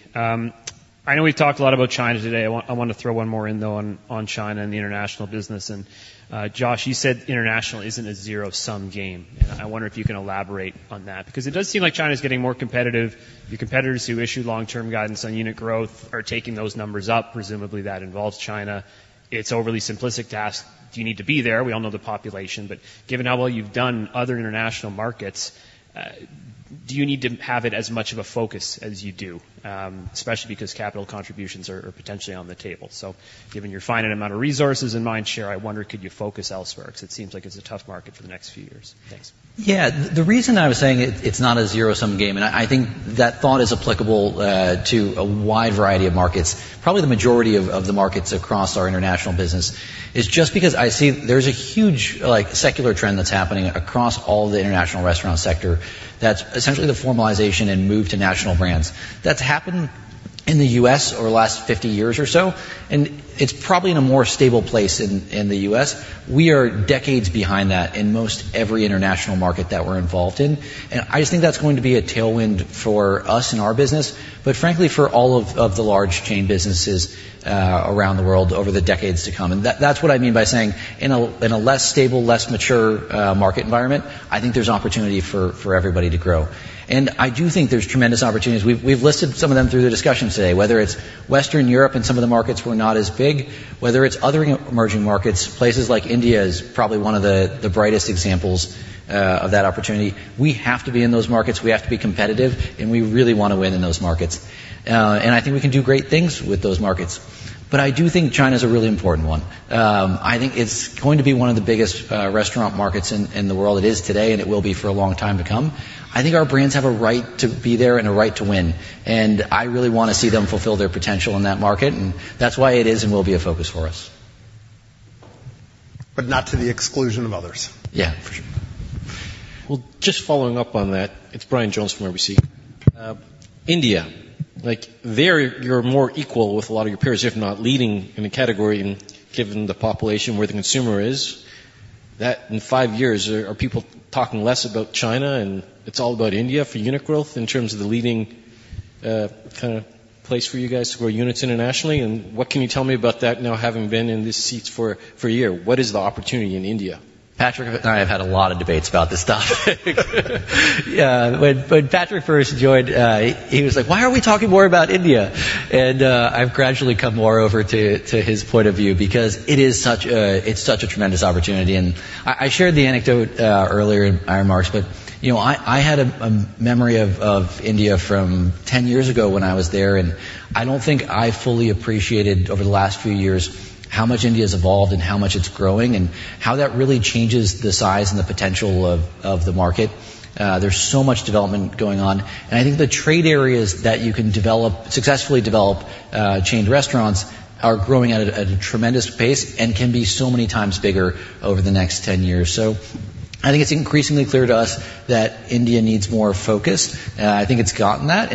L: I know we've talked a lot about China today. I want to throw one more in, though, on China and the international business. Josh, you said international isn't a zero-sum game. I wonder if you can elaborate on that because it does seem like China's getting more competitive. Your competitors who issue long-term guidance on unit growth are taking those numbers up. Presumably, that involves China. It's overly simplistic to ask, "Do you need to be there?" We all know the population. But given how well you've done in other international markets, do you need to have it as much of a focus as you do, especially because capital contributions are potentially on the table? Given your finite amount of resources and mindshare, I wonder, could you focus elsewhere? Because it seems like it's a tough market for the next few years. Thanks.
G: Yeah. The reason I was saying it's not a zero-sum game, and I think that thought is applicable to a wide variety of markets, probably the majority of the markets across our international business, is just because I see there's a huge secular trend that's happening across all the international restaurant sector. That's essentially the formalization and move to national brands. That's happened in the U.S. over the last 50 years or so. And it's probably in a more stable place in the U.S. We are decades behind that in most every international market that we're involved in. And I just think that's going to be a tailwind for us in our business, but frankly, for all of the large chain businesses around the world over the decades to come. That's what I mean by saying in a less stable, less mature market environment, I think there's opportunity for everybody to grow. And I do think there's tremendous opportunities. We've listed some of them through the discussion today, whether it's Western Europe and some of the markets were not as big, whether it's other emerging markets. Places like India is probably one of the brightest examples of that opportunity. We have to be in those markets. We have to be competitive. And we really want to win in those markets. And I think we can do great things with those markets. But I do think China's a really important one. I think it's going to be one of the biggest restaurant markets in the world. It is today, and it will be for a long time to come. I think our brands have a right to be there and a right to win. I really want to see them fulfill their potential in that market. That's why it is and will be a focus for us.
E: But not to the exclusion of others.
G: Yeah, for sure.
K: Well, just following up on that, it's Brian Jones from RBC. India, you're more equal with a lot of your peers, if not leading in the category given the population where the consumer is. In five years, are people talking less about China and it's all about India for unit growth in terms of the leading kind of place for you guys to grow units internationally? And what can you tell me about that now having been in these seats for a year? What is the opportunity in India?
G: Patrick and I have had a lot of debates about this topic. Yeah. When Patrick first joined, he was like, "Why aren't we talking more about India?" And I've gradually come more over to his point of view because it's such a tremendous opportunity. And I shared the anecdote earlier in our remarks, but I had a memory of India from 10 years ago when I was there. And I don't think I fully appreciated over the last few years how much India's evolved and how much it's growing and how that really changes the size and the potential of the market. There's so much development going on. And I think the trade areas that you can successfully develop chain restaurants are growing at a tremendous pace and can be so many times bigger over the next 10 years. So I think it's increasingly clear to us that India needs more focus. I think it's gotten that.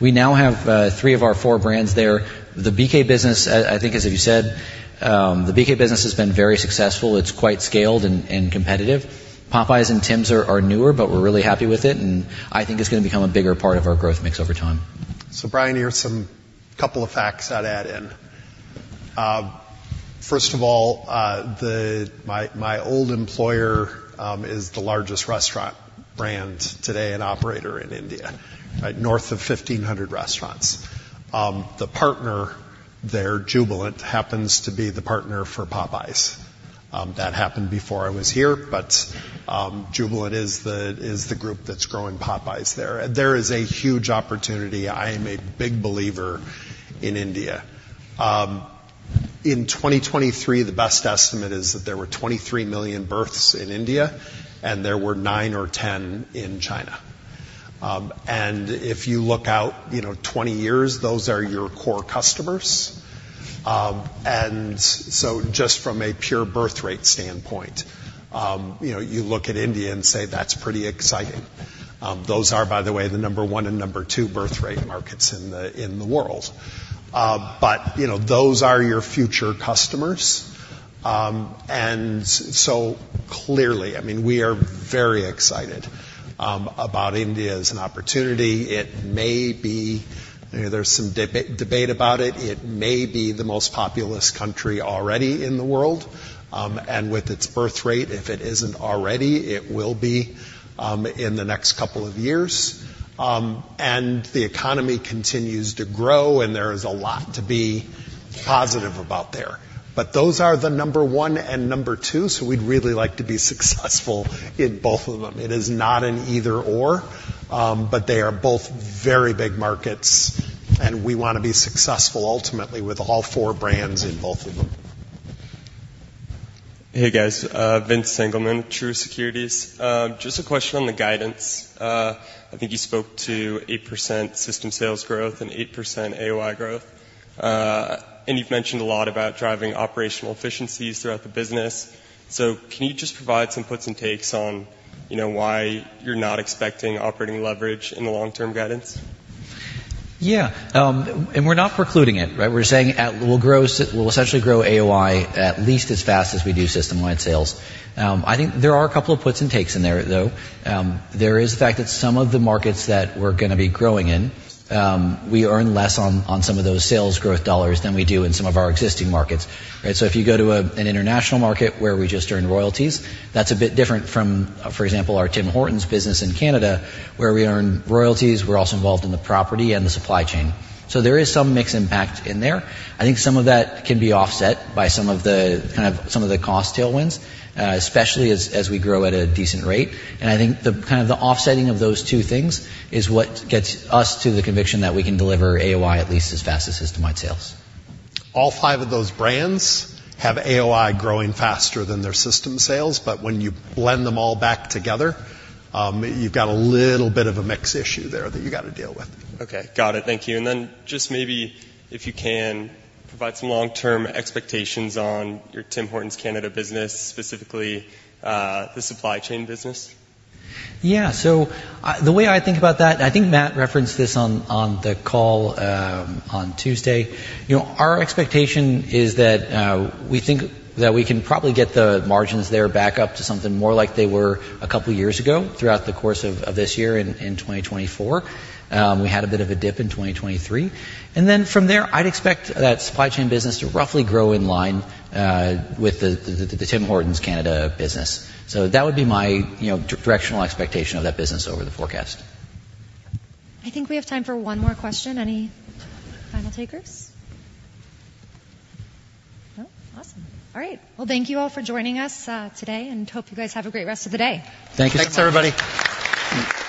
G: We now have three of our four brands there. The BK business, I think, as you said, the BK business has been very successful. It's quite scaled and competitive. Popeyes and Tim's are newer, but we're really happy with it. I think it's going to become a bigger part of our growth mix over time.
E: So Brian, here's a couple of facts I'd add in. First of all, my old employer is the largest restaurant brand today and operator in India, north of 1,500 restaurants. The partner there, Jubilant, happens to be the partner for Popeyes. That happened before I was here, but Jubilant is the group that's growing Popeyes there. There is a huge opportunity. I am a big believer in India. In 2023, the best estimate is that there were 23 million births in India, and there were 9 or 10 in China. And if you look out 20 years, those are your core customers. And so just from a pure birth rate standpoint, you look at India and say, "That's pretty exciting." Those are, by the way, the number one and number two birth rate markets in the world. But those are your future customers. And so clearly, I mean, we are very excited about India as an opportunity. There's some debate about it. It may be the most populous country already in the world. And with its birthrate, if it isn't already, it will be in the next couple of years. And the economy continues to grow, and there is a lot to be positive about there. But those are the number one and number two. So we'd really like to be successful in both of them. It is not an either/or, but they are both very big markets. And we want to be successful ultimately with all four brands in both of them.
L: Hey, guys. Vince Sangleman, Truist Securities. Just a question on the guidance. I think you spoke to 8% system sales growth and 8% AOI growth. And you've mentioned a lot about driving operational efficiencies throughout the business. So can you just provide some puts and takes on why you're not expecting operating leverage in the long-term guidance?
G: Yeah. And we're not precluding it, right? We're saying we'll essentially grow AOI at least as fast as we do system-wide sales. I think there are a couple of puts and takes in there, though. There is the fact that some of the markets that we're going to be growing in, we earn less on some of those sales growth dollars than we do in some of our existing markets, right? So if you go to an international market where we just earn royalties, that's a bit different from, for example, our Tim Hortons business in Canada where we earn royalties. We're also involved in the property and the supply chain. So there is some mixed impact in there. I think some of that can be offset by some of the kind of some of the cost tailwinds, especially as we grow at a decent rate. I think kind of the offsetting of those two things is what gets us to the conviction that we can deliver AOI at least as fast as system-wide sales.
E: All five of those brands have AOI growing faster than their system sales. But when you blend them all back together, you've got a little bit of a mix issue there that you've got to deal with.
L: Okay. Got it. Thank you. Then just maybe, if you can, provide some long-term expectations on your Tim Hortons Canada business, specifically the supply chain business?
G: Yeah. So the way I think about that, and I think Matt referenced this on the call on Tuesday, our expectation is that we think that we can probably get the margins there back up to something more like they were a couple of years ago throughout the course of this year in 2024. We had a bit of a dip in 2023. Then from there, I'd expect that supply chain business to roughly grow in line with the Tim Hortons Canada business. That would be my directional expectation of that business over the forecast.
A: I think we have time for one more question. Any final takers? No? Awesome. All right. Well, thank you all for joining us today, and hope you guys have a great rest of the day.
K: Thank you.
L: Thanks, everybody.